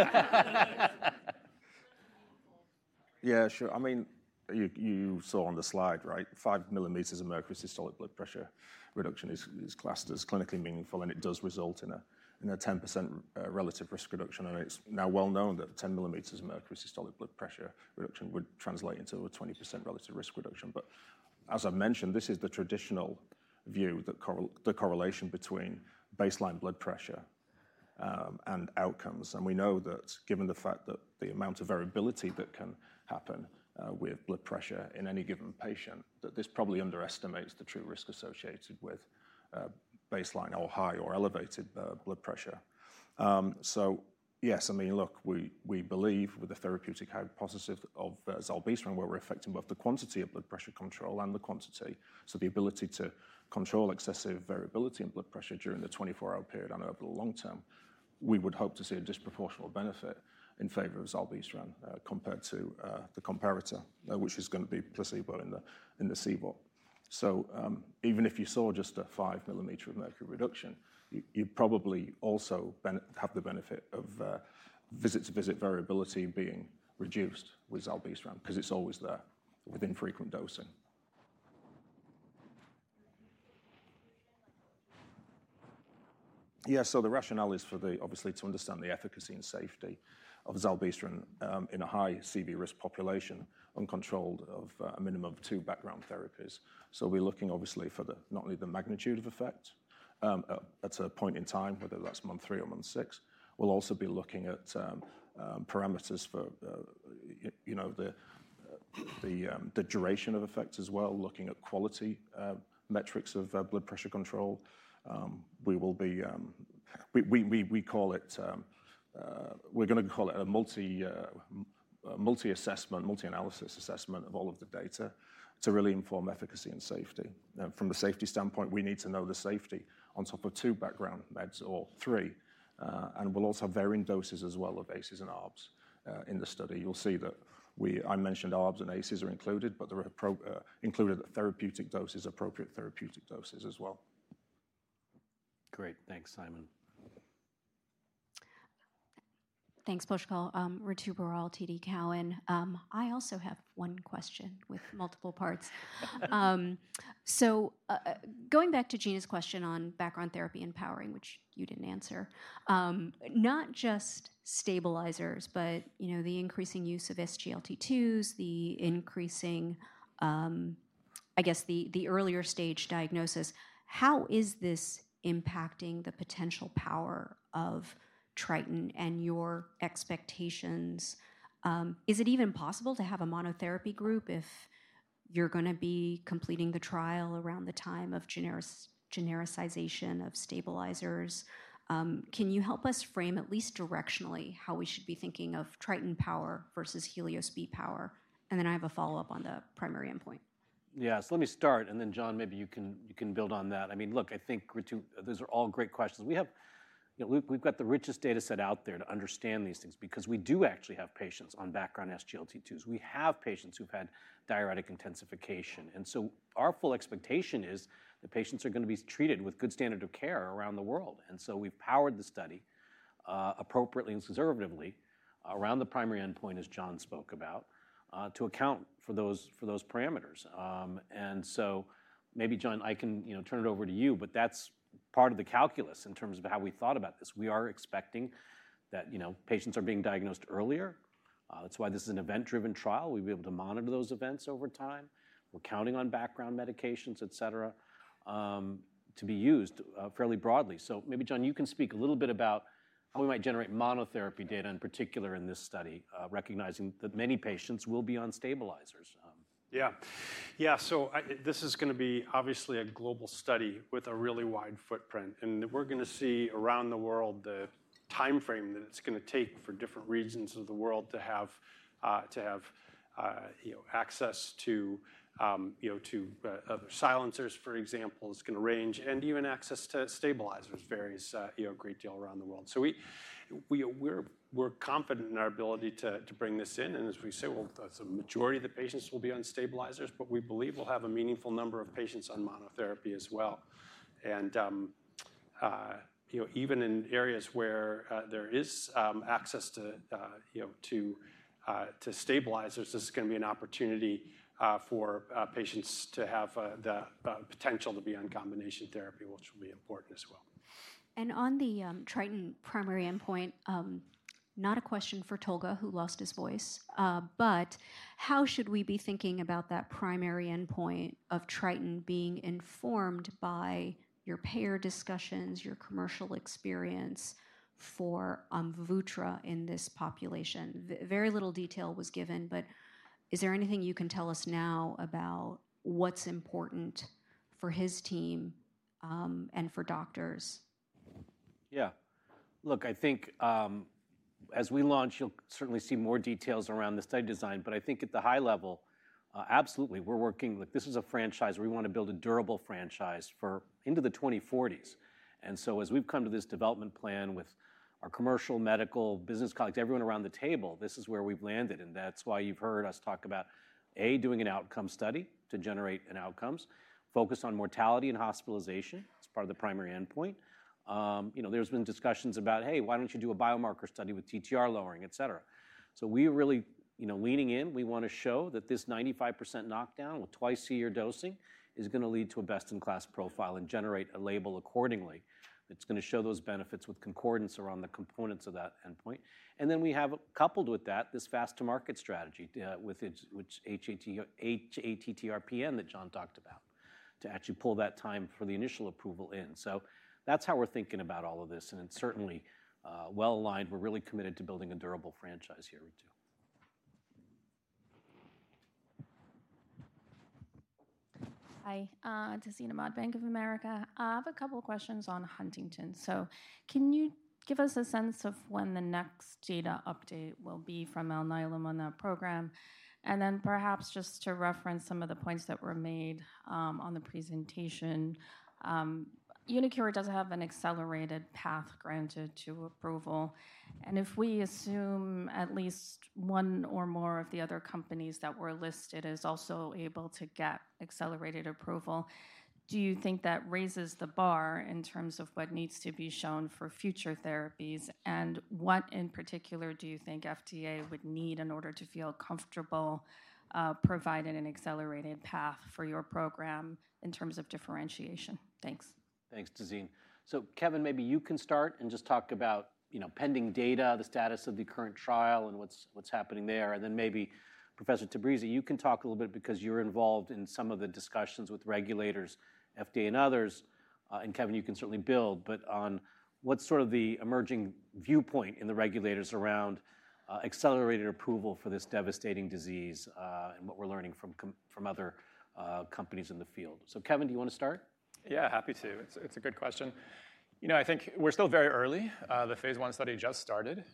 Yeah, sure. I mean, you saw on the slide, right? Five millimeters of mercury systolic blood pressure reduction is classed as clinically meaningful, and it does result in a 10% relative risk reduction. And it's now well known that 10 millimeters of mercury systolic blood pressure reduction would translate into a 20% relative risk reduction. But as I've mentioned, this is the traditional view, the correlation between baseline blood pressure and outcomes. And we know that given the fact that the amount of variability that can happen with blood pressure in any given patient, that this probably underestimates the true risk associated with baseline or high or elevated blood pressure. So yes, I mean, look, we believe with the therapeutic hypothesis of Zilebesiran, where we're affecting both the quantity of blood pressure control and the quantity, so the ability to control excessive variability in blood pressure during the 24-hour period and over the long term, we would hope to see a disproportionate benefit in favor of Zilebesiran compared to the comparator, which is going to be placebo in the CVOT. So even if you saw just a five millimeters of mercury reduction, you probably also have the benefit of visit-to-visit variability being reduced with zilebesiran because it's always there with infrequent dosing. Yeah, so the rationale is for the, obviously, to understand the efficacy and safety of zilebesiran in a high CV risk population uncontrolled on a minimum of two background therapies. So we're looking, obviously, for not only the magnitude of effect at a point in time, whether that's month three or month six. We'll also be looking at parameters for the duration of effect as well, looking at quality metrics of blood pressure control. We will be, we call it, we're going to call it a multi-assessment, multi-analysis assessment of all of the data to really inform efficacy and safety. From the safety standpoint, we need to know the safety on top of two background meds or three. We'll also have varying doses as well of ACEs and ARBs in the study. You'll see that I mentioned ARBs and ACEs are included, but they're included at therapeutic doses, appropriate therapeutic doses as well. Great. Thanks, Simon. Thanks, Pushkal. Ritu Baral, TD Cowen. I also have one question with multiple parts. So going back to Gena's question on background therapy empowering, which you didn't answer, not just stabilizers, but the increasing use of SGLT2s, the increasing, I guess, the earlier stage diagnosis, how is this impacting the potential power of TRITON and your expectations? Is it even possible to have a monotherapy group if you're going to be completing the trial around the time of genericization of stabilizers? Can you help us frame at least directionally how we should be thinking of TRITON power versus HELIOS-B power? And then I have a follow-up on the primary endpoint. Yeah, so let me start, and then John, maybe you can build on that. I mean, look, I think those are all great questions. We've got the richest data set out there to understand these things because we do actually have patients on background SGLT2s. We have patients who've had diuretic intensification. And so our full expectation is the patients are going to be treated with good standard of care around the world. And so we've powered the study appropriately and conservatively around the primary endpoint, as John spoke about, to account for those parameters. And so maybe, John, I can turn it over to you, but that's part of the calculus in terms of how we thought about this. We are expecting that patients are being diagnosed earlier. That's why this is an event-driven trial. We'll be able to monitor those events over time. We're counting on background medications, et cetera, to be used fairly broadly. So maybe, John, you can speak a little bit about how we might generate monotherapy data in particular in this study, recognizing that many patients will be on stabilizers. Yeah. Yeah, so this is going to be obviously a global study with a really wide footprint. And we're going to see around the world the time frame that it's going to take for different regions of the world to have access to silencers, for example, is going to range, and even access to stabilizers varies a great deal around the world. So we're confident in our ability to bring this in. And as we say, well, the majority of the patients will be on stabilizers, but we believe we'll have a meaningful number of patients on monotherapy as well. And even in areas where there is access to stabilizers, this is going to be an opportunity for patients to have the potential to be on combination therapy, which will be important as well. On the TRITON primary endpoint, not a question for Tolga, who lost his voice, but how should we be thinking about that primary endpoint of TRITON being informed by your payer discussions, your commercial experience for vutrisiran in this population? Very little detail was given, but is there anything you can tell us now about what's important for his team and for doctors? Yeah. Look, I think as we launch, you'll certainly see more details around the study design. But I think at the high level, absolutely, we're working with this is a franchise. We want to build a durable franchise into the 2040s. And so as we've come to this development plan with our commercial, medical, business colleagues, everyone around the table, this is where we've landed. And that's why you've heard us talk about, A, doing an outcome study to generate an outcomes, focus on mortality and hospitalization as part of the primary endpoint. There's been discussions about, hey, why don't you do a biomarker study with TTR lowering, et cetera. So we are really leaning in. We want to show that this 95% knockdown with twice-a-year dosing is going to lead to a best-in-class profile and generate a label accordingly. It's going to show those benefits with concordance around the components of that endpoint. And then we have coupled with that this fast-to-market strategy with HATTRPN that John talked about to actually pull that time for the initial approval in. So that's how we're thinking about all of this. And it's certainly well aligned. We're really committed to building a durable franchise here, too. Hi, Tazeen Ahmad, Bank of America. I have a couple of questions on Huntington. So can you give us a sense of when the next data update will be from Alnylam on that program? And then perhaps just to reference some of the points that were made on the presentation, uniQure does have an accelerated path granted to approval. And if we assume at least one or more of the other companies that were listed is also able to get accelerated approval, do you think that raises the bar in terms of what needs to be shown for future therapies? And what in particular do you think FDA would need in order to feel comfortable providing an accelerated path for your program in terms of differentiation? Thanks. Thanks, Tazeen. So Kevin, maybe you can start and just talk about pending data, the status of the current trial, and what's happening there. And then maybe Professor Tabrizi, you can talk a little bit because you're involved in some of the discussions with regulators, FDA and others. And Kevin, you can certainly build. But on what's sort of the emerging viewpoint in the regulators around accelerated approval for this devastating disease and what we're learning from other companies in the field? So Kevin, do you want to start? Yeah, happy to. It's a good question. I think we're still very early. The phase one study just started.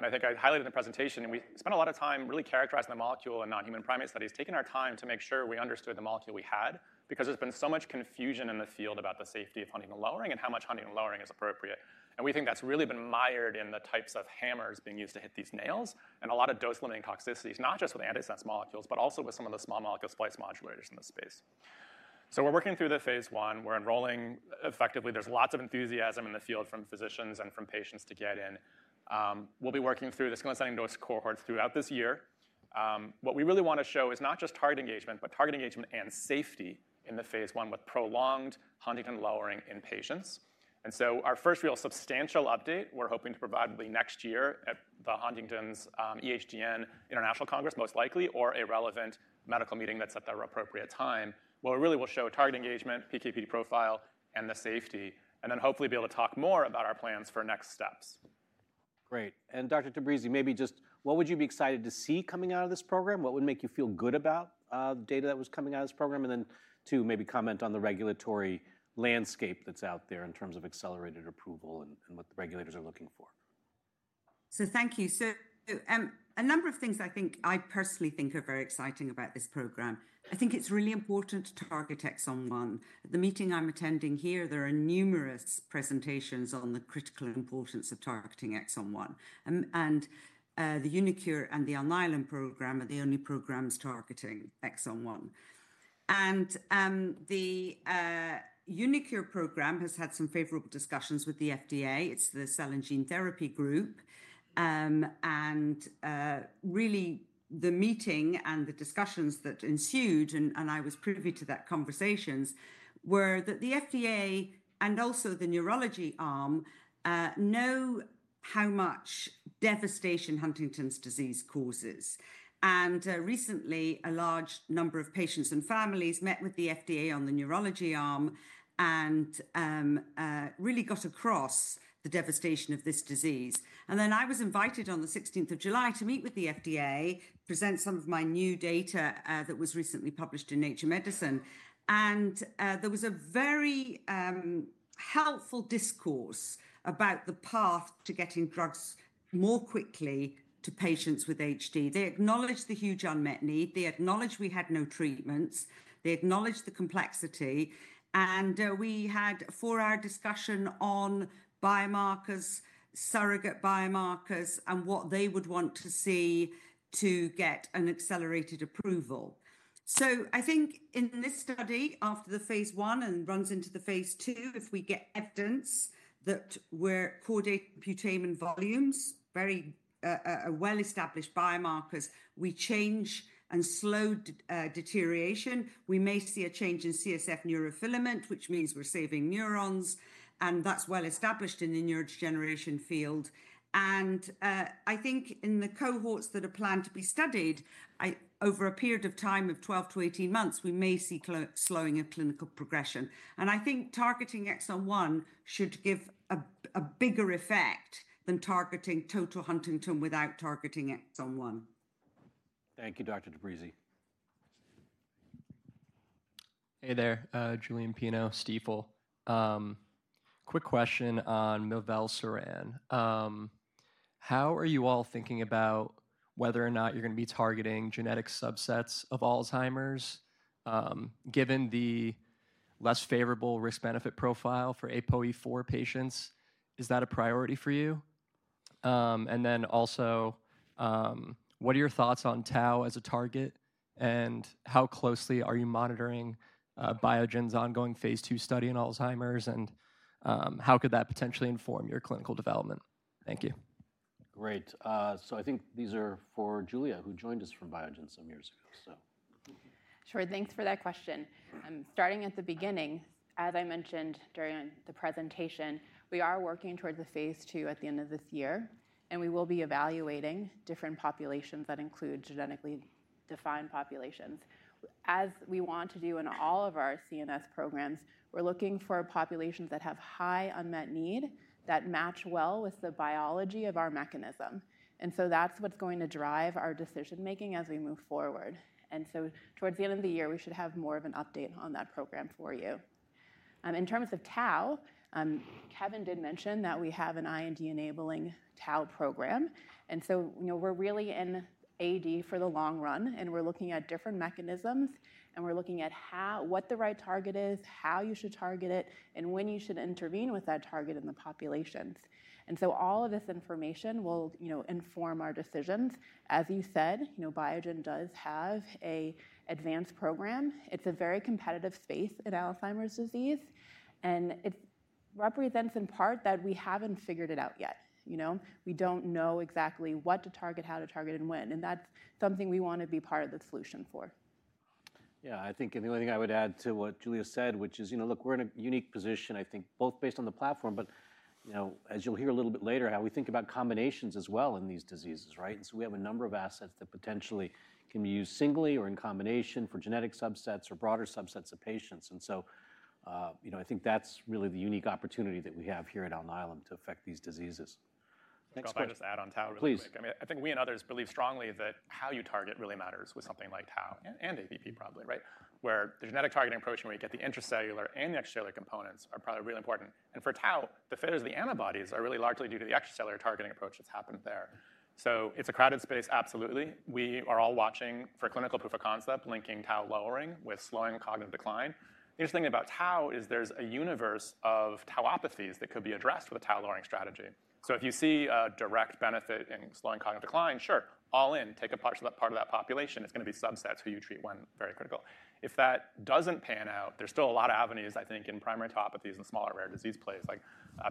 I think I highlighted in the presentation, we spent a lot of time really characterizing the molecule and non-human primate studies, taking our time to make sure we understood the molecule we had because there's been so much confusion in the field about the safety of huntingtin lowering and how much huntingtin lowering is appropriate. We think that's really been mired in the types of hammers being used to hit these nails and a lot of dose-limiting toxicities, not just with antisense molecules, but also with some of the small molecule splice modulators in the space. We're working through the phase one. We're enrolling effectively. There's lots of enthusiasm in the field from physicians and from patients to get in. We'll be working through the escalation dose cohorts throughout this year. What we really want to show is not just target engagement, but target engagement and safety in the phase one with prolonged huntingtin lowering in patients. And so our first real substantial update, we're hoping to provide next year at the Huntington's EHDN International Congress, most likely, or a relevant medical meeting that's at their appropriate time, where we really will show target engagement, PKPD profile, and the safety, and then hopefully be able to talk more about our plans for next steps. Great. And Dr. Tabrizi, maybe just what would you be excited to see coming out of this program? What would make you feel good about the data that was coming out of this program? And then too, maybe comment on the regulatory landscape that's out there in terms of accelerated approval and what the regulators are looking for. So thank you. A number of things I think I personally think are very exciting about this program. I think it's really important to target exon 1. At the meeting I'm attending here, there are numerous presentations on the critical importance of targeting exon 1. The uniQure and the Alnylam program are the only programs targeting exon 1. The uniQure program has had some favorable discussions with the FDA. It's the cell and gene therapy group. Really, the meeting and the discussions that ensued, and I was privy to those conversations, were that the FDA and also the neurology arm know how much devastation Huntington's disease causes. Recently, a large number of patients and families met with the FDA on the neurology arm and really got across the devastation of this disease. Then I was invited on the 16th of July to meet with the FDA, present some of my new data that was recently published in Nature Medicine. There was a very helpful discourse about the path to getting drugs more quickly to patients with HD. They acknowledged the huge unmet need. They acknowledged we had no treatments. They acknowledged the complexity. We had a four-hour discussion on biomarkers, surrogate biomarkers, and what they would want to see to get an accelerated approval. I think in this study, after the phase one and runs into the phase two, if we get evidence that we're coordinating putamen volumes, very well-established biomarkers, we change and slow deterioration, we may see a change in CSF neurofilament, which means we're saving neurons. That's well-established in the neurodegeneration field. And I think in the cohorts that are planned to be studied over a period of time of 12 to 18 months, we may see slowing of clinical progression. And I think targeting exon 1 should give a bigger effect than targeting total huntingtin without targeting exon 1. Thank you, Dr. Tabrizi. Hey there, Julian Pino, Stifel. Quick question on Mivelsiran. How are you all thinking about whether or not you're going to be targeting genetic subsets of Alzheimer's given the less favorable risk-benefit profile for APOE4 patients? Is that a priority for you? And then also, what are your thoughts on tau as a target? And how closely are you monitoring Biogen's ongoing phase 2 study in Alzheimer's? And how could that potentially inform your clinical development? Thank you. Great. So I think these are for Julia, who joined us from Biogen some years ago, so. Sure. Thanks for that question. Starting at the beginning, as I mentioned during the presentation, we are working towards the phase two at the end of this year. And we will be evaluating different populations that include genetically defined populations. As we want to do in all of our CNS programs, we're looking for populations that have high unmet need that match well with the biology of our mechanism. And so that's what's going to drive our decision-making as we move forward. And so towards the end of the year, we should have more of an update on that program for you. In terms of tau, Kevin did mention that we have an IND-enabling tau program. And so we're really in AD for the long run. And we're looking at different mechanisms. We're looking at what the right target is, how you should target it, and when you should intervene with that target in the populations. And so all of this information will inform our decisions. As you said, Biogen does have an advanced program. It's a very competitive space in Alzheimer's disease. And it represents in part that we haven't figured it out yet. We don't know exactly what to target, how to target, and when. And that's something we want to be part of the solution for. Yeah, I think the only thing I would add to what Julia said, which is, look, we're in a unique position, I think, both based on the platform, but as you'll hear a little bit later, how we think about combinations as well in these diseases, right? And so we have a number of assets that potentially can be used singly or in combination for genetic subsets or broader subsets of patients. And so I think that's really the unique opportunity that we have here at Alnylam to affect these diseases. Thanks. Can I just add on tau real quick? I think we and others believe strongly that how you target really matters with something like tau and APP probably, right? Where the genetic targeting approach where you get the intracellular and the extracellular components are probably really important. And for tau, the failures of the antibodies are really largely due to the extracellular targeting approach that's happened there. So it's a crowded space, absolutely. We are all watching for clinical proof of concept linking tau lowering with slowing cognitive decline. The interesting thing about tau is there's a universe of tauopathies that could be addressed with a tau lowering strategy. So if you see a direct benefit in slowing cognitive decline, sure, all in, take a part of that population. It's going to be subsets who you treat when very critical. If that doesn't pan out, there's still a lot of avenues, I think, in primary tauopathies and smaller rare disease plays like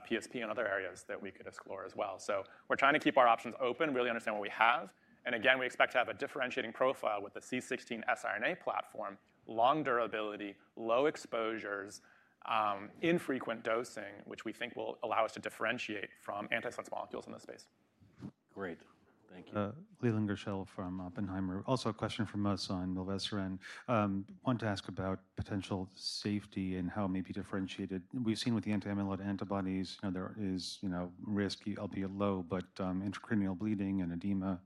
PSP and other areas that we could explore as well. So we're trying to keep our options open, really understand what we have. And again, we expect to have a differentiating profile with the C16 siRNA platform, long durability, low exposures, infrequent dosing, which we think will allow us to differentiate from antisense molecules in this space. Great. Thank you. Leland Gershell from Oppenheimer. Also a question from us on Mivelsiran. Want to ask about potential safety and how it may be differentiated. We've seen with the anti-amyloid antibodies, there is risk, albeit low, but intracranial bleeding and edema,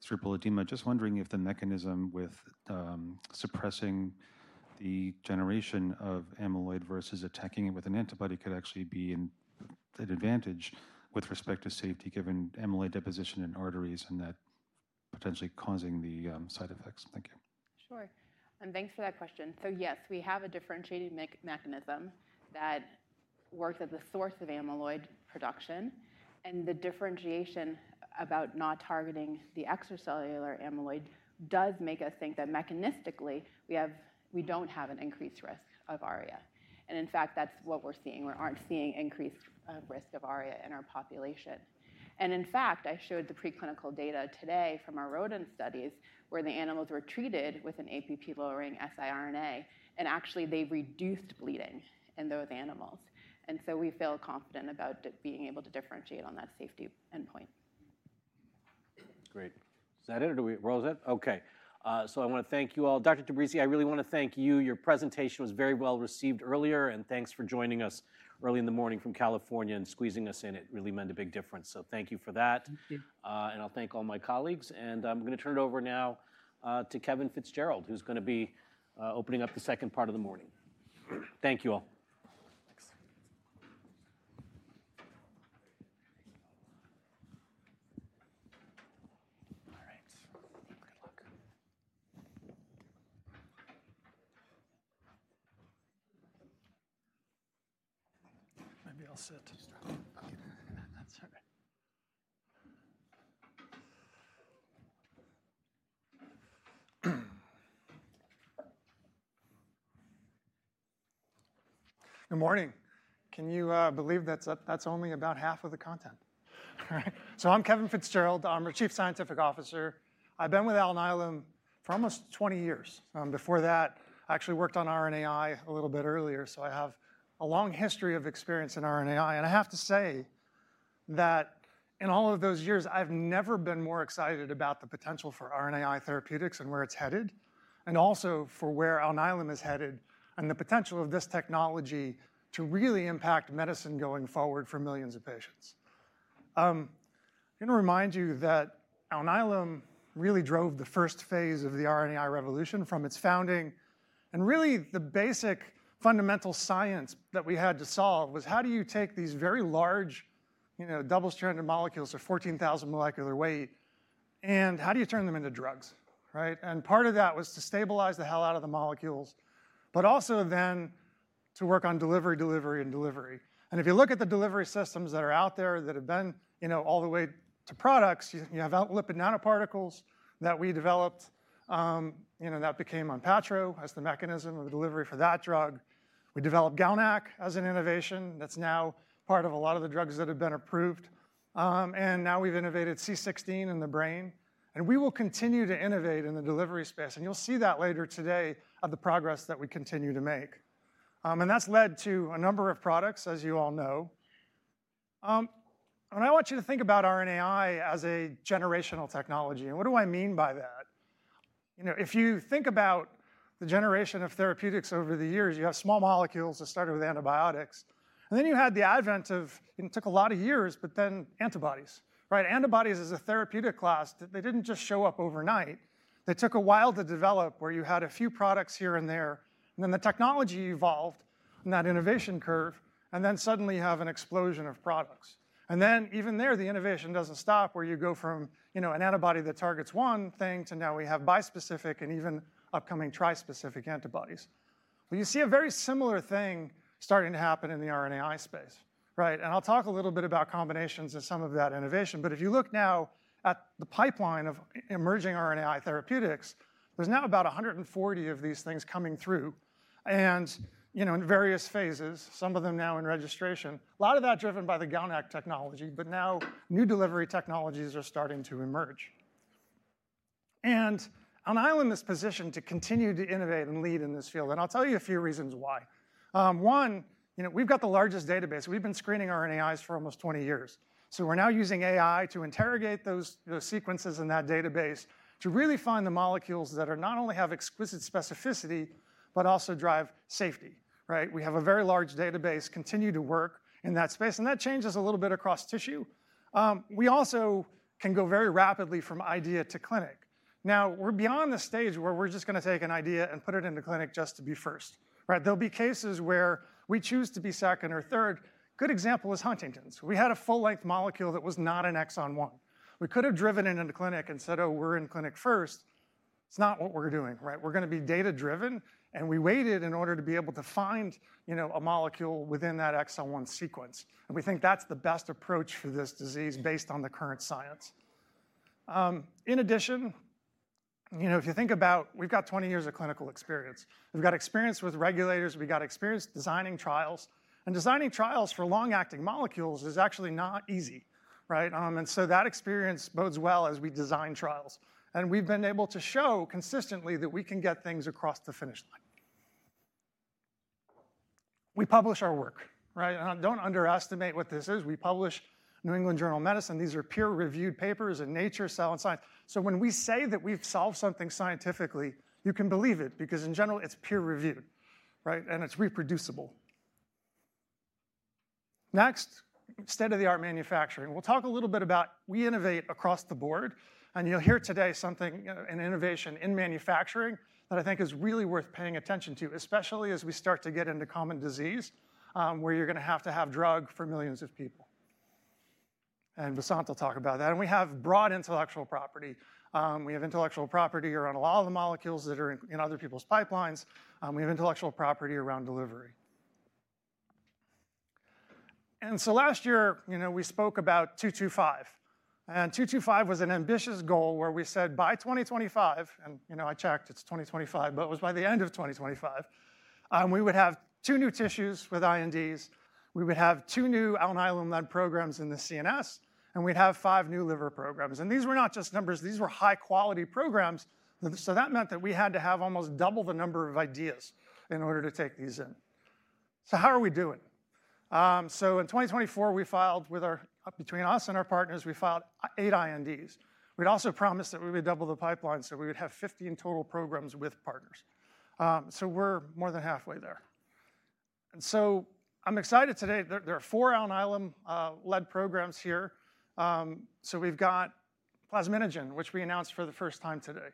cerebral edema. Just wondering if the mechanism with suppressing the generation of amyloid versus attacking it with an antibody could actually be an advantage with respect to safety given amyloid deposition in arteries and that potentially causing the side effects. Thank you. Sure. And thanks for that question. So yes, we have a differentiating mechanism that works as a source of amyloid production. And the differentiation about not targeting the extracellular amyloid does make us think that mechanistically, we don't have an increased risk of ARIA. And in fact, that's what we're seeing. We aren't seeing increased risk of ARIA in our population. And in fact, I showed the preclinical data today from our rodent studies where the animals were treated with an APP-lowering siRNA. And actually, they reduced bleeding in those animals. And so we feel confident about being able to differentiate on that safety endpoint. Great. Is that it? Or do we roll is it? Okay. So I want to thank you all. Dr. Tabrizi, I really want to thank you. Your presentation was very well received earlier. And thanks for joining us early in the morning from California and squeezing us in. It really meant a big difference. So thank you for that. Thank you. And I'll thank all my colleagues. And I'm going to turn it over now to Kevin Fitzgerald, who's going to be opening up the second part of the morning. Thank you all. Thanks. All right. Good luck. Maybe I'll sit. Good morning. Can you believe that's only about half of the content? All right, so I'm Kevin Fitzgerald. I'm the Chief Scientific Officer. I've been with Alnylam for almost 20 years. Before that, I actually worked on RNAi a little bit earlier, so I have a long history of experience in RNAi, and I have to say that in all of those years, I've never been more excited about the potential for RNAi therapeutics and where it's headed, and also for where Alnylam is headed and the potential of this technology to really impact medicine going forward for millions of patients. I'm going to remind you that Alnylam really drove the first phase of the RNAi revolution from its founding. Really, the basic fundamental science that we had to solve was how do you take these very large double-stranded molecules of 14,000 molecular weight, and how do you turn them into drugs, right? Part of that was to stabilize the hell out of the molecules, but also then to work on delivery, delivery, and delivery. If you look at the delivery systems that are out there that have been all the way to products, you have lipid nanoparticles that we developed that became Onpattro as the mechanism of delivery for that drug. We developed GalNAc as an innovation that's now part of a lot of the drugs that have been approved. Now we've innovated C16 in the brain. We will continue to innovate in the delivery space. You'll see that later today on the progress that we continue to make. And that's led to a number of products, as you all know. And I want you to think about RNAi as a generational technology. And what do I mean by that? If you think about the generation of therapeutics over the years, you have small molecules that started with antibiotics. And then you had the advent of it took a lot of years, but then antibodies, right? Antibodies as a therapeutic class, they didn't just show up overnight. They took a while to develop where you had a few products here and there. And then the technology evolved in that innovation curve. And then suddenly you have an explosion of products. And then even there, the innovation doesn't stop where you go from an antibody that targets one thing to now we have bispecific and even upcoming trispecific antibodies. You see a very similar thing starting to happen in the RNAi space, right, and I'll talk a little bit about combinations and some of that innovation, but if you look now at the pipeline of emerging RNAi therapeutics, there's now about 140 of these things coming through in various phases, some of them now in registration. A lot of that driven by the GalNAc technology, but now new delivery technologies are starting to emerge, and Alnylam is positioned to continue to innovate and lead in this field, and I'll tell you a few reasons why. One, we've got the largest database. We've been screening RNAi for almost 20 years, so we're now using AI to interrogate those sequences in that database to really find the molecules that not only have exquisite specificity, but also drive safety, right? We have a very large database and continue to work in that space, and that changes a little bit across tissue. We also can go very rapidly from idea to clinic. Now, we're beyond the stage where we're just going to take an idea and put it into clinic just to be first, right? There'll be cases where we choose to be second or third. Good example is Huntington's. We had a full-length molecule that was not an exon one. We could have driven it into clinic and said, oh, we're in clinic first. It's not what we're doing, right? We're going to be data-driven, and we waited in order to be able to find a molecule within that exon one sequence, and we think that's the best approach for this disease based on the current science. In addition, if you think about it, we've got 20 years of clinical experience. We've got experience with regulators. We've got experience designing trials. And designing trials for long-acting molecules is actually not easy, right? And so that experience bodes well as we design trials. And we've been able to show consistently that we can get things across the finish line. We publish our work, right? And don't underestimate what this is. We publish New England Journal of Medicine. These are peer-reviewed papers in Nature, Cell and Science. So when we say that we've solved something scientifically, you can believe it because in general, it's peer-reviewed, right? And it's reproducible. Next, state-of-the-art manufacturing. We'll talk a little bit about we innovate across the board. And you'll hear today something, an innovation in manufacturing that I think is really worth paying attention to, especially as we start to get into common disease where you're going to have to have drug for millions of people. And Vasant will talk about that. And we have broad intellectual property. We have intellectual property around a lot of the molecules that are in other people's pipelines. We have intellectual property around delivery. And so last year, we spoke about 225. And 225 was an ambitious goal where we said by 2025, and I checked it's 2025, but it was by the end of 2025, we would have two new tissues with INDs. We would have two new Alnylam-led programs in the CNS. And we'd have five new liver programs. And these were not just numbers. These were high-quality programs. So that meant that we had to have almost double the number of ideas in order to take these in. So how are we doing? So in 2024, between us and our partners, we filed eight INDs. We'd also promised that we would double the pipeline so we would have 15 total programs with partners. So we're more than halfway there. And so I'm excited today. There are four Alnylam-led programs here. So we've got plasminogen, which we announced for the first time today.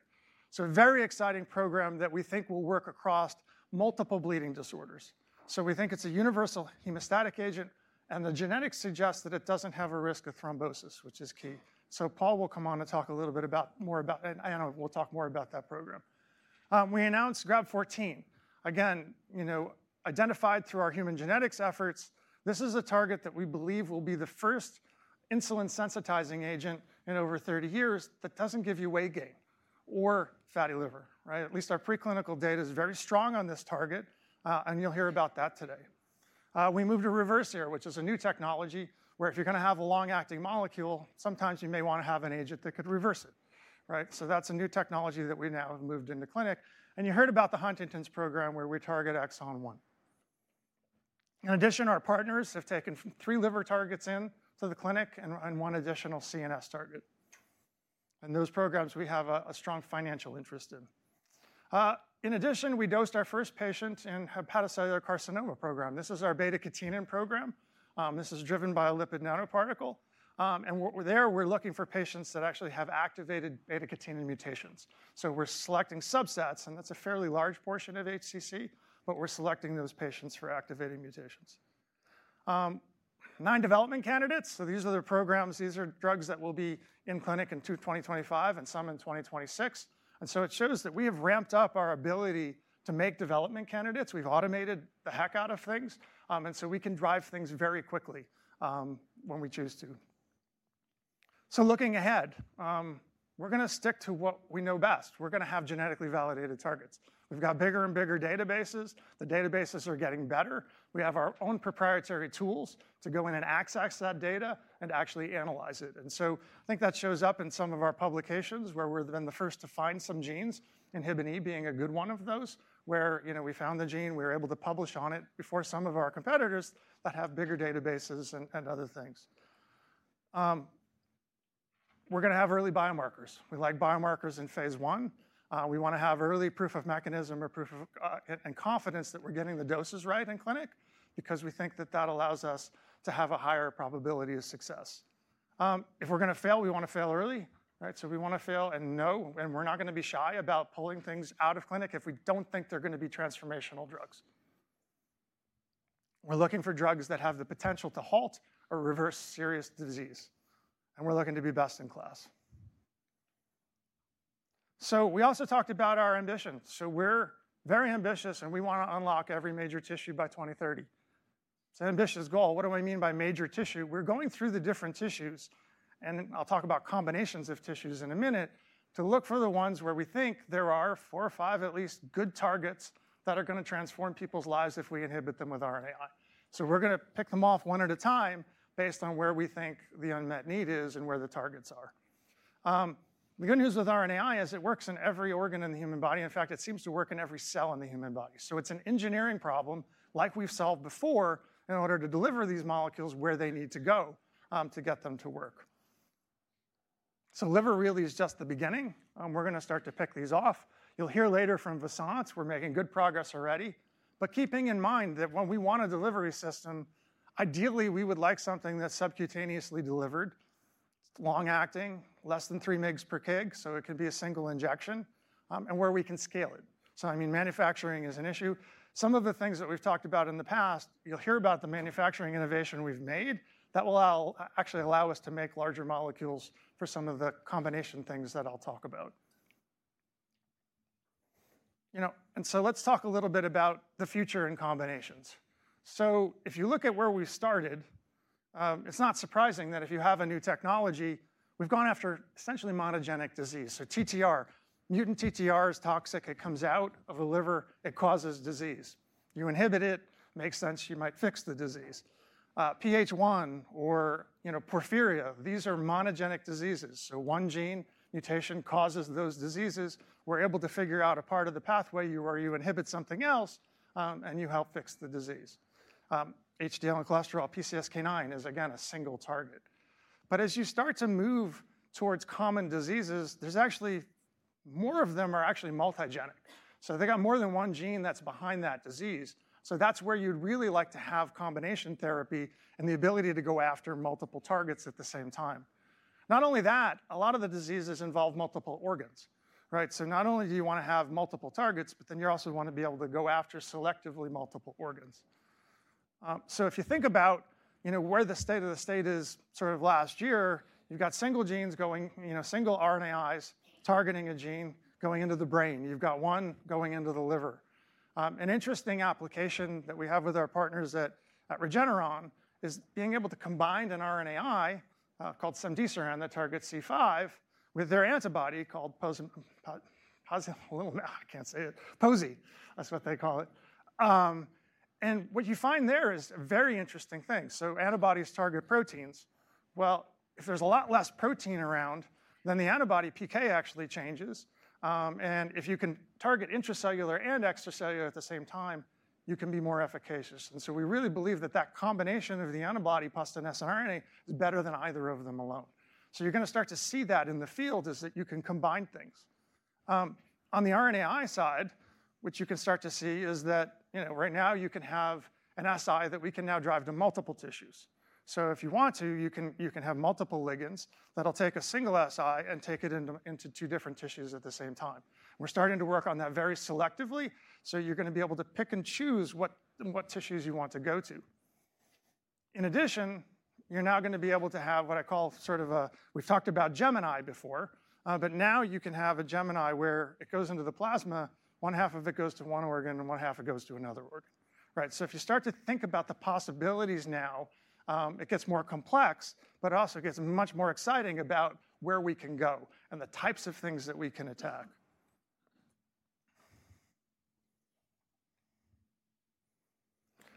So a very exciting program that we think will work across multiple bleeding disorders. So we think it's a universal hemostatic agent. And the genetics suggest that it doesn't have a risk of thrombosis, which is key. So Paul will come on and talk a little bit more about and I know we'll talk more about that program. We announced GRB14. Again, identified through our human genetics efforts, this is a target that we believe will be the first insulin-sensitizing agent in over 30 years that doesn't give you weight gain or fatty liver, right? At least our preclinical data is very strong on this target. And you'll hear about that today. We moved to Reversir here, which is a new technology where if you're going to have a long-acting molecule, sometimes you may want to have an agent that could reverse it, right? So that's a new technology that we now have moved into clinic. And you heard about the Huntington's program where we target Exon 1. In addition, our partners have taken three liver targets into the clinic and one additional CNS target. And those programs we have a strong financial interest in. In addition, we dosed our first patient in hepatocellular carcinoma program. This is our beta-catenin program. This is driven by a lipid nanoparticle. And there, we're looking for patients that actually have activated beta-catenin mutations. So we're selecting subsets. And that's a fairly large portion of HCC. But we're selecting those patients for activating mutations. Nine development candidates, so these are the programs. These are drugs that will be in clinic in 2025 and some in 2026, and so it shows that we have ramped up our ability to make development candidates. We've automated the heck out of things, and so we can drive things very quickly when we choose to, so looking ahead, we're going to stick to what we know best. We're going to have genetically validated targets. We've got bigger and bigger databases. The databases are getting better. We have our own proprietary tools to go in and access that data and actually analyze it, and so I think that shows up in some of our publications where we've been the first to find some genes, Inhibin E being a good one of those, where we found the gene. We were able to publish on it before some of our competitors that have bigger databases and other things. We're going to have early biomarkers. We like biomarkers in phase 1. We want to have early proof of mechanism or proof of confidence that we're getting the doses right in clinic because we think that that allows us to have a higher probability of success. If we're going to fail, we want to fail early, right? So we want to fail. And no, and we're not going to be shy about pulling things out of clinic if we don't think they're going to be transformational drugs. We're looking for drugs that have the potential to halt or reverse serious disease. And we're looking to be best in class. So we also talked about our ambition. So we're very ambitious. And we want to unlock every major tissue by 2030. It's an ambitious goal. What do I mean by major tissue? We're going through the different tissues, and I'll talk about combinations of tissues in a minute to look for the ones where we think there are four or five at least good targets that are going to transform people's lives if we inhibit them with RNAi, so we're going to pick them off one at a time based on where we think the unmet need is and where the targets are. The good news with RNAi is it works in every organ in the human body. In fact, it seems to work in every cell in the human body, so it's an engineering problem like we've solved before in order to deliver these molecules where they need to go to get them to work, so liver really is just the beginning. We're going to start to pick these off. You'll hear later from Vasant. We're making good progress already, but keeping in mind that when we want a delivery system, ideally, we would like something that's subcutaneously delivered, long-acting, less than three mgs per kg. So it can be a single injection and where we can scale it, so I mean, manufacturing is an issue. Some of the things that we've talked about in the past, you'll hear about the manufacturing innovation we've made that will actually allow us to make larger molecules for some of the combination things that I'll talk about, and so let's talk a little bit about the future in combinations. So if you look at where we started, it's not surprising that if you have a new technology, we've gone after essentially monogenic disease. So TTR, mutant TTR is toxic. It comes out of the liver. It causes disease. You inhibit it. Makes sense. You might fix the disease. PH1 or Porphyria, these are monogenic diseases. So one gene mutation causes those diseases. We're able to figure out a part of the pathway where you inhibit something else and you help fix the disease. HDL and cholesterol, PCSK9 is again a single target. But as you start to move towards common diseases, there's actually more of them are actually multigenic. So they got more than one gene that's behind that disease. So that's where you'd really like to have combination therapy and the ability to go after multiple targets at the same time. Not only that, a lot of the diseases involve multiple organs, right? So not only do you want to have multiple targets, but then you also want to be able to go after selectively multiple organs. So if you think about where the state of the state is sort of last year, you've got single genes going, single RNAi targeting a gene going into the brain. You've got one going into the liver. An interesting application that we have with our partners at Regeneron is being able to combine an RNAi called Cemdisiran that targets C5 with their antibody called Pozelimab. I can't say it. Pozelimab. That's what they call it. And what you find there is a very interesting thing. Antibodies target proteins. Well, if there's a lot less protein around, then the antibody PK actually changes. And if you can target intracellular and extracellular at the same time, you can be more efficacious. And so we really believe that that combination of the antibody plus an siRNA is better than either of them alone. So, you're going to start to see that in the field is that you can combine things. On the RNAi side, which you can start to see is that right now you can have an siRNA that we can now drive to multiple tissues. So, if you want to, you can have multiple ligands that'll take a single siRNA and take it into two different tissues at the same time. We're starting to work on that very selectively. So, you're going to be able to pick and choose what tissues you want to go to. In addition, you're now going to be able to have what I call sort of a. We've talked about Gemini before. But now you can have a Gemini where it goes into the plasma. One half of it goes to one organ and one half of it goes to another organ, right? So if you start to think about the possibilities now, it gets more complex. But it also gets much more exciting about where we can go and the types of things that we can attack.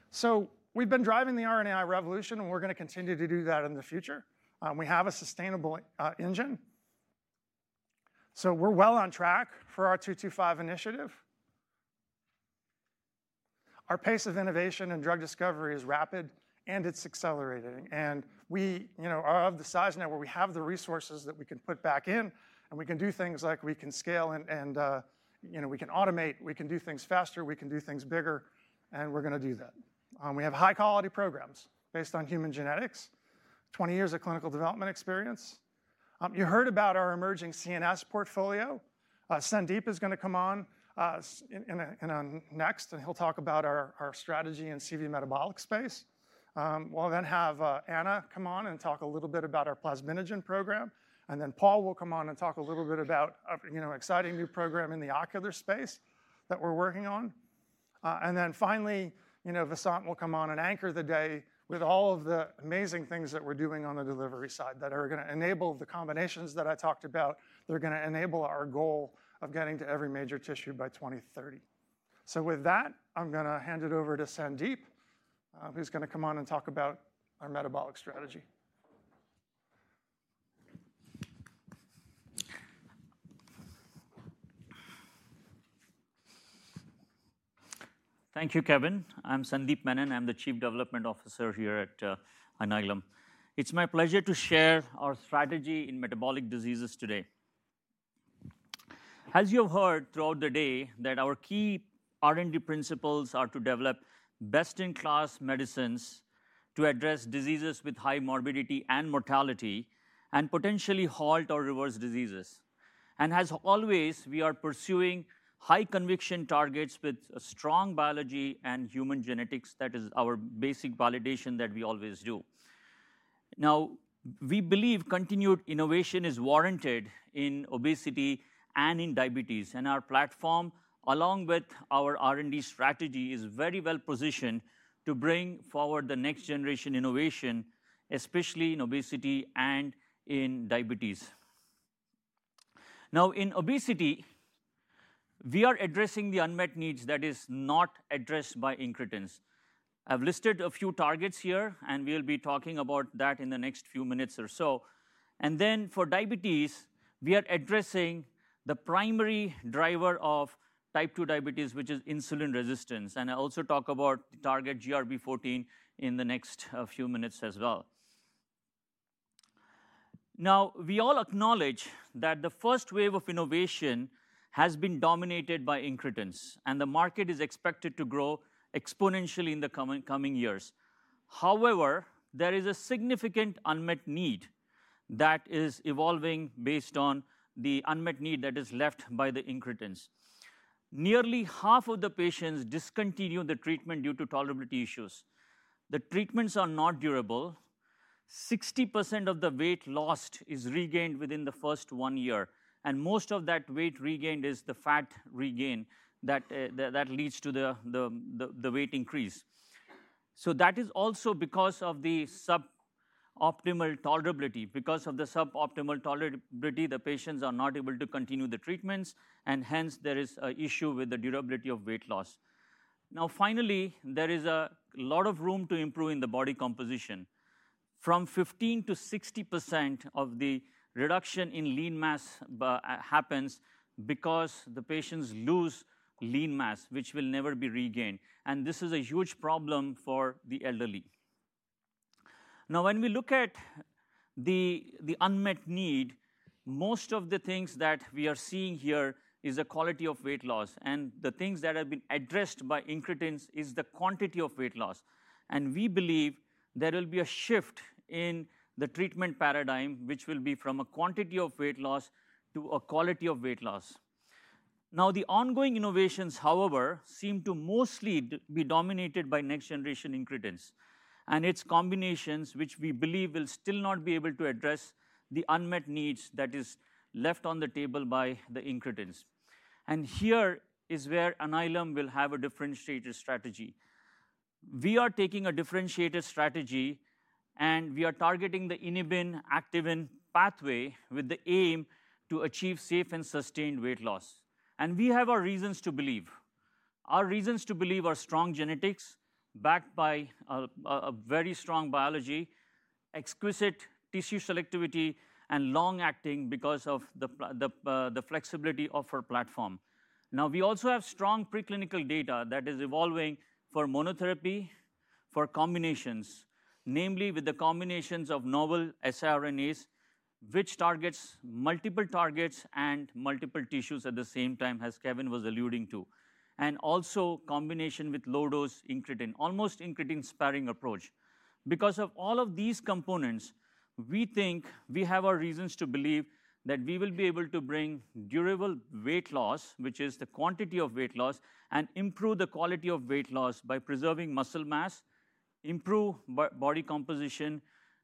So we've been driving the RNAi revolution. And we're going to continue to do that in the future. We have a sustainable engine. So we're well on track for our 2-2-5 initiative. Our pace of innovation and drug discovery is rapid. And it's accelerating. And we are of the size now where we have the resources that we can put back in. And we can do things like we can scale. And we can automate. We can do things faster. We can do things bigger. And we're going to do that. We have high-quality programs based on human genetics, 20 years of clinical development experience. You heard about our emerging CNS portfolio. Sandeep is going to come on next. And he'll talk about our strategy in CV metabolic space. We'll then have Anna come on and talk a little bit about our plasminogen program. And then Paul will come on and talk a little bit about an exciting new program in the ocular space that we're working on. And then finally, Vasant will come on and anchor the day with all of the amazing things that we're doing on the delivery side that are going to enable the combinations that I talked about. They're going to enable our goal of getting to every major tissue by 2030. So with that, I'm going to hand it over to Sandeep, who's going to come on and talk about our metabolic strategy. Thank you, Kevin. I'm Sandeep Menon. I'm the Chief Development Officer here at Alnylam. It's my pleasure to share our strategy in metabolic diseases today. As you have heard throughout the day that our key R&D principles are to develop best-in-class medicines to address diseases with high morbidity and mortality and potentially halt or reverse diseases. And as always, we are pursuing high-conviction targets with a strong biology and human genetics. That is our basic validation that we always do. Now, we believe continued innovation is warranted in obesity and in diabetes. And our platform, along with our R&D strategy, is very well positioned to bring forward the next generation innovation, especially in obesity and in diabetes. Now, in obesity, we are addressing the unmet needs that are not addressed by incretins. I've listed a few targets here. And we'll be talking about that in the next few minutes or so. And then for diabetes, we are addressing the primary driver of type 2 diabetes, which is insulin resistance. And I'll also talk about the target GRB14 in the next few minutes as well. Now, we all acknowledge that the first wave of innovation has been dominated by Incretins. And the market is expected to grow exponentially in the coming years. However, there is a significant unmet need that is evolving based on the unmet need that is left by the Incretins. Nearly half of the patients discontinue the treatment due to tolerability issues. The treatments are not durable. 60% of the weight lost is regained within the first one year. And most of that weight regained is the fat regain that leads to the weight increase. So that is also because of the suboptimal tolerability. Because of the suboptimal tolerability, the patients are not able to continue the treatments. Hence, there is an issue with the durability of weight loss. Now, finally, there is a lot of room to improve in the body composition. From 15%-60% of the reduction in lean mass happens because the patients lose lean mass, which will never be regained. And this is a huge problem for the elderly. Now, when we look at the unmet need, most of the things that we are seeing here are the quality of weight loss. And the things that have been addressed by Incretins are the quantity of weight loss. And we believe there will be a shift in the treatment paradigm, which will be from a quantity of weight loss to a quality of weight loss. Now, the ongoing innovations, however, seem to mostly be dominated by next-generation incretins and its combinations, which we believe will still not be able to address the unmet needs that are left on the table by the incretins. Here is where Alnylam will have a differentiated strategy. We are taking a differentiated strategy. We are targeting the inhibin-activin pathway with the aim to achieve safe and sustained weight loss. We have our reasons to believe. Our reasons to believe are strong genetics backed by a very strong biology, exquisite tissue selectivity, and long-acting because of the flexibility of our platform. Now, we also have strong preclinical data that is evolving for monotherapy for combinations, namely with the combinations of novel siRNAs, which target multiple targets and multiple tissues at the same time, as Kevin was alluding to, and also combination with low-dose incretin, almost incretin-sparing approach. Because of all of these components, we think we have our reasons to believe that we will be able to bring durable weight loss, which is the quantity of weight loss, and improve the quality of weight loss by preserving muscle mass, improve body composition,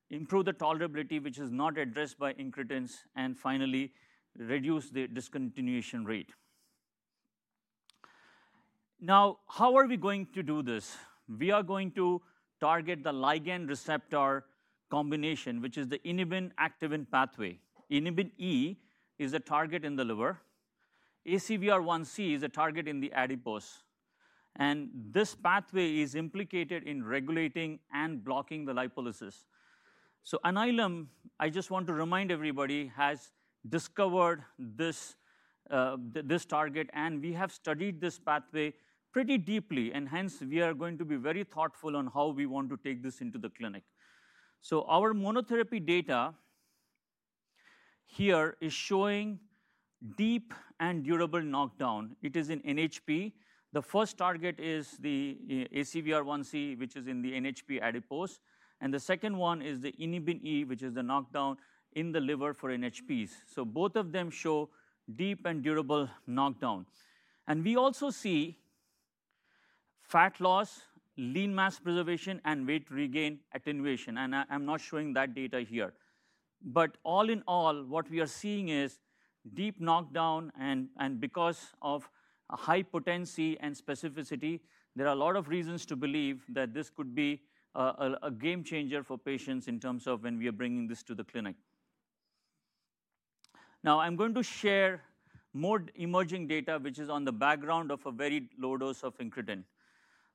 improve the tolerability, which is not addressed by incretins, and finally, reduce the discontinuation rate. Now, how are we going to do this? We are going to target the ligand-receptor combination, which is the inhibin-activin pathway. Inhibin E is a target in the liver. ACVR1C is a target in the adipose. And this pathway is implicated in regulating and blocking the lipolysis. So Alnylam, I just want to remind everybody, has discovered this target. And we have studied this pathway pretty deeply, and hence, we are going to be very thoughtful on how we want to take this into the clinic. So our monotherapy data here is showing deep and durable knockdown. It is in NHP. The first target is the ACVR1C, which is in the NHP adipose. And the second one is the inhibin E, which is the knockdown in the liver for NHPs. So both of them show deep and durable knockdown. And we also see fat loss, lean mass preservation, and weight regain attenuation. And I'm not showing that data here. But all in all, what we are seeing is deep knockdown. And because of high potency and specificity, there are a lot of reasons to believe that this could be a game changer for patients in terms of when we are bringing this to the clinic. Now, I'm going to share more emerging data, which is on the background of a very low dose of Incretin.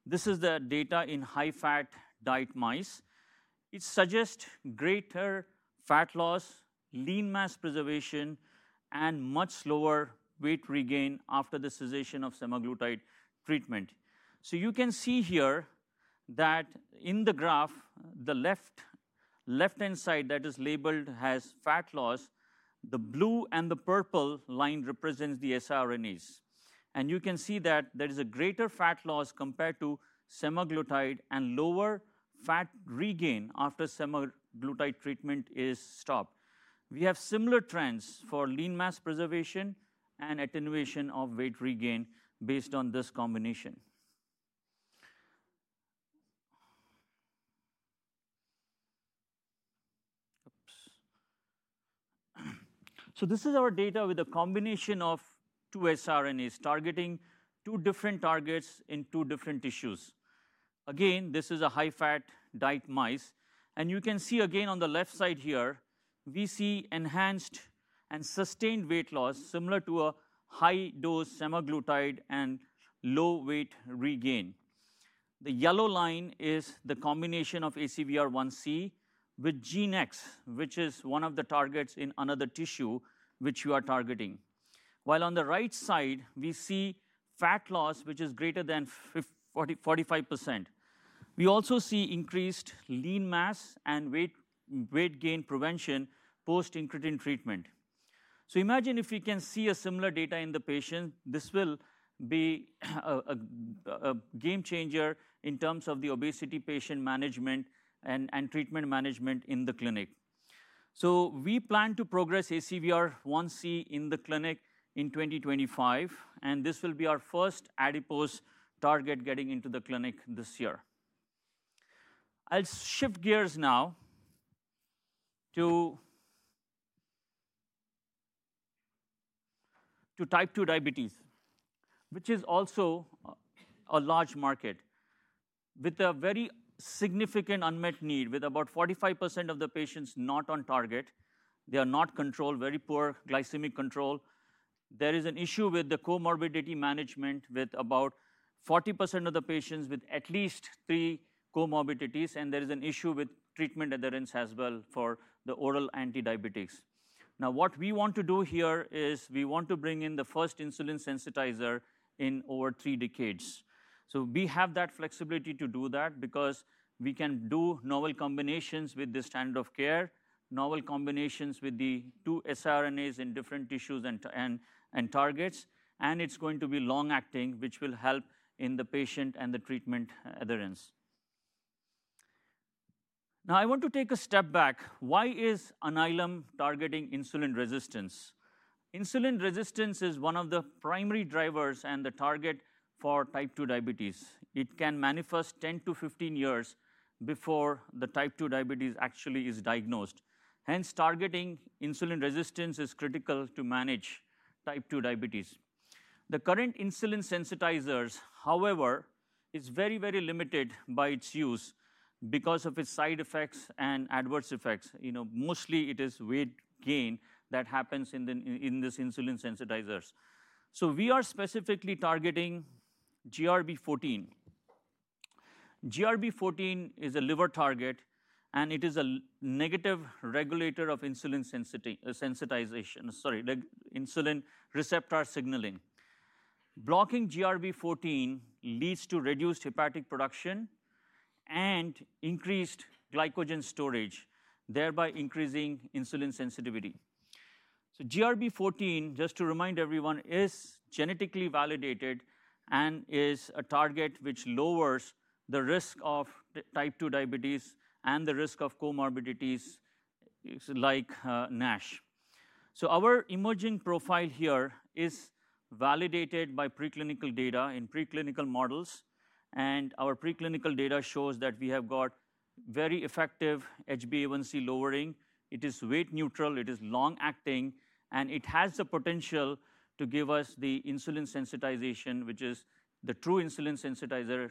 This is the data in high-fat diet mice. It suggests greater fat loss, lean mass preservation, and much slower weight regain after the cessation of Semaglutide treatment. So you can see here that in the graph, the left-hand side that is labeled has fat loss. The blue and the purple line represents the siRNAs. And you can see that there is a greater fat loss compared to Semaglutide and lower fat regain after Semaglutide treatment is stopped. We have similar trends for lean mass preservation and attenuation of weight regain based on this combination. Oops. So this is our data with a combination of two siRNAs targeting two different targets in two different tissues. Again, this is a high-fat diet mice. And you can see again on the left side here, we see enhanced and sustained weight loss similar to a high-dose Semaglutide and low weight regain. The yellow line is the combination of ACVR1C with GeneX, which is one of the targets in another tissue which you are targeting. While on the right side, we see fat loss, which is greater than 45%. We also see increased lean mass and weight gain prevention post Incretin treatment, so imagine if we can see similar data in the patient. This will be a game changer in terms of the obesity patient management and treatment management in the clinic, so we plan to progress ACVR1C in the clinic in 2025, and this will be our first adipose target getting into the clinic this year. I'll shift gears now to type 2 diabetes, which is also a large market with a very significant unmet need, with about 45% of the patients not on target. They are not controlled, very poor glycemic control. There is an issue with the comorbidity management with about 40% of the patients with at least three comorbidities. And there is an issue with treatment adherence as well for the oral antidiabetics. Now, what we want to do here is we want to bring in the first insulin sensitizer in over three decades. So we have that flexibility to do that because we can do novel combinations with the standard of care, novel combinations with the two siRNAs in different tissues and targets. And it's going to be long-acting, which will help in the patient and the treatment adherence. Now, I want to take a step back. Why is Alnylam targeting insulin resistance? Insulin resistance is one of the primary drivers and the target for type 2 diabetes. It can manifest 10-15 years before the type 2 diabetes actually is diagnosed. Hence, targeting insulin resistance is critical to manage type 2 diabetes. The current insulin sensitizers, however, are very, very limited by its use because of its side effects and adverse effects. Mostly, it is weight gain that happens in these insulin sensitizers. So we are specifically targeting GRB14. GRB14 is a liver target, and it is a negative regulator of insulin sensitization, sorry, insulin receptor signaling. Blocking GRB14 leads to reduced hepatic production and increased glycogen storage, thereby increasing insulin sensitivity, so GRB14, just to remind everyone, is genetically validated and is a target which lowers the risk of type 2 diabetes and the risk of comorbidities like NASH, so our emerging profile here is validated by preclinical data in preclinical models, and our preclinical data shows that we have got very effective HbA1c lowering. It is weight neutral. It is long-acting. It has the potential to give us the insulin sensitization, which is the true insulin sensitizer,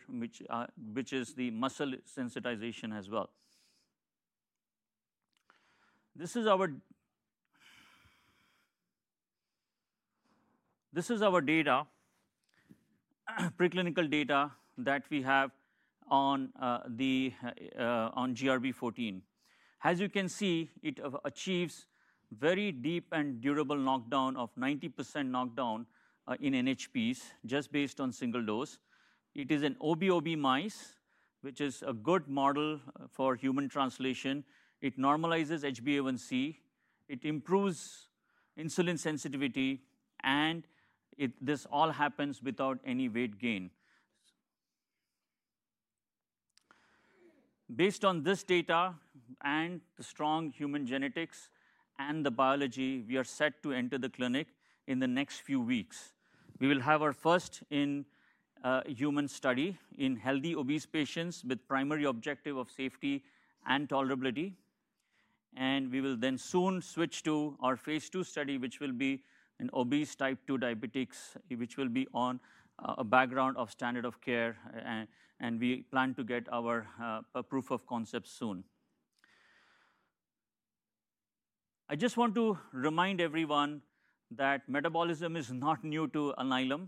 which is the muscle sensitization as well. This is our data, preclinical data that we have on GRB14. As you can see, it achieves very deep and durable knockdown of 90% knockdown in NHPs just based on single dose. It is in ob/ob mice, which is a good model for human translation. It normalizes HbA1c. It improves insulin sensitivity. And this all happens without any weight gain. Based on this data and the strong human genetics and the biology, we are set to enter the clinic in the next few weeks. We will have our first in-human study in healthy obese patients with the primary objective of safety and tolerability. And we will then soon switch to our phase two study, which will be in obese type 2 diabetics, which will be on a background of standard of care. And we plan to get our proof of concept soon. I just want to remind everyone that metabolism is not new to Alnylam.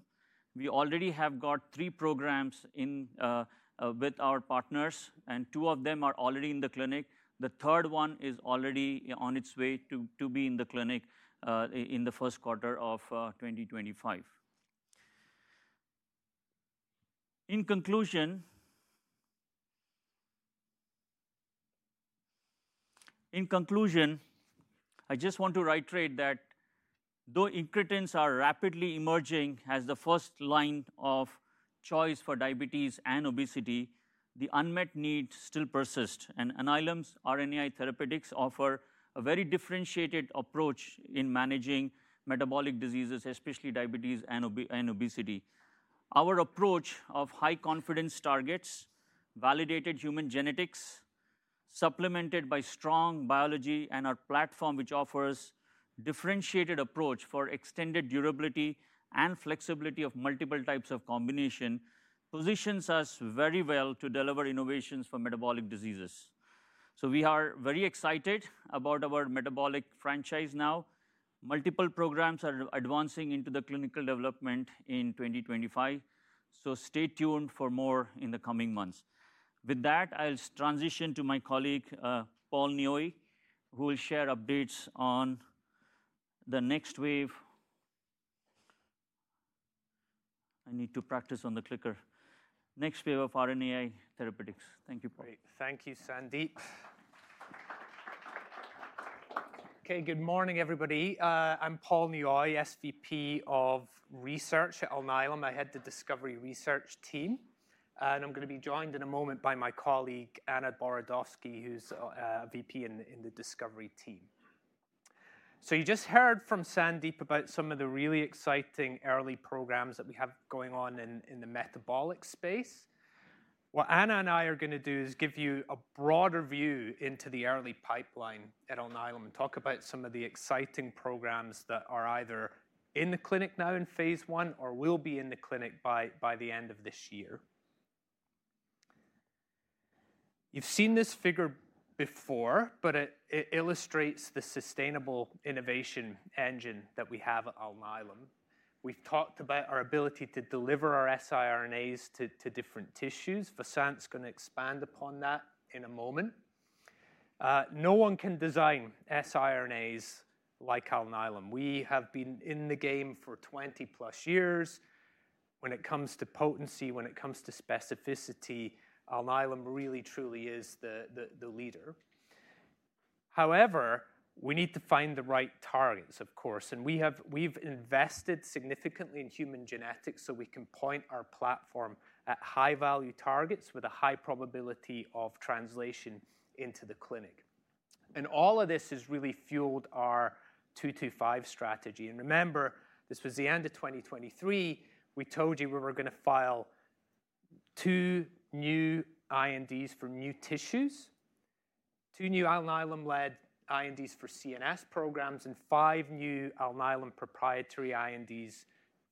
We already have got three programs with our partners. And two of them are already in the clinic. The third one is already on its way to be in the clinic in the first quarter of 2025. In conclusion, I just want to reiterate that though incretins are rapidly emerging as the first line of choice for diabetes and obesity, the unmet need still persists. And Alnylam's RNAi therapeutics offer a very differentiated approach in managing metabolic diseases, especially diabetes and obesity. Our approach of high confidence targets, validated human genetics, supplemented by strong biology, and our platform, which offers a differentiated approach for extended durability and flexibility of multiple types of combination, positions us very well to deliver innovations for metabolic diseases. So we are very excited about our metabolic franchise now. Multiple programs are advancing into the clinical development in 2025. So stay tuned for more in the coming months. With that, I'll transition to my colleague, Paul Nioi, who will share updates on the next wave. I need to practice on the clicker. Next wave of RNAi therapeutics. Thank you, Paul. Great. Thank you, Sandy. Okay. Good morning, everybody. I'm Paul Nioi, SVP of Research at Alnylam. I head the discovery research team. And I'm going to be joined in a moment by my colleague, Anna Borodovsky, who's a VP in the discovery team. So you just heard from Sandy about some of the really exciting early programs that we have going on in the metabolic space. What Anna and I are going to do is give you a broader view into the early pipeline at Alnylam and talk about some of the exciting programs that are either in the clinic now in phase 1 or will be in the clinic by the end of this year. You've seen this figure before, but it illustrates the sustainable innovation engine that we have at Alnylam. We've talked about our ability to deliver our siRNAs to different tissues. Vasant's going to expand upon that in a moment. No one can design siRNAs like Alnylam. We have been in the game for 20-plus years. When it comes to potency, when it comes to specificity, Alnylam really, truly is the leader. However, we need to find the right targets, of course. And we've invested significantly in human genetics so we can point our platform at high-value targets with a high probability of translation into the clinic. And all of this has really fueled our 2-2-5 strategy. And remember, this was the end of 2023. We told you we were going to file two new INDs for new tissues, two new Alnylam-led INDs for CNS programs, and five new Alnylam proprietary INDs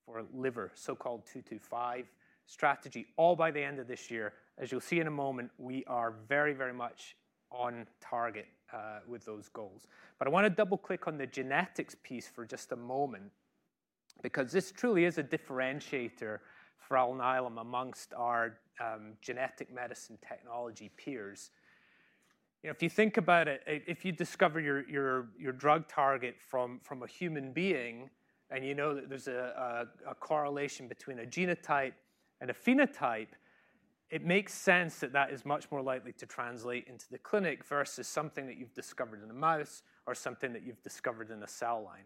for liver, so-called 2-2-5 strategy, all by the end of this year. As you'll see in a moment, we are very, very much on target with those goals. But I want to double-click on the genetics piece for just a moment because this truly is a differentiator for Alnylam amongst our genetic medicine technology peers. If you think about it, if you discover your drug target from a human being and you know that there's a correlation between a genotype and a phenotype, it makes sense that that is much more likely to translate into the clinic versus something that you've discovered in a mouse or something that you've discovered in a cell line.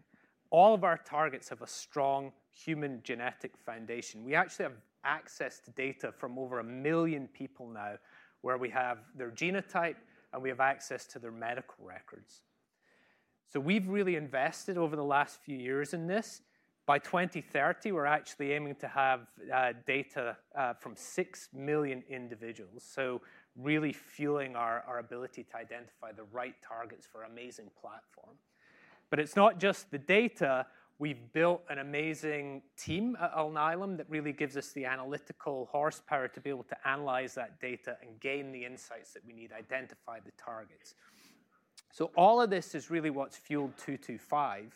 All of our targets have a strong human genetic foundation. We actually have access to data from over a million people now where we have their genotype, and we have access to their medical records. So we've really invested over the last few years in this. By 2030, we're actually aiming to have data from six million individuals, so really fueling our ability to identify the right targets for our amazing platform. But it's not just the data. We've built an amazing team at Alnylam that really gives us the analytical horsepower to be able to analyze that data and gain the insights that we need, identify the targets. So all of this is really what's fueled 2-2-5.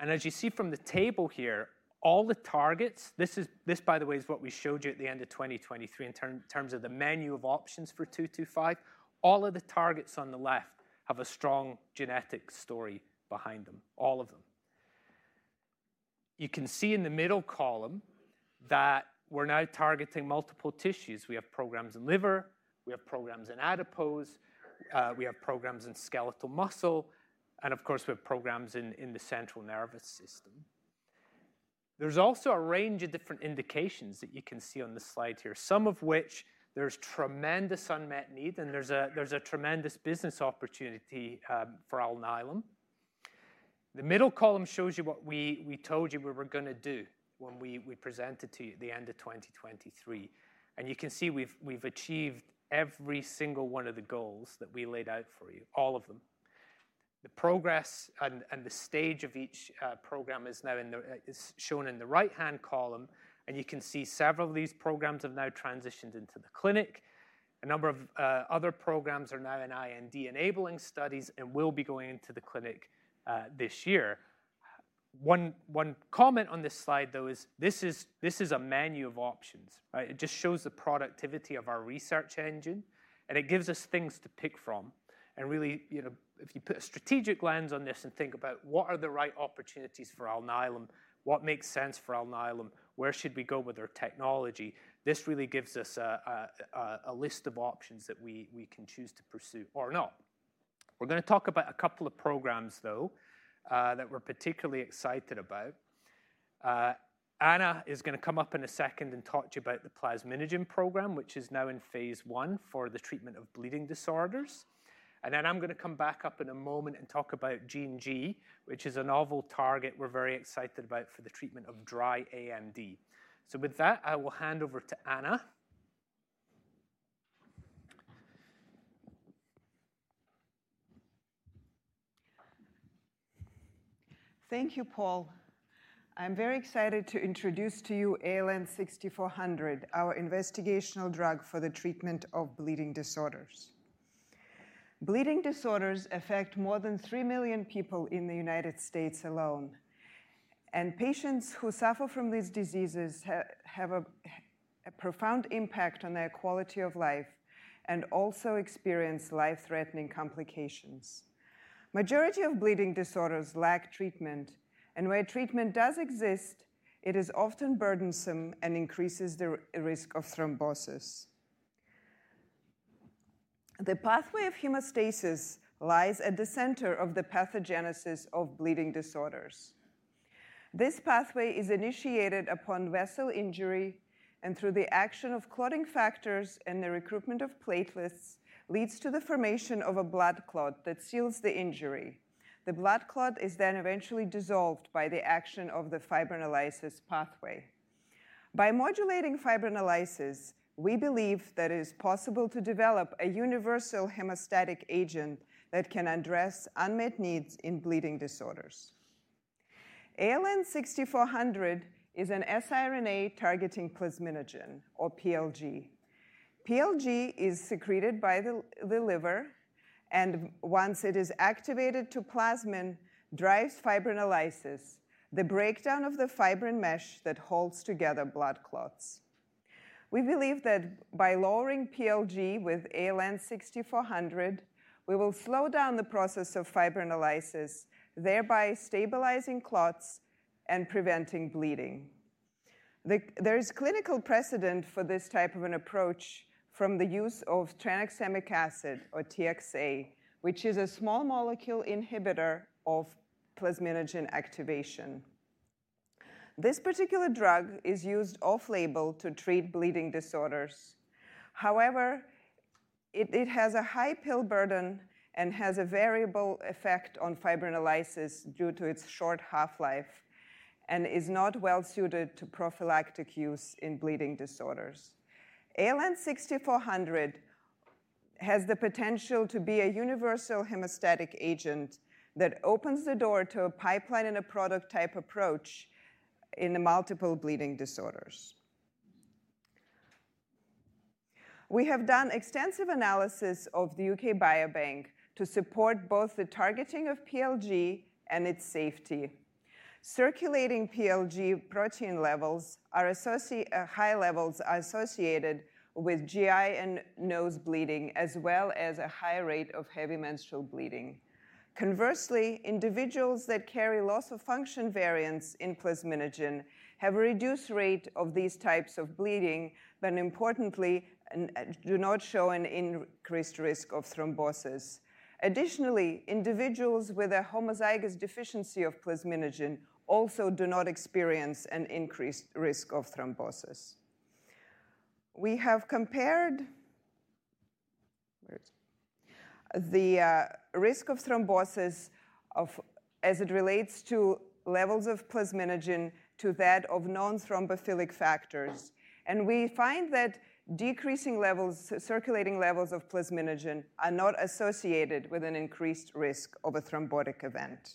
And as you see from the table here, all the targets, this, by the way, is what we showed you at the end of 2023 in terms of the menu of options for 2-2-5. All of the targets on the left have a strong genetic story behind them, all of them. You can see in the middle column that we're now targeting multiple tissues. We have programs in liver. We have programs in adipose. We have programs in skeletal muscle. And of course, we have programs in the central nervous system. There's also a range of different indications that you can see on the slide here, some of which there's tremendous unmet need, and there's a tremendous business opportunity for Alnylam. The middle column shows you what we told you we were going to do when we presented to you at the end of 2023, and you can see we've achieved every single one of the goals that we laid out for you, all of them. The progress and the stage of each program is shown in the right-hand column, and you can see several of these programs have now transitioned into the clinic. A number of other programs are now in IND-enabling studies and will be going into the clinic this year. One comment on this slide, though, is this is a menu of options. It just shows the productivity of our research engine. It gives us things to pick from. And really, if you put a strategic lens on this and think about what are the right opportunities for Alnylam, what makes sense for Alnylam, where should we go with our technology, this really gives us a list of options that we can choose to pursue or not. We're going to talk about a couple of programs, though, that we're particularly excited about. Anna is going to come up in a second and talk to you about the plasminogen program, which is now in phase 1 for the treatment of bleeding disorders. And then I'm going to come back up in a moment and talk about GeneG, which is a novel target we're very excited about for the treatment of dry AMD. So with that, I will hand over to Anna. Thank you, Paul. I'm very excited to introduce to you ALN-6400, our investigational drug for the treatment of bleeding disorders. Bleeding disorders affect more than three million people in the United States alone. And patients who suffer from these diseases have a profound impact on their quality of life and also experience life-threatening complications. The majority of bleeding disorders lack treatment. And where treatment does exist, it is often burdensome and increases the risk of thrombosis. The pathway of hemostasis lies at the center of the pathogenesis of bleeding disorders. This pathway is initiated upon vessel injury. And through the action of clotting factors and the recruitment of platelets, it leads to the formation of a blood clot that seals the injury. The blood clot is then eventually dissolved by the action of the fibrinolysis pathway. By modulating fibrinolysis, we believe that it is possible to develop a universal hemostatic agent that can address unmet needs in bleeding disorders. ALN-6400 is an siRNA-targeting plasminogen, or PLG. PLG is secreted by the liver, and once it is activated to plasmin, it drives fibrinolysis, the breakdown of the fibrin mesh that holds together blood clots. We believe that by lowering PLG with ALN-6400, we will slow down the process of fibrinolysis, thereby stabilizing clots and preventing bleeding. There is clinical precedent for this type of an approach from the use of tranexamic acid, or TXA, which is a small molecule inhibitor of plasminogen activation. This particular drug is used off-label to treat bleeding disorders. However, it has a high pill burden and has a variable effect on fibrinolysis due to its short half-life and is not well-suited to prophylactic use in bleeding disorders. ALN-6400 has the potential to be a universal hemostatic agent that opens the door to a pipeline and a product-type approach in multiple bleeding disorders. We have done extensive analysis of the U.K. Biobank to support both the targeting of PLG and its safety. Circulating PLG protein levels are high levels associated with GI and nose bleeding, as well as a high rate of heavy menstrual bleeding. Conversely, individuals that carry loss of function variants in plasminogen have a reduced rate of these types of bleeding, but importantly, do not show an increased risk of thrombosis. Additionally, individuals with a homozygous deficiency of plasminogen also do not experience an increased risk of thrombosis. We have compared the risk of thrombosis as it relates to levels of plasminogen to that of non-thrombophilic factors. We find that decreasing levels, circulating levels of plasminogen are not associated with an increased risk of a thrombotic event.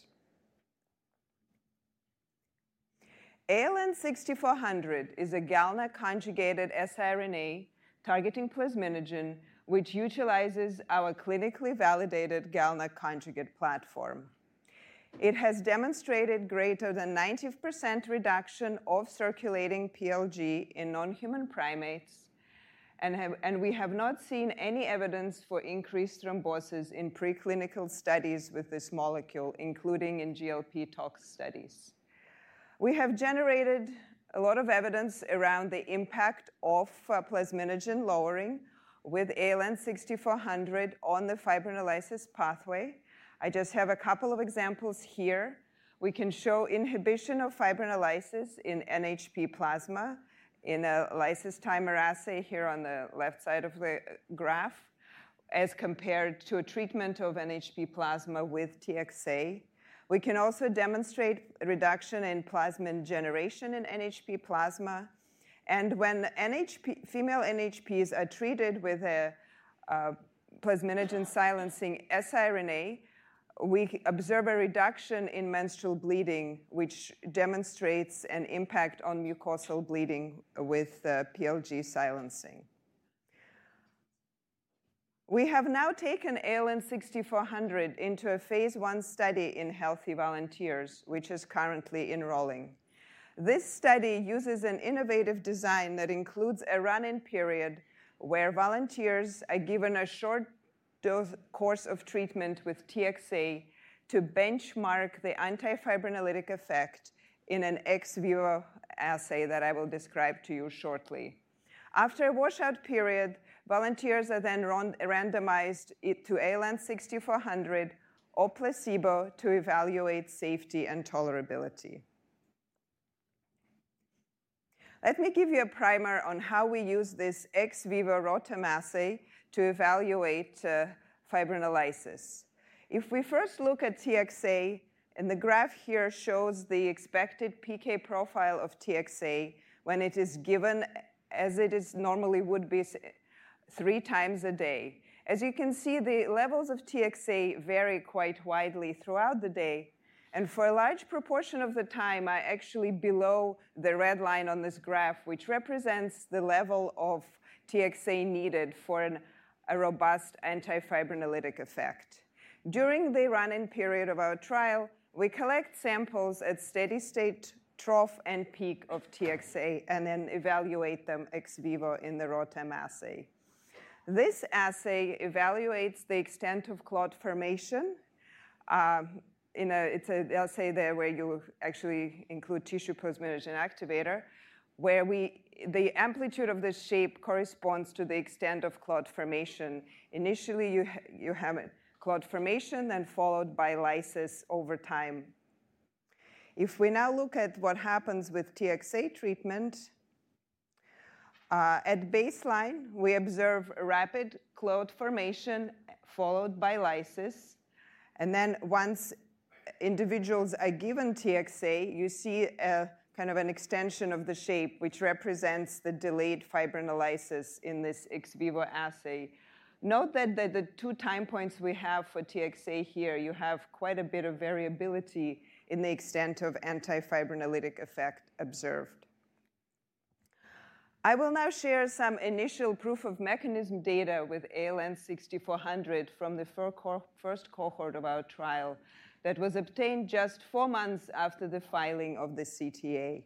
ALN-6400 is a GalNAc-conjugated siRNA-targeting plasminogen, which utilizes our clinically validated GalNAc-conjugate platform. It has demonstrated greater than 90% reduction of circulating PLG in non-human primates. We have not seen any evidence for increased thrombosis in preclinical studies with this molecule, including in GLP-tox studies. We have generated a lot of evidence around the impact of plasminogen lowering with ALN-6400 on the fibrinolysis pathway. I just have a couple of examples here. We can show inhibition of fibrinolysis in NHP plasma in a lyse-timer assay here on the left side of the graph as compared to a treatment of NHP plasma with TXA. We can also demonstrate reduction in plasmin generation in NHP plasma. When female NHPs are treated with a plasminogen-silencing siRNA, we observe a reduction in menstrual bleeding, which demonstrates an impact on mucosal bleeding with PLG silencing. We have now taken ALN-6400 into a phase one study in healthy volunteers, which is currently enrolling. This study uses an innovative design that includes a run-in period where volunteers are given a short course of treatment with TXA to benchmark the antifibrinolytic effect in an ex vivo assay that I will describe to you shortly. After a washout period, volunteers are then randomized to ALN-6400 or placebo to evaluate safety and tolerability. Let me give you a primer on how we use this ex vivo ROTEM assay to evaluate fibrinolysis. If we first look at TXA, and the graph here shows the expected PK profile of TXA when it is given as it normally would be three times a day. As you can see, the levels of TXA vary quite widely throughout the day, and for a large proportion of the time, I'm actually below the red line on this graph, which represents the level of TXA needed for a robust antifibrinolytic effect. During the run-in period of our trial, we collect samples at steady-state trough and peak of TXA and then evaluate them ex vivo in the ROTEM assay. This assay evaluates the extent of clot formation. It's an assay where you actually include tissue plasminogen activator, where the amplitude of the shape corresponds to the extent of clot formation. Initially, you have clot formation then followed by lysis over time. If we now look at what happens with TXA treatment, at baseline, we observe rapid clot formation followed by lysis. And then once individuals are given TXA, you see kind of an extension of the shape, which represents the delayed fibrinolysis in this ex vivo assay. Note that the two time points we have for TXA here, you have quite a bit of variability in the extent of antifibrinolytic effect observed. I will now share some initial proof-of-mechanism data with ALN-6400 from the first cohort of our trial that was obtained just four months after the filing of the CTA.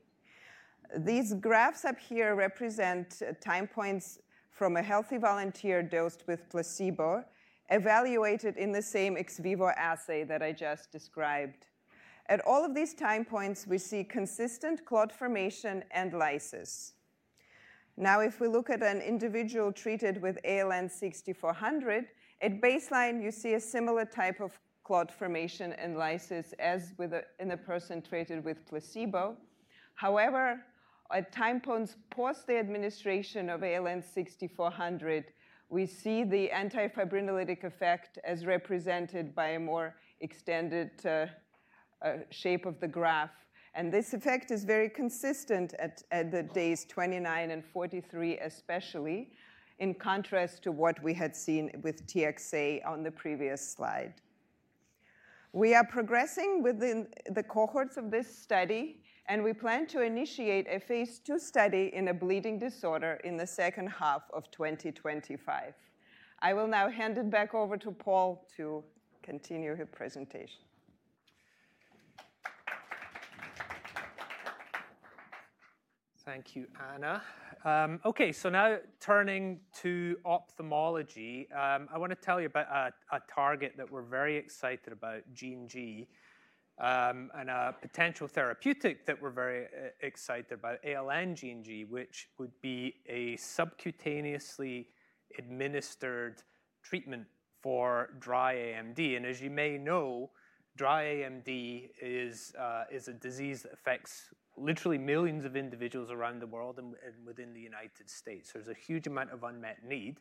These graphs up here represent time points from a healthy volunteer dosed with placebo evaluated in the same ex vivo assay that I just described. At all of these time points, we see consistent clot formation and lysis. Now, if we look at an individual treated with ALN-6400, at baseline, you see a similar type of clot formation and lysis as in the person treated with placebo. However, at time points post the administration of ALN-6400, we see the antifibrinolytic effect as represented by a more extended shape of the graph. This effect is very consistent at days 29 and 43, especially in contrast to what we had seen with TXA on the previous slide. We are progressing within the cohorts of this study. We plan to initiate a phase 2 study in a bleeding disorder in the second half of 2025. I will now hand it back over to Paul to continue his presentation. Thank you, Anna. OK, so now turning to ophthalmology, I want to tell you about a target that we're very excited about, GeneG, and a potential therapeutic that we're very excited about, ALN-GeneG, which would be a subcutaneously administered treatment for dry AMD. As you may know, dry AMD is a disease that affects literally millions of individuals around the world and within the United States. There's a huge amount of unmet need.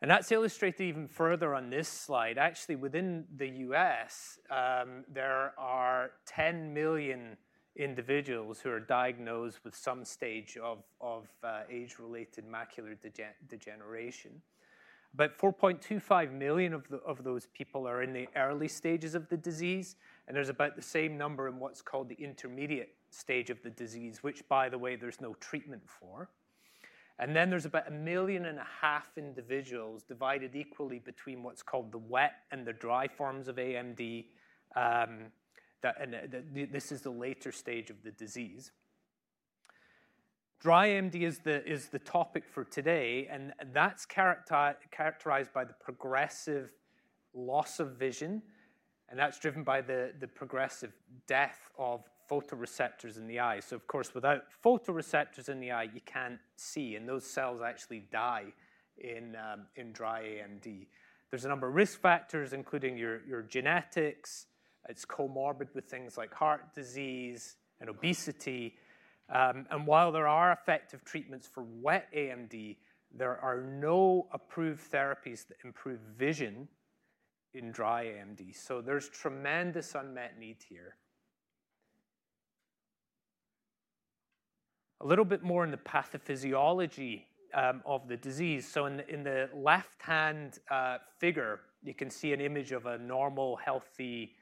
That's illustrated even further on this slide. Actually, within the U.S., there are 10 million individuals who are diagnosed with some stage of age-related macular degeneration. But 4.25 million of those people are in the early stages of the disease. There's about the same number in what's called the intermediate stage of the disease, which, by the way, there's no treatment for. Then there's about a million and a half individuals divided equally between what's called the wet and the dry forms of AMD. This is the later stage of the disease. Dry AMD is the topic for today. That's characterized by the progressive loss of vision. That's driven by the progressive death of photoreceptors in the eye. So, of course, without photoreceptors in the eye, you can't see. And those cells actually die in dry AMD. There's a number of risk factors, including your genetics. It's comorbid with things like heart disease and obesity. And while there are effective treatments for wet AMD, there are no approved therapies that improve vision in dry AMD. So there's tremendous unmet need here. A little bit more in the pathophysiology of the disease. So in the left-hand figure, you can see an image of a normal, healthy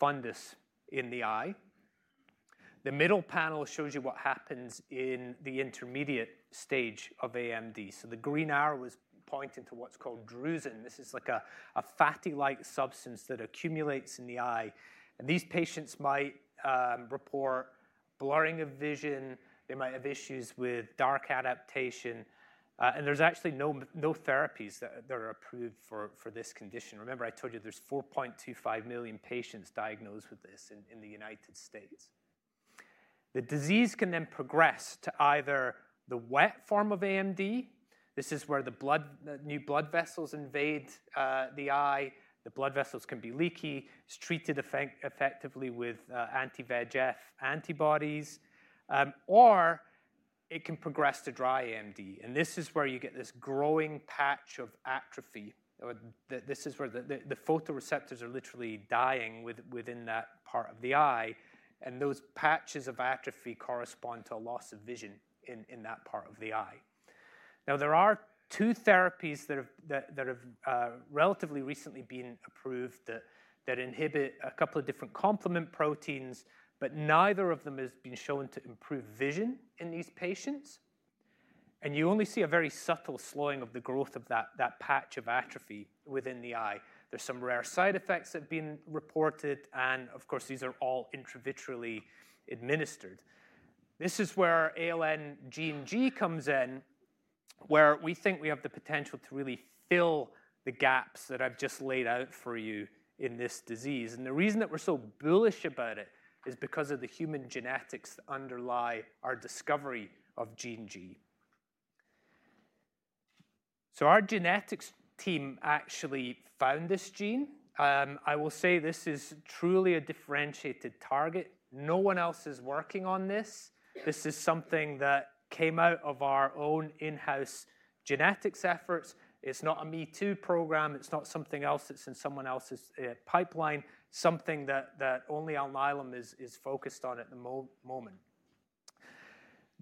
fundus in the eye. The middle panel shows you what happens in the intermediate stage of AMD. So the green arrow is pointing to what's called drusen. This is like a fatty-like substance that accumulates in the eye. And these patients might report blurring of vision. They might have issues with dark adaptation. And there's actually no therapies that are approved for this condition. Remember, I told you there's 4.25 million patients diagnosed with this in the United States. The disease can then progress to either the wet form of AMD. This is where the new blood vessels invade the eye. The blood vessels can be leaky. It's treated effectively with anti-VEGF antibodies. Or it can progress to dry AMD. And this is where you get this growing patch of atrophy. This is where the photoreceptors are literally dying within that part of the eye. And those patches of atrophy correspond to a loss of vision in that part of the eye. Now, there are two therapies that have relatively recently been approved that inhibit a couple of different complement proteins. But neither of them has been shown to improve vision in these patients. You only see a very subtle slowing of the growth of that patch of atrophy within the eye. There's some rare side effects that have been reported. Of course, these are all intravitreally administered. This is where ALN-GeneG comes in, where we think we have the potential to really fill the gaps that I've just laid out for you in this disease. The reason that we're so bullish about it is because of the human genetics that underlie our discovery of GeneG. So our genetics team actually found this gene. I will say this is truly a differentiated target. No one else is working on this. This is something that came out of our own in-house genetics efforts. It's not a me-too program. It's not something else that's in someone else's pipeline, something that only Alnylam is focused on at the moment.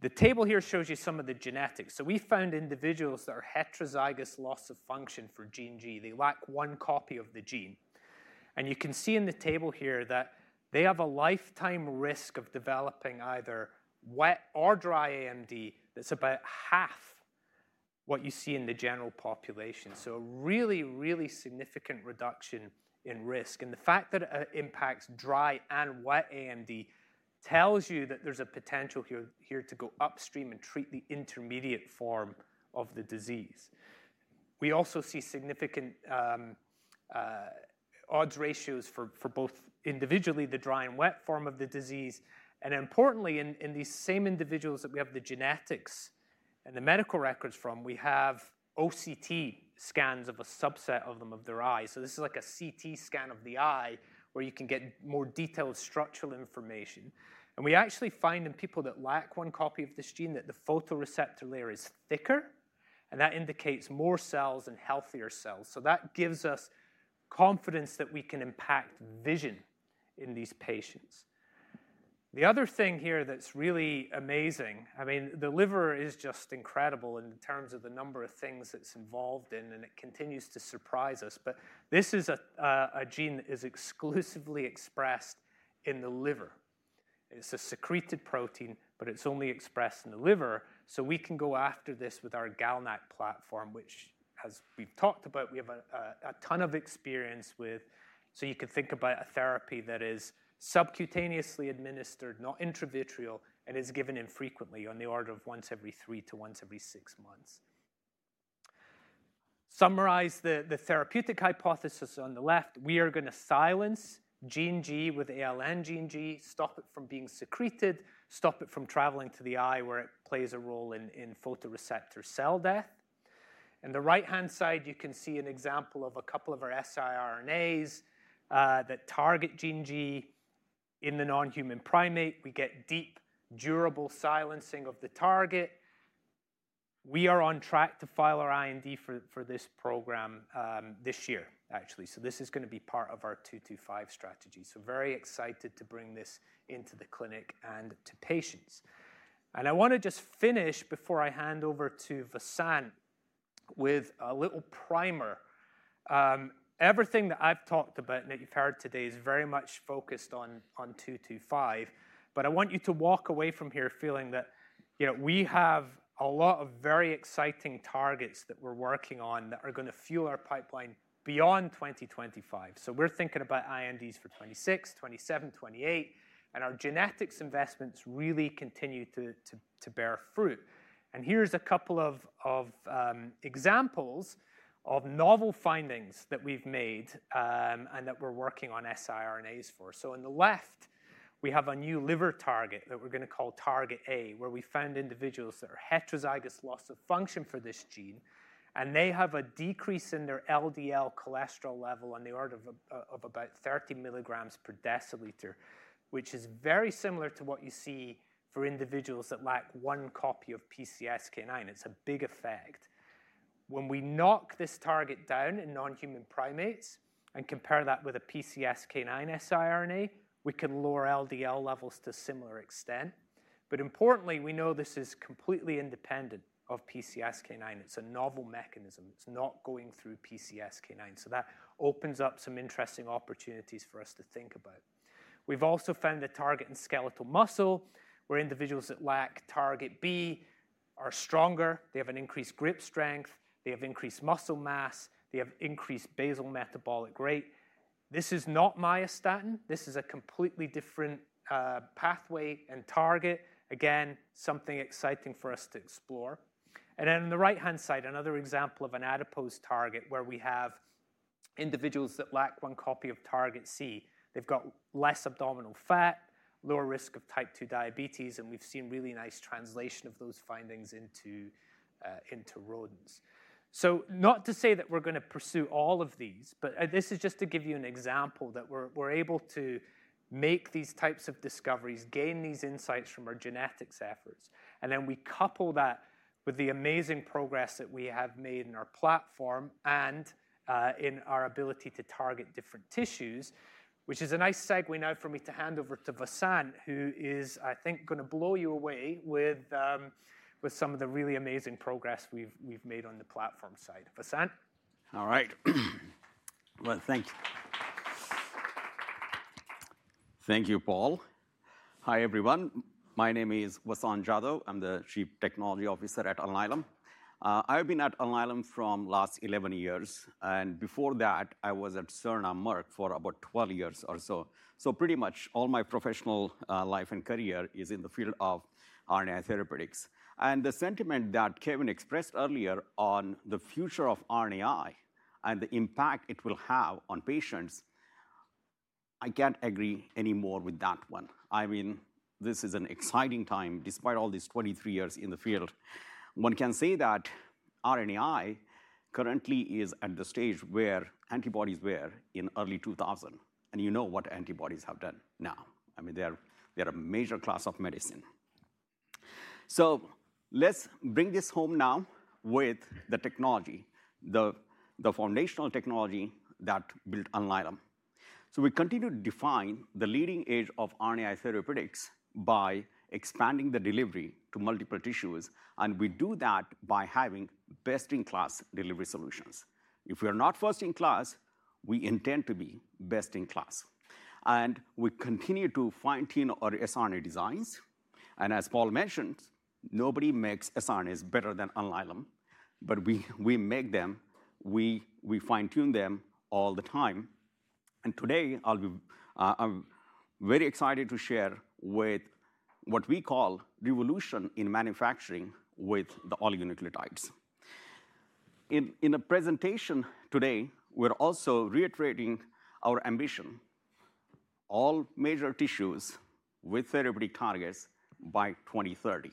The table here shows you some of the genetics, so we found individuals that are heterozygous loss of function for Gene G. They lack one copy of the gene, and you can see in the table here that they have a lifetime risk of developing either wet or dry AMD that's about half what you see in the general population, so a really, really significant reduction in risk, and the fact that it impacts dry and wet AMD tells you that there's a potential here to go upstream and treat the intermediate form of the disease. We also see significant odds ratios for both individually, the dry and wet form of the disease, and importantly, in these same individuals that we have the genetics and the medical records from, we have OCT scans of a subset of them of their eyes. So this is like a CT scan of the eye where you can get more detailed structural information. And we actually find in people that lack one copy of this gene that the photoreceptor layer is thicker. And that indicates more cells and healthier cells. So that gives us confidence that we can impact vision in these patients. The other thing here that's really amazing, I mean, the liver is just incredible in terms of the number of things it's involved in. And it continues to surprise us. But this is a gene that is exclusively expressed in the liver. It's a secreted protein, but it's only expressed in the liver. So we can go after this with our GalNAc platform, which, as we've talked about, we have a ton of experience with. You can think about a therapy that is subcutaneously administered, not intravitreal, and is given infrequently on the order of once every three to once every six months. Summarize the therapeutic hypothesis on the left. We are going to silence GeneG with ALN-GeneG, stop it from being secreted, stop it from traveling to the eye where it plays a role in photoreceptor cell death. On the right-hand side, you can see an example of a couple of our siRNAs that target GeneG in the non-human primate. We get deep, durable silencing of the target. We are on track to file our IND for this program this year, actually. This is going to be part of our 2-2-5 strategy. We are very excited to bring this into the clinic and to patients. I want to just finish before I hand over to Vasant with a little primer. Everything that I've talked about and that you've heard today is very much focused on 2-2-5. But I want you to walk away from here feeling that we have a lot of very exciting targets that we're working on that are going to fuel our pipeline beyond 2025. So we're thinking about INDs for 2026, 2027, 2028. And our genetics investments really continue to bear fruit. And here's a couple of examples of novel findings that we've made and that we're working on siRNAs for. So on the left, we have a new liver target that we're going to call target A, where we found individuals that are heterozygous loss of function for this gene. And they have a decrease in their LDL cholesterol level on the order of about 30 milligrams per deciliter, which is very similar to what you see for individuals that lack one copy of PCSK9. It's a big effect. When we knock this target down in non-human primates and compare that with a PCSK9 siRNA, we can lower LDL levels to a similar extent. But importantly, we know this is completely independent of PCSK9. It's a novel mechanism. It's not going through PCSK9. So that opens up some interesting opportunities for us to think about. We've also found the target in skeletal muscle, where individuals that lack target B are stronger. They have an increased grip strength. They have increased muscle mass. They have increased basal metabolic rate. This is not myostatin. This is a completely different pathway and target. Again, something exciting for us to explore. And then on the right-hand side, another example of an adipose target where we have individuals that lack one copy of target C. They've got less abdominal fat, lower risk of type 2 diabetes. And we've seen really nice translation of those findings into rodents. So not to say that we're going to pursue all of these. But this is just to give you an example that we're able to make these types of discoveries, gain these insights from our genetics efforts. And then we couple that with the amazing progress that we have made in our platform and in our ability to target different tissues, which is a nice segue now for me to hand over to Vasant, who is, I think, going to blow you away with some of the really amazing progress we've made on the platform side. Vasant. All right. Well, thank you. Thank you, Paul. Hi, everyone. My name is Vasant Jadhav. I'm the Chief Technology Officer at Alnylam. I've been at Alnylam from the last 11 years. Before that, I was at Sirna Merck for about 12 years or so. So pretty much all my professional life and career is in the field of RNAi therapeutics. The sentiment that Kevin expressed earlier on the future of RNAi and the impact it will have on patients, I can't agree any more with that one. I mean, this is an exciting time. Despite all these 23 years in the field, one can say that RNAi currently is at the stage where antibodies were in early 2000. You know what antibodies have done now. I mean, they're a major class of medicine. So let's bring this home now with the technology, the foundational technology that built Alnylam. We continue to define the leading edge of RNAi therapeutics by expanding the delivery to multiple tissues. We do that by having best-in-class delivery solutions. If we are not first-in-class, we intend to be best-in-class. And we continue to fine-tune our siRNA designs. And as Paul mentioned, nobody makes siRNAs better than Alnylam. But we make them. We fine-tune them all the time. And today, I'll be very excited to share with what we call revolution in manufacturing with the oligonucleotides. In the presentation today, we're also reiterating our ambition: all major tissues with therapeutic targets by 2030.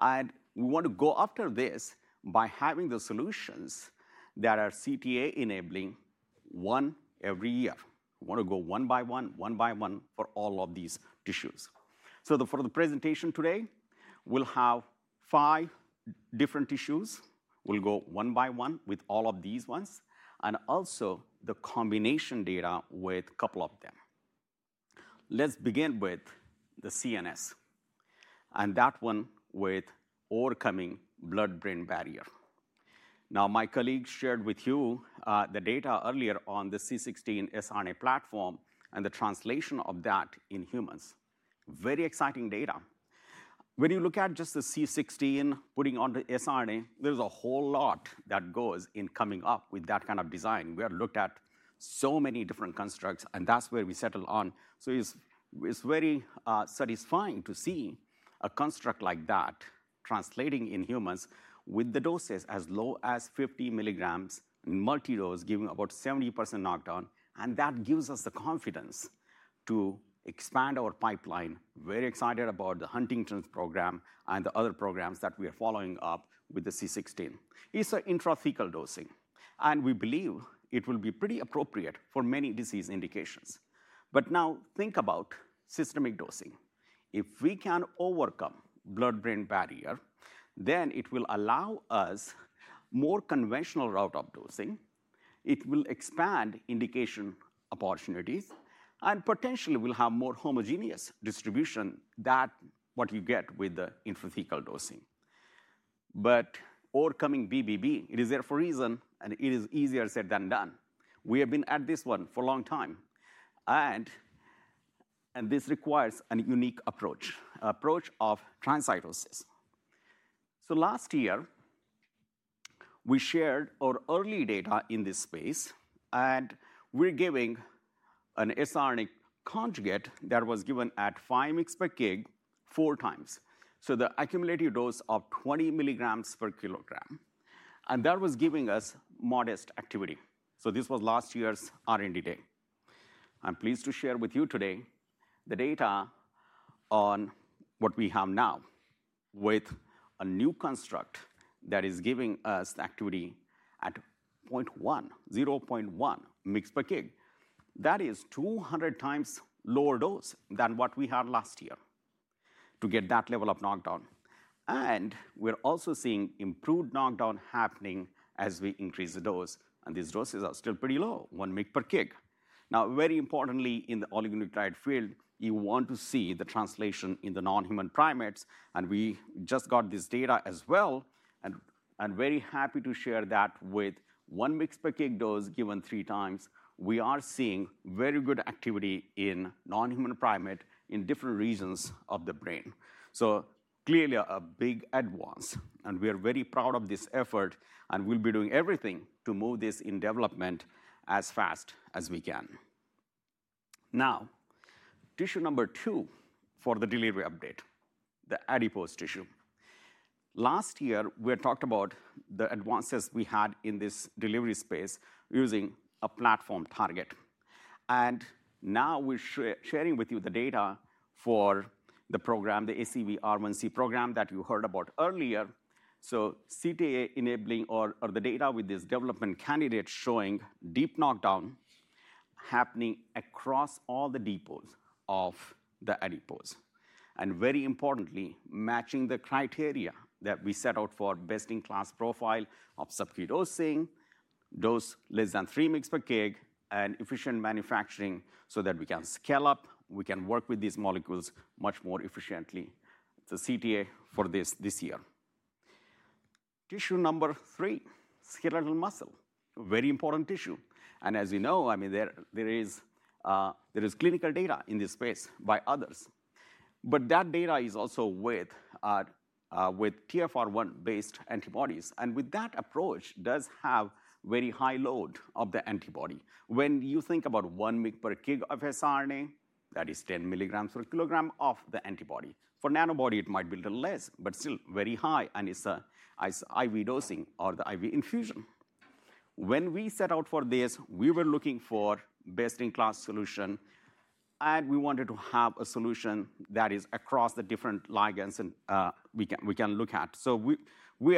And we want to go after this by having the solutions that are CTA-enabling one every year. We want to go one by one, one by one for all of these tissues. So for the presentation today, we'll have five different tissues. We'll go one by one with all of these ones and also the combination data with a couple of them. Let's begin with the CNS and that one with overcoming blood-brain barrier. Now, my colleague shared with you the data earlier on the C16 siRNA platform and the translation of that in humans. Very exciting data. When you look at just the C16 putting on the siRNA, there's a whole lot that goes in coming up with that kind of design. We have looked at so many different constructs, and that's where we settle on, so it's very satisfying to see a construct like that translating in humans with the doses as low as 50 milligrams, multi-dose, giving about 70% knockdown. And that gives us the confidence to expand our pipeline. Very excited about the Huntington's program and the other programs that we are following up with the C16. It's an intrathecal dosing, and we believe it will be pretty appropriate for many disease indications. But now think about systemic dosing. If we can overcome blood-brain barrier, then it will allow us more conventional route of dosing. It will expand indication opportunities, and potentially, we'll have more homogeneous distribution than what you get with the intrathecal dosing, but overcoming BBB, it is there for a reason. And it is easier said than done. We have been at this one for a long time, and this requires a unique approach, an approach of transcytosis. So last year, we shared our early data in this space, and we're giving an siRNA conjugate that was given at 5 mg per kg four times. So the accumulated dose of 20 milligrams per kilogram, and that was giving us modest activity. So this was last year's R&D day. I'm pleased to share with you today the data on what we have now with a new construct that is giving us activity at 0.1 mg per kg. That is 200 times lower dose than what we had last year to get that level of knockdown. And we're also seeing improved knockdown happening as we increase the dose. And these doses are still pretty low, 1 mg per kg. Now, very importantly, in the oligonucleotide field, you want to see the translation in the non-human primates. And we just got this data as well. And I'm very happy to share that with 1 mg per kg dose given three times. We are seeing very good activity in non-human primates in different regions of the brain. So clearly, a big advance. And we are very proud of this effort. And we'll be doing everything to move this in development as fast as we can. Now, tissue number two for the delivery update, the adipose tissue. Last year, we had talked about the advances we had in this delivery space using a platform target, and now we're sharing with you the data for the program, the ACVR1C program that you heard about earlier. CTA-enabling data with this development candidate showing deep knockdown happening across all the depots of the adipose, and very importantly, matching the criteria that we set out for best-in-class profile of subcutaneous dosing, dose less than three mg per kg, and efficient manufacturing so that we can scale up. We can work with these molecules much more efficiently. It's a CTA for this year. Tissue number three, skeletal muscle, very important tissue. And as you know, I mean, there is clinical data in this space by others, but that data is also with TFR1-based antibodies, and with that approach, it does have a very high load of the antibody. When you think about one mg per kg of siRNA, that is 10 milligrams per kilogram of the antibody. For nanobody, it might be a little less, but still very high. And it's IV dosing or the IV infusion. When we set out for this, we were looking for a best-in-class solution. And we wanted to have a solution that is across the different ligands we can look at. So we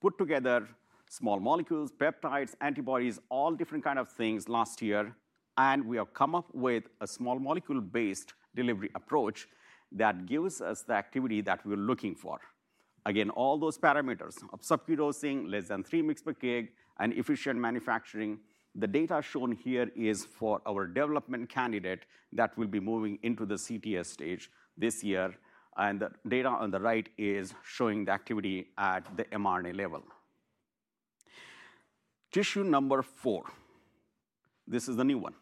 put together small molecules, peptides, antibodies, all different kinds of things last year. And we have come up with a small molecule-based delivery approach that gives us the activity that we're looking for. Again, all those parameters of sub-Q dosing, less than three mg per kg, and efficient manufacturing, the data shown here is for our development candidate that will be moving into the CTA stage this year. The data on the right is showing the activity at the mRNA level. Tissue number four, this is the new one.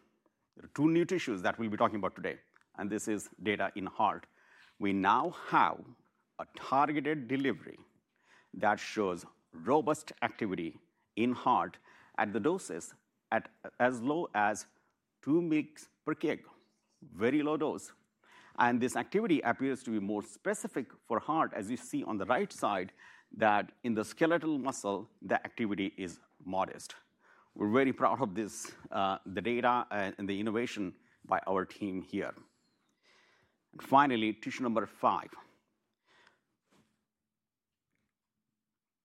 There are two new tissues that we'll be talking about today. This is data in heart. We now have a targeted delivery that shows robust activity in heart at the doses as low as two mg per kg, very low dose. This activity appears to be more specific for heart, as you see on the right side, that in the skeletal muscle, the activity is modest. We're very proud of this, the data and the innovation by our team here. Finally, tissue number five,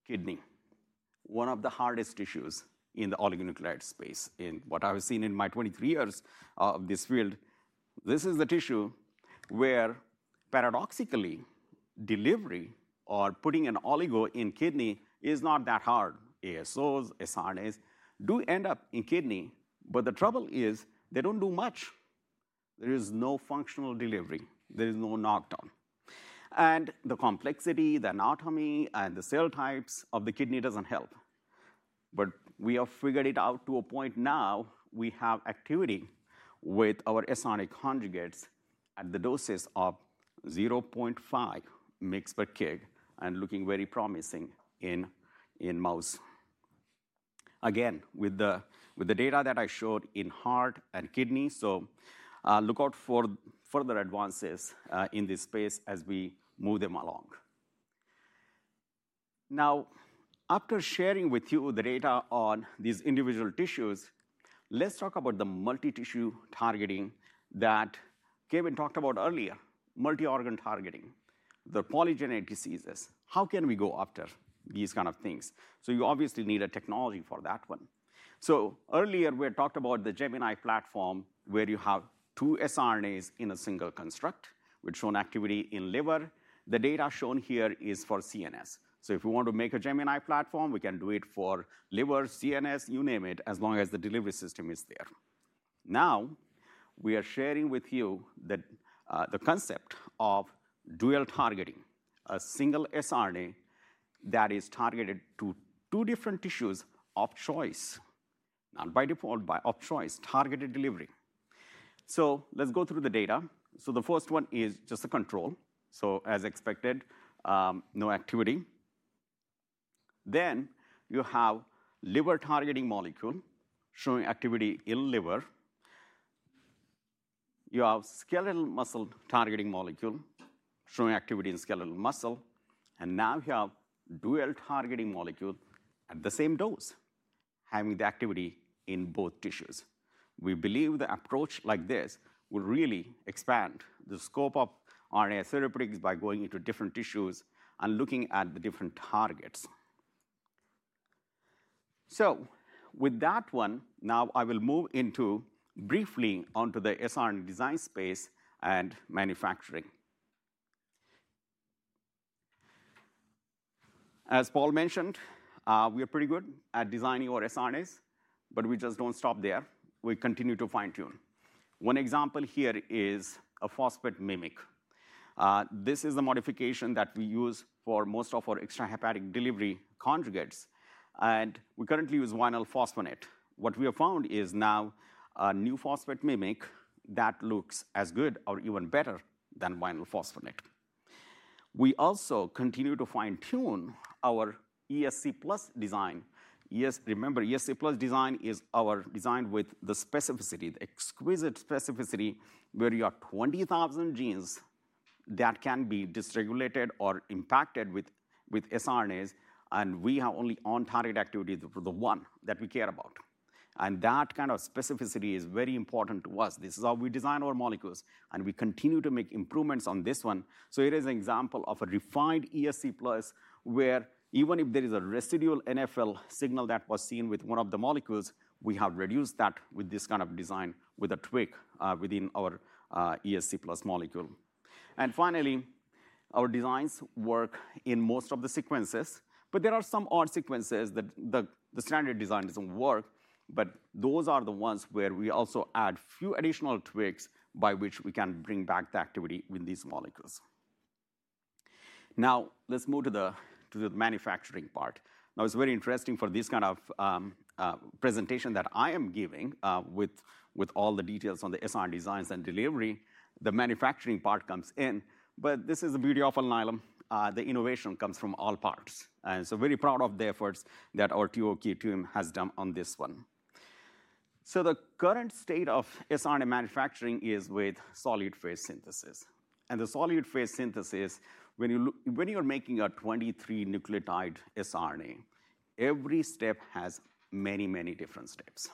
kidney, one of the hardest tissues in the oligonucleotide space. In what I've seen in my 23 years of this field, this is the tissue where paradoxically, delivery or putting an oligo in kidney is not that hard. ASOs, siRNAs do end up in kidney. But the trouble is they don't do much. There is no functional delivery. There is no knockdown. And the complexity, the anatomy, and the cell types of the kidney doesn't help. But we have figured it out to a point now. We have activity with our siRNA conjugates at the doses of 0.5 mg per kg and looking very promising in mouse. Again, with the data that I showed in heart and kidney. So look out for further advances in this space as we move them along. Now, after sharing with you the data on these individual tissues, let's talk about the multitissue targeting that Kevin talked about earlier, multi-organ targeting, the polygenic diseases. How can we go after these kinds of things? So you obviously need a technology for that one. So earlier, we had talked about the Gemini platform where you have two siRNAs in a single construct, which shown activity in liver. The data shown here is for CNS. So if we want to make a Gemini platform, we can do it for liver, CNS, you name it, as long as the delivery system is there. Now, we are sharing with you the concept of dual targeting, a single siRNA that is targeted to two different tissues of choice, not by default, but of choice, targeted delivery. So let's go through the data. So the first one is just a control. So as expected, no activity. Then you have liver targeting molecule showing activity in liver. You have skeletal muscle targeting molecule showing activity in skeletal muscle. And now you have dual targeting molecule at the same dose, having the activity in both tissues. We believe the approach like this will really expand the scope of RNAi therapeutics by going into different tissues and looking at the different targets. So with that one, now I will move briefly onto the siRNA design space and manufacturing. As Paul mentioned, we are pretty good at designing our siRNAs. But we just don't stop there. We continue to fine-tune. One example here is a phosphate mimic. This is the modification that we use for most of our extrahepatic delivery conjugates. And we currently use vinyl phosphonate. What we have found now is a new phosphate mimic that looks as good or even better than vinyl phosphonate. We also continue to fine-tune our ESC+ design. Remember, ESC+ design is our design with the specificity, the exquisite specificity where you have 20,000 genes that can be dysregulated or impacted with siRNAs. We have only on-target activity for the one that we care about. That kind of specificity is very important to us. This is how we design our molecules. We continue to make improvements on this one. Here is an example of a refined ESC+ where even if there is a residual NFL signal that was seen with one of the molecules, we have reduced that with this kind of design with a tweak within our ESC+ molecule. Finally, our designs work in most of the sequences. There are some odd sequences that the standard design doesn't work. Those are the ones where we also add a few additional tweaks by which we can bring back the activity with these molecules. Now, let's move to the manufacturing part. Now, it's very interesting for this kind of presentation that I am giving with all the details on the siRNA designs and delivery. The manufacturing part comes in, but this is the beauty of Alnylam. The innovation comes from all parts, and so very proud of the efforts that our TOK team has done on this one, so the current state of siRNA manufacturing is with solid phase synthesis, and the solid phase synthesis, when you're making a 23-nucleotide siRNA, every step has many, many different steps,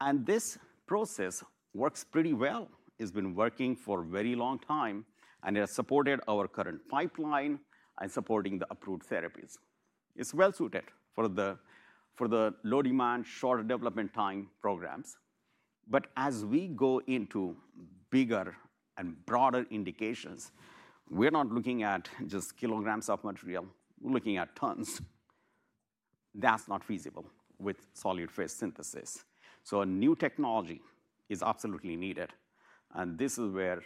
and this process works pretty well. It's been working for a very long time, and it has supported our current pipeline and supporting the approved therapies. It's well-suited for the low-demand, short development time programs, but as we go into bigger and broader indications, we're not looking at just kilograms of material. We're looking at tons. That's not feasible with solid phase synthesis. A new technology is absolutely needed. This is where it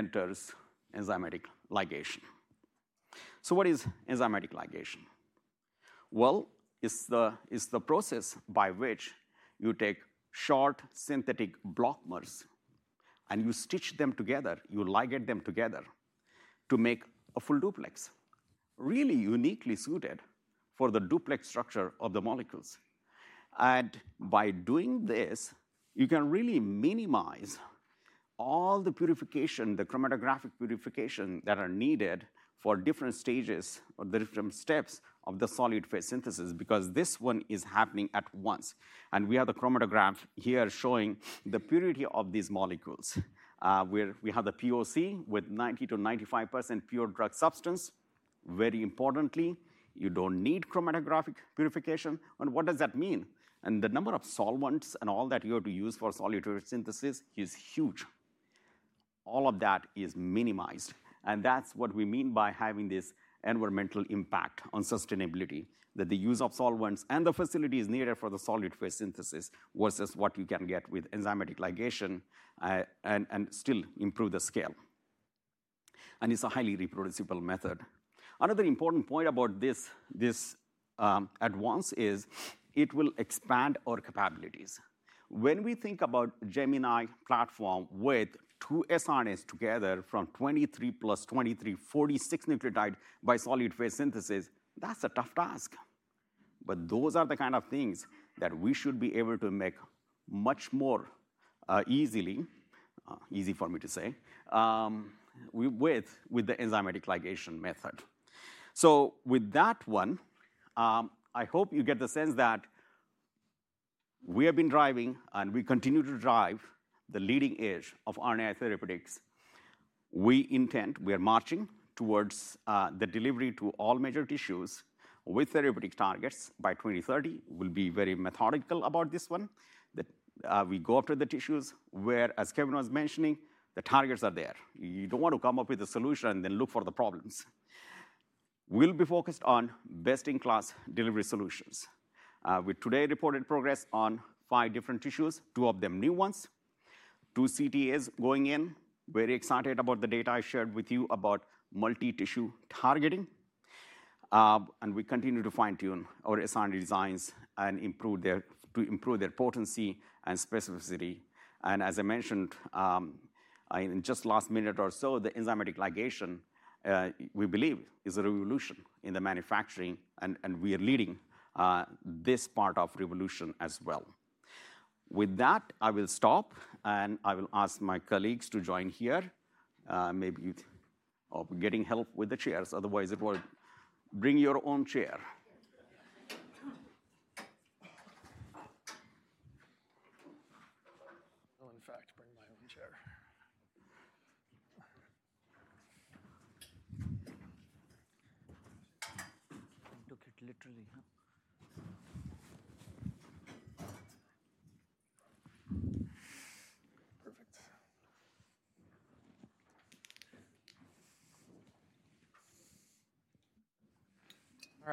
enters enzymatic ligation. What is enzymatic ligation? It's the process by which you take short synthetic blockers and you stitch them together. You ligate them together to make a full duplex, really uniquely suited for the duplex structure of the molecules. By doing this, you can really minimize all the purification, the chromatographic purification that are needed for different stages or the different steps of the solid phase synthesis because this one is happening at once. We have the chromatogram here showing the purity of these molecules. We have the POC with 90%-95% pure drug substance. Very importantly, you don't need chromatographic purification. What does that mean? The number of solvents and all that you have to use for solid phase synthesis is huge. All of that is minimized. And that's what we mean by having this environmental impact on sustainability, that the use of solvents and the facilities needed for the solid phase synthesis versus what you can get with enzymatic ligation and still improve the scale. And it's a highly reproducible method. Another important point about this advance is it will expand our capabilities. When we think about the Gemini platform with two siRNAs together from 23 plus 23, 46-nucleotide by solid phase synthesis, that's a tough task. But those are the kind of things that we should be able to make much more easily, easy for me to say, with the enzymatic ligation method. So with that one, I hope you get the sense that we have been driving and we continue to drive the leading edge of RNAi therapeutics. We intend, we are marching towards the delivery to all major tissues with therapeutic targets by 2030. We'll be very methodical about this one, that we go after the tissues where, as Kevin was mentioning, the targets are there. You don't want to come up with a solution and then look for the problems. We'll be focused on best-in-class delivery solutions with today reported progress on five different tissues, two of them new ones. Two CTAs going in. Very excited about the data I shared with you about multitissue targeting, and we continue to fine-tune our siRNA designs to improve their potency and specificity, and as I mentioned, in just the last minute or so, the enzymatic ligation, we believe, is a revolution in the manufacturing, and we are leading this part of revolution as well. With that, I will stop. And I will ask my colleagues to join here. Maybe you are getting help with the chairs. Otherwise, you'll bring your own chair.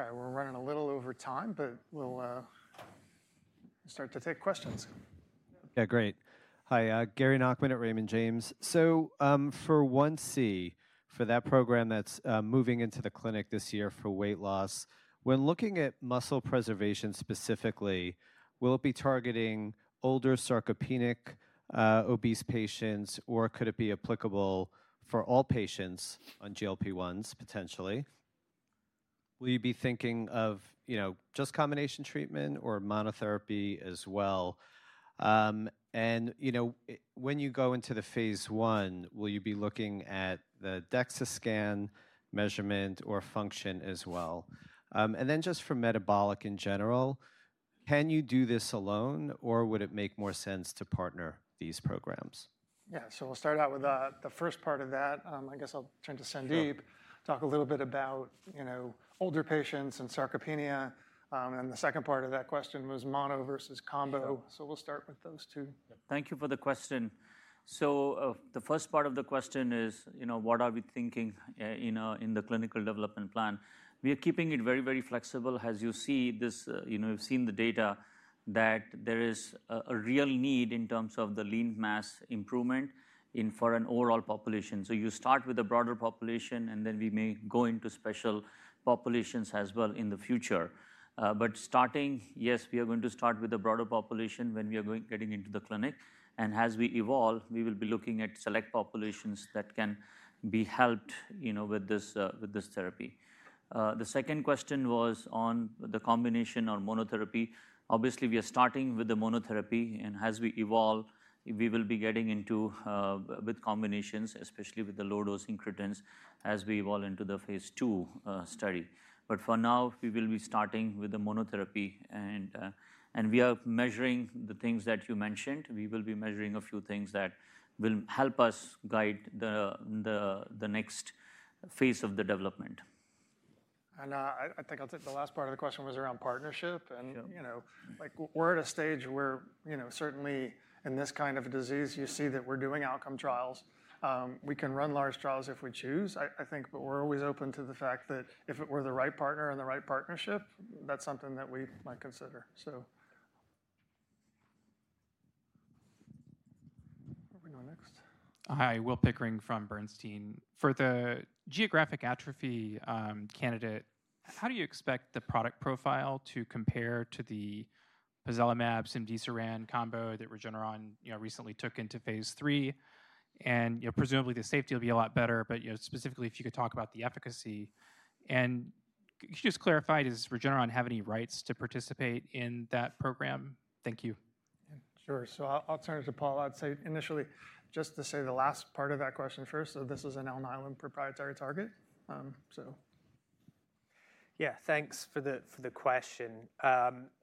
I'll, in fact, bring my own chair. You took it literally. Perfect. All right. We're running a little over time, but we'll start to take questions. Yeah, great. Hi, Gary Nachman at Raymond James. So for 1C, for that program that's moving into the clinic this year for weight loss, when looking at muscle preservation specifically, will it be targeting older sarcopenic obese patients? Or could it be applicable for all patients on GLP-1s, potentially? Will you be thinking of just combination treatment or monotherapy as well? And when you go into the phase one, will you be looking at the DEXA scan measurement or function as well? And then just for metabolic in general, can you do this alone? Or would it make more sense to partner these programs? Yeah. So we'll start out with the first part of that. I guess I'll turn to Sandeep, talk a little bit about older patients and sarcopenia. And the second part of that question was mono versus combo. So we'll start with those two. Thank you for the question. So the first part of the question is, what are we thinking in the clinical development plan? We are keeping it very, very flexible. As you see this, you've seen the data that there is a real need in terms of the lean mass improvement for an overall population. So you start with a broader population. And then we may go into special populations as well in the future. But starting, yes, we are going to start with a broader population when we are getting into the clinic. And as we evolve, we will be looking at select populations that can be helped with this therapy. The second question was on the combination or monotherapy. Obviously, we are starting with the monotherapy. And as we evolve, we will be getting into combinations, especially with the low-dosing incretin, as we evolve into the phase 2 study. But for now, we will be starting with the monotherapy. And we are measuring the things that you mentioned. We will be measuring a few things that will help us guide the next phase of the development. I think the last part of the question was around partnership. We're at a stage where certainly in this kind of disease, you see that we're doing outcome trials. We can run large trials if we choose, I think. But we're always open to the fact that if it were the right partner and the right partnership, that's something that we might consider. Where are we going next? Hi, Will Pickering from Bernstein. For the geographic atrophy candidate, how do you expect the product profile to compare to the Pozelimab, Cemdisiran, combo that Regeneron recently took into phase 3? And presumably, the safety will be a lot better. But specifically, if you could talk about the efficacy. And could you just clarify, does Regeneron have any rights to participate in that program? Thank you. Sure. So I'll turn it to Paul. I'd say initially, just to say the last part of that question first. So this is an Alnylam proprietary target. So. Yeah, thanks for the question.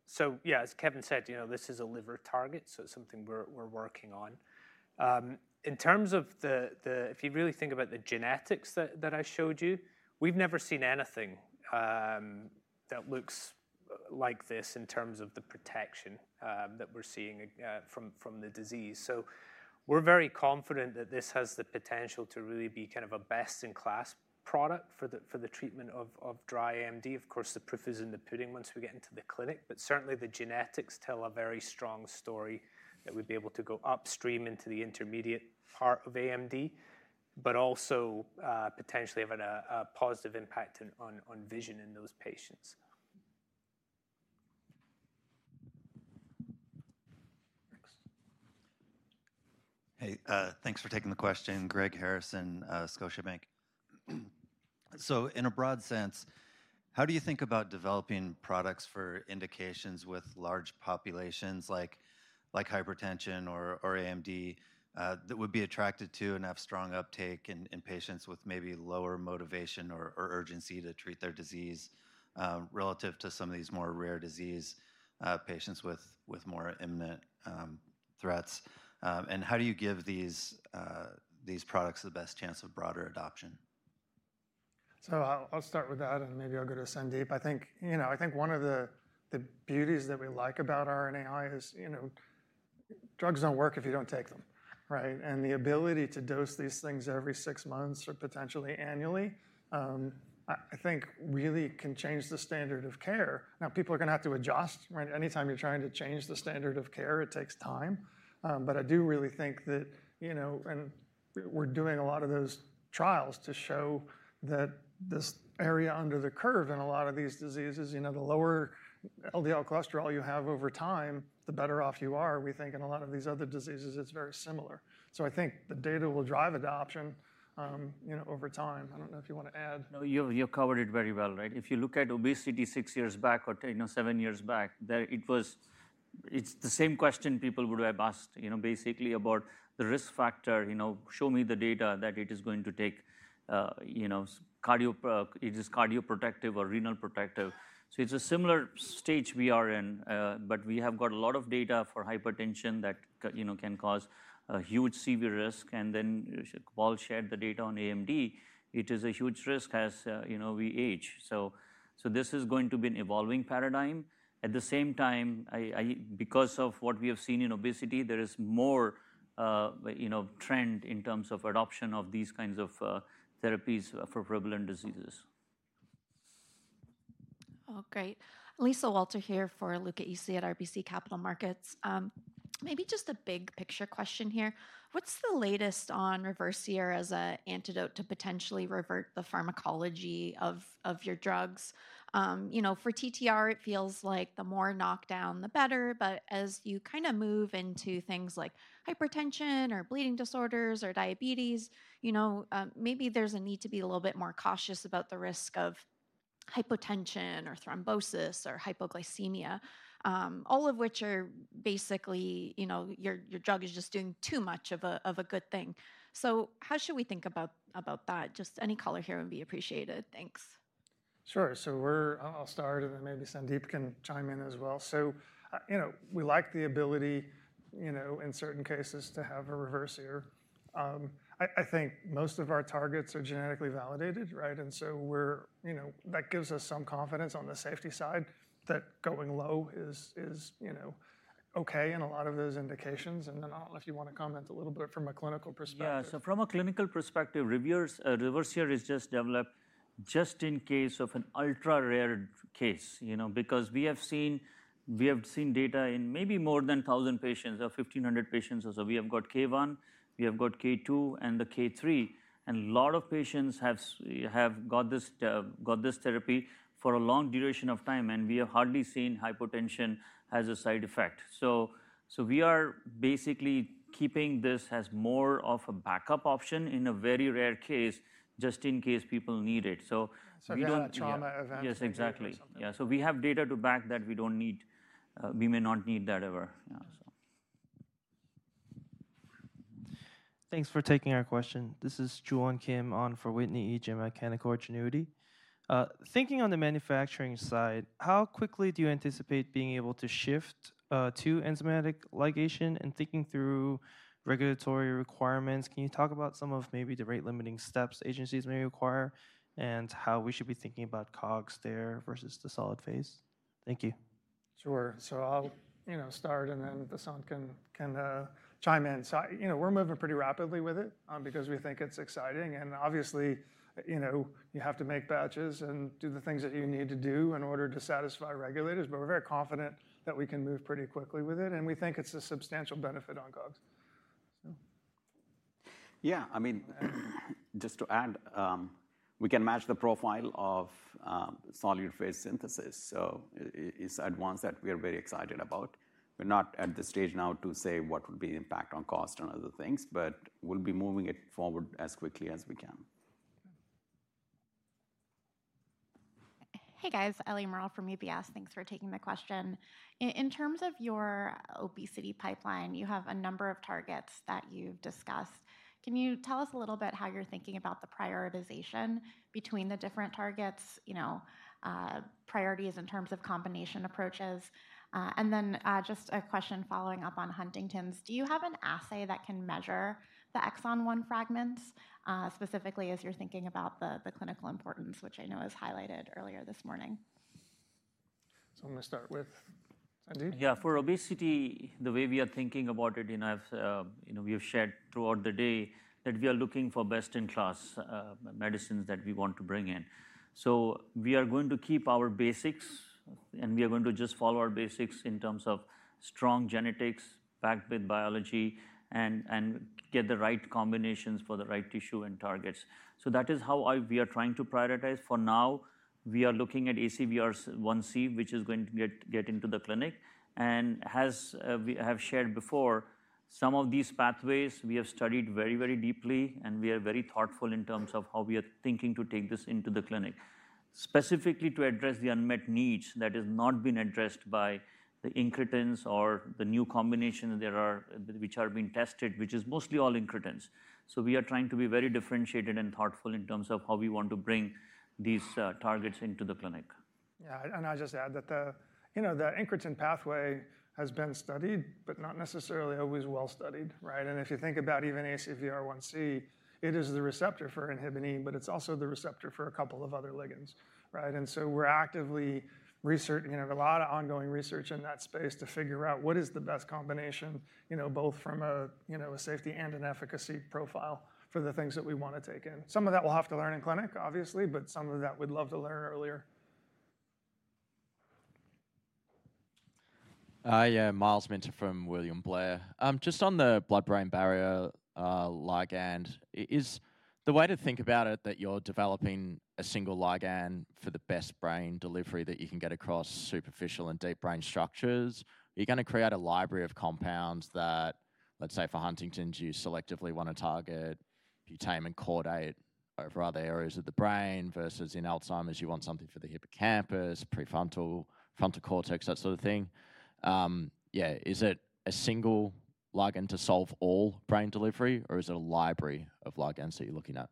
So yeah, as Kevin said, this is a liver target. So it's something we're working on. In terms of the, if you really think about the genetics that I showed you, we've never seen anything that looks like this in terms of the protection that we're seeing from the disease. So we're very confident that this has the potential to really be kind of a best-in-class product for the treatment of dry AMD. Of course, the proof is in the pudding once we get into the clinic. But certainly, the genetics tell a very strong story that we'd be able to go upstream into the intermediate part of AMD, but also potentially have a positive impact on vision in those patients. Hey, thanks for taking the question, Greg Harrison, Scotiabank. So in a broad sense, how do you think about developing products for indications with large populations like hypertension or AMD that would be attracted to and have strong uptake in patients with maybe lower motivation or urgency to treat their disease relative to some of these more rare disease patients with more imminent threats? And how do you give these products the best chance of broader adoption? So I'll start with that. And maybe I'll go to Sandeep. I think one of the beauties that we like about RNAi is drugs don't work if you don't take them, right? And the ability to dose these things every six months or potentially annually, I think really can change the standard of care. Now, people are going to have to adjust. Anytime you're trying to change the standard of care, it takes time. But I do really think that we're doing a lot of those trials to show that this area under the curve in a lot of these diseases, the lower LDL cholesterol you have over time, the better off you are. We think in a lot of these other diseases, it's very similar. So I think the data will drive adoption over time. I don't know if you want to add. No, you covered it very well, right? If you look at obesity six years back or seven years back, it was the same question people would have asked, basically, about the risk factor. Show me the data that it is going to take. Is this cardioprotective or renal protective? So it's a similar stage we are in. But we have got a lot of data for hypertension that can cause a huge CV risk. And then Paul shared the data on AMD. It is a huge risk as we age. So this is going to be an evolving paradigm. At the same time, because of what we have seen in obesity, there is more trend in terms of adoption of these kinds of therapies for prevalent diseases. Oh, great. Lisa Walter here for Luca Issi at RBC Capital Markets. Maybe just a big picture question here. What's the latest on Reversir as an antidote to potentially revert the pharmacology of your drugs? For TTR, it feels like the more knockdown, the better. But as you kind of move into things like hypertension or bleeding disorders or diabetes, maybe there's a need to be a little bit more cautious about the risk of hypotension or thrombosis or hypoglycemia, all of which are basically your drug is just doing too much of a good thing. So how should we think about that? Just any color here would be appreciated. Thanks. Sure. I'll start, and then maybe Sandeep can chime in as well. We like the ability in certain cases to have a Reversir. I think most of our targets are genetically validated, right? That gives us some confidence on the safety side that going low is OK in a lot of those indications. I don't know if you want to comment a little bit from a clinical perspective. Yeah. So from a clinical perspective, Reversir is just developed just in case of an ultra-rare case. Because we have seen data in maybe more than 1,000 patients or 1,500 patients. So we have got KARDIA-1. We have got KARDIA-2 and the KARDIA-3. And a lot of patients have got this therapy for a long duration of time. And we have hardly seen hypotension as a side effect. So we are basically keeping this as more of a backup option in a very rare case, just in case people need it. So not a trauma event. Yes, exactly. Yeah. So we have data to back that we may not need that ever. Yeah. Thanks for taking our question. This is Jewel and Kim on for Whitney Ijem and Canaccord Genuity. Thinking on the manufacturing side, how quickly do you anticipate being able to shift to enzymatic ligation and thinking through regulatory requirements? Can you talk about some of maybe the rate-limiting steps agencies may require and how we should be thinking about COGS there versus the solid phase? Thank you. Sure. So I'll start. And then the son can chime in. So we're moving pretty rapidly with it because we think it's exciting. And obviously, you have to make batches and do the things that you need to do in order to satisfy regulators. But we're very confident that we can move pretty quickly with it. And we think it's a substantial benefit on COGS. Yeah. I mean, just to add, we can match the profile of solid phase synthesis, so it's advanced that we are very excited about. We're not at the stage now to say what would be the impact on cost and other things, but we'll be moving it forward as quickly as we can. Hey, guys. Ellie Merle from UBS. Thanks for taking the question. In terms of your obesity pipeline, you have a number of targets that you've discussed. Can you tell us a little bit how you're thinking about the prioritization between the different targets, priorities in terms of combination approaches? And then just a question following up on Huntington's. Do you have an assay that can measure the exon one fragments, specifically as you're thinking about the clinical importance, which I know is highlighted earlier this morning? So I'm going to start with Sandeep. Yeah. For obesity, the way we are thinking about it, we have shared throughout the day that we are looking for best-in-class medicines that we want to bring in. So we are going to keep our basics. And we are going to just follow our basics in terms of strong genetics backed with biology and get the right combinations for the right tissue and targets. So that is how we are trying to prioritize. For now, we are looking at ACVR1C, which is going to get into the clinic. And as we have shared before, some of these pathways we have studied very, very deeply. And we are very thoughtful in terms of how we are thinking to take this into the clinic, specifically to address the unmet needs that have not been addressed by the incretins or the new combinations which are being tested, which is mostly all incretins. So we are trying to be very differentiated and thoughtful in terms of how we want to bring these targets into the clinic. Yeah. And I'll just add that the incretin pathway has been studied, but not necessarily always well-studied, right? And if you think about even ACVR1C, it is the receptor for inhibin. But it's also the receptor for a couple of other ligands, right? And so we're actively researching a lot of ongoing research in that space to figure out what is the best combination, both from a safety and an efficacy profile for the things that we want to take in. Some of that we'll have to learn in clinic, obviously. But some of that we'd love to learn earlier. Hi. Myles Minter from William Blair. Just on the blood-brain barrier ligand. The way to think about it, that you're developing a single ligand for the best brain delivery that you can get across superficial and deep brain structures. Are you going to create a library of compounds that, let's say, for Huntington's, you selectively want to target putamen and caudate over other areas of the brain? Versus in Alzheimer's, you want something for the hippocampus, prefrontal, frontal cortex, that sort of thing. Yeah. Is it a single ligand to solve all brain delivery? Or is it a library of ligands that you're looking at?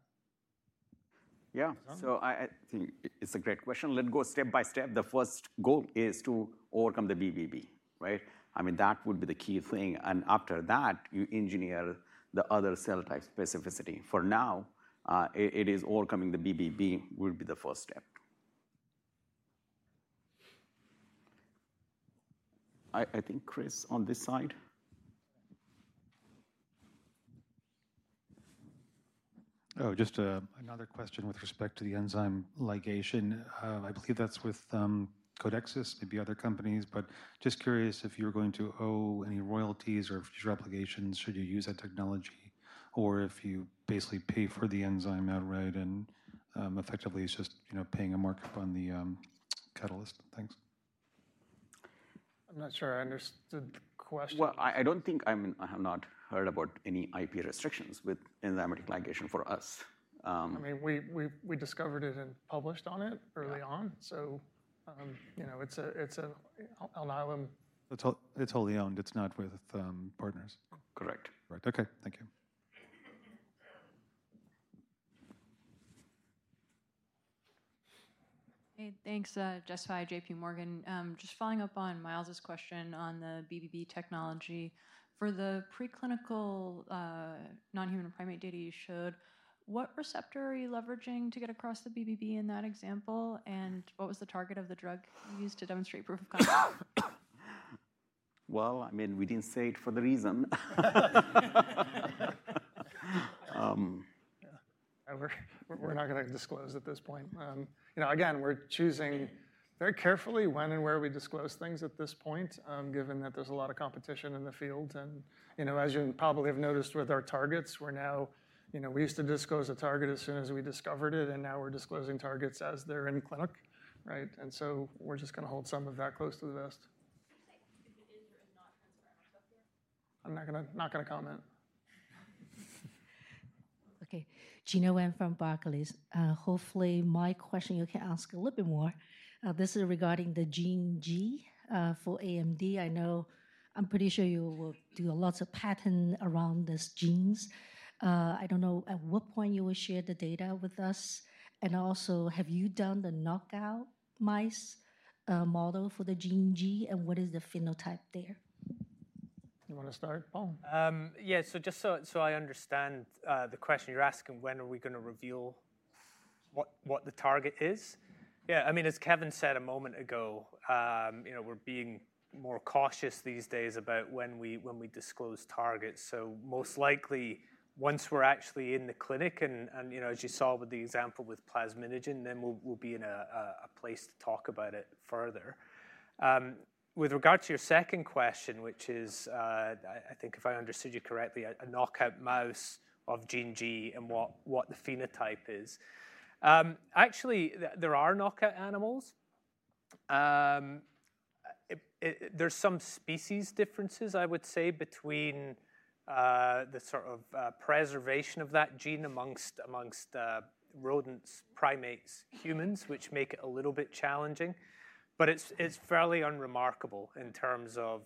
Yeah. So I think it's a great question. Let's go step by step. The first goal is to overcome the BBB, right? I mean, that would be the key thing. And after that, you engineer the other cell type specificity. For now, it is overcoming the BBB would be the first step. I think Chris on this side. Oh, just another question with respect to the enzyme ligation. I believe that's with Codexis, maybe other companies. But just curious if you're going to owe any royalties or future obligations should you use that technology, or if you basically pay for the enzyme outright and effectively it's just paying a markup on the catalyst. Thanks. I'm not sure I understood the question. I don't think I have not heard about any IP restrictions with enzymatic ligation for us. I mean, we discovered it and published on it early on. So it's an Alnylam. It's wholly owned. It's not with partners. Correct. Right. OK. Thank you. Hey, thanks, Jessica, JP Morgan. Just following up on Myles' question on the BBB technology. For the preclinical nonhuman primate data you showed, what receptor are you leveraging to get across the BBB in that example? And what was the target of the drug used to demonstrate proof of concept? Well, I mean, we didn't say it for the reason. We're not going to disclose at this point. Again, we're choosing very carefully when and where we disclose things at this point, given that there's a lot of competition in the field. And as you probably have noticed with our targets, we used to disclose a target as soon as we discovered it. And now we're disclosing targets as they're in clinic, right? And so we're just going to hold some of that close to the vest. Can you say if it is or is not transferable software? I'm not going to comment. OK. Gena Wang from Barclays. Hopefully, my question you can answer a little bit more. This is regarding the gene G for AMD. I know I'm pretty sure you will do lots of patents around these genes. I don't know at what point you will share the data with us. And also, have you done the knockout mice model for the gene G? And what is the phenotype there? You want to start, Paul? Yeah. So just so I understand the question you're asking, when are we going to reveal what the target is? Yeah. I mean, as Kevin said a moment ago, we're being more cautious these days about when we disclose targets. So most likely, once we're actually in the clinic, and as you saw with the example with plasminogen, then we'll be in a place to talk about it further. With regard to your second question, which is, I think if I understood you correctly, a knockout mouse of gene G and what the phenotype is, actually, there are knockout animals. There's some species differences, I would say, between the sort of preservation of that gene amongst rodents, primates, humans, which make it a little bit challenging. But it's fairly unremarkable in terms of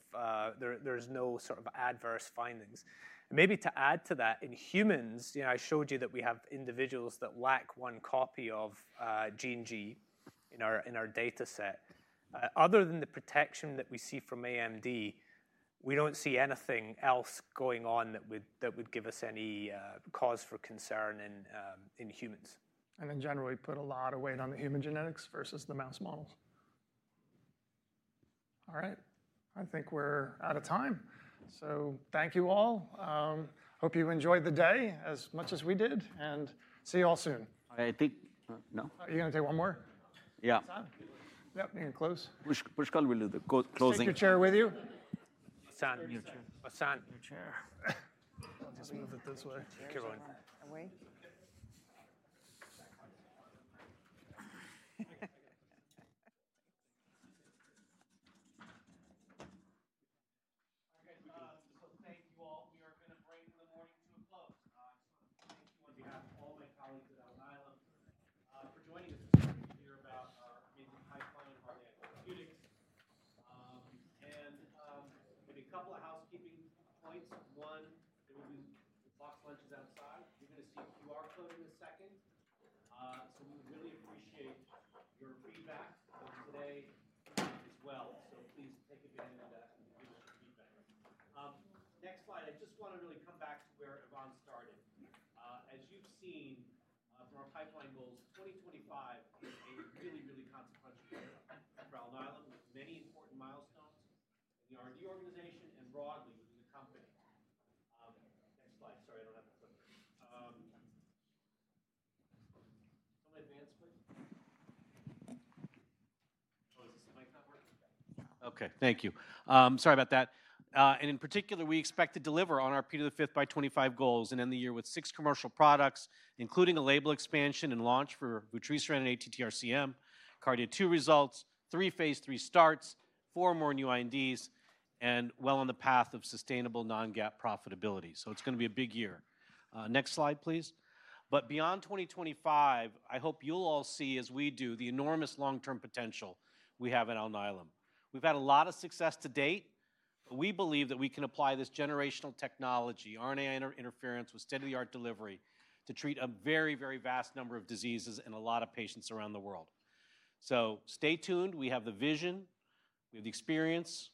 there's no sort of adverse findings. And maybe to add to that, in humans, I showed you that we have individuals that lack one copy of Gene G in our data set. Other than the protection that we see from AMD, we don't see anything else going on that would give us any cause for concern in humans. In general, we put a lot of weight on the human genetics versus the mouse models. All right. I think we're out of time. Thank you all. Hope you enjoyed the day as much as we did. See you all soon. I think. No. You're going to take one more? Yeah. Yep. You can close. Pushkal will do the closing. Speaker chair with you? Hassan, your chair. Hassan, your chair. I'll just move it this way. Keep going. Thank within the company. Next slide. Sorry, I don't have the clip. Can someone advance, please? Oh, is the mic not working. OK. Thank you. Sorry about that. And in particular, we expect to deliver on our 2-2-5 by '25 goals and end the year with six commercial products, including a label expansion and launch for vutrisiran in ATTR-CM, KARDIA-2 results, three phase 3 starts, four more new INDs, and well on the path of sustainable non-GAAP profitability. So it's going to be a big year. Next slide, please. But beyond 2025, I hope you'll all see, as we do, the enormous long-term potential we have at Alnylam. We've had a lot of success to date. But we believe that we can apply this generational technology, RNA interference with state-of-the-art delivery, to treat a very, very vast number of diseases and a lot of patients around the world. So stay tuned. We have the vision. We have the experience.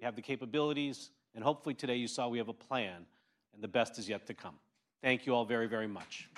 We have the capabilities. And hopefully today you saw we have a plan. And the best is yet to come. Thank you all very, very much.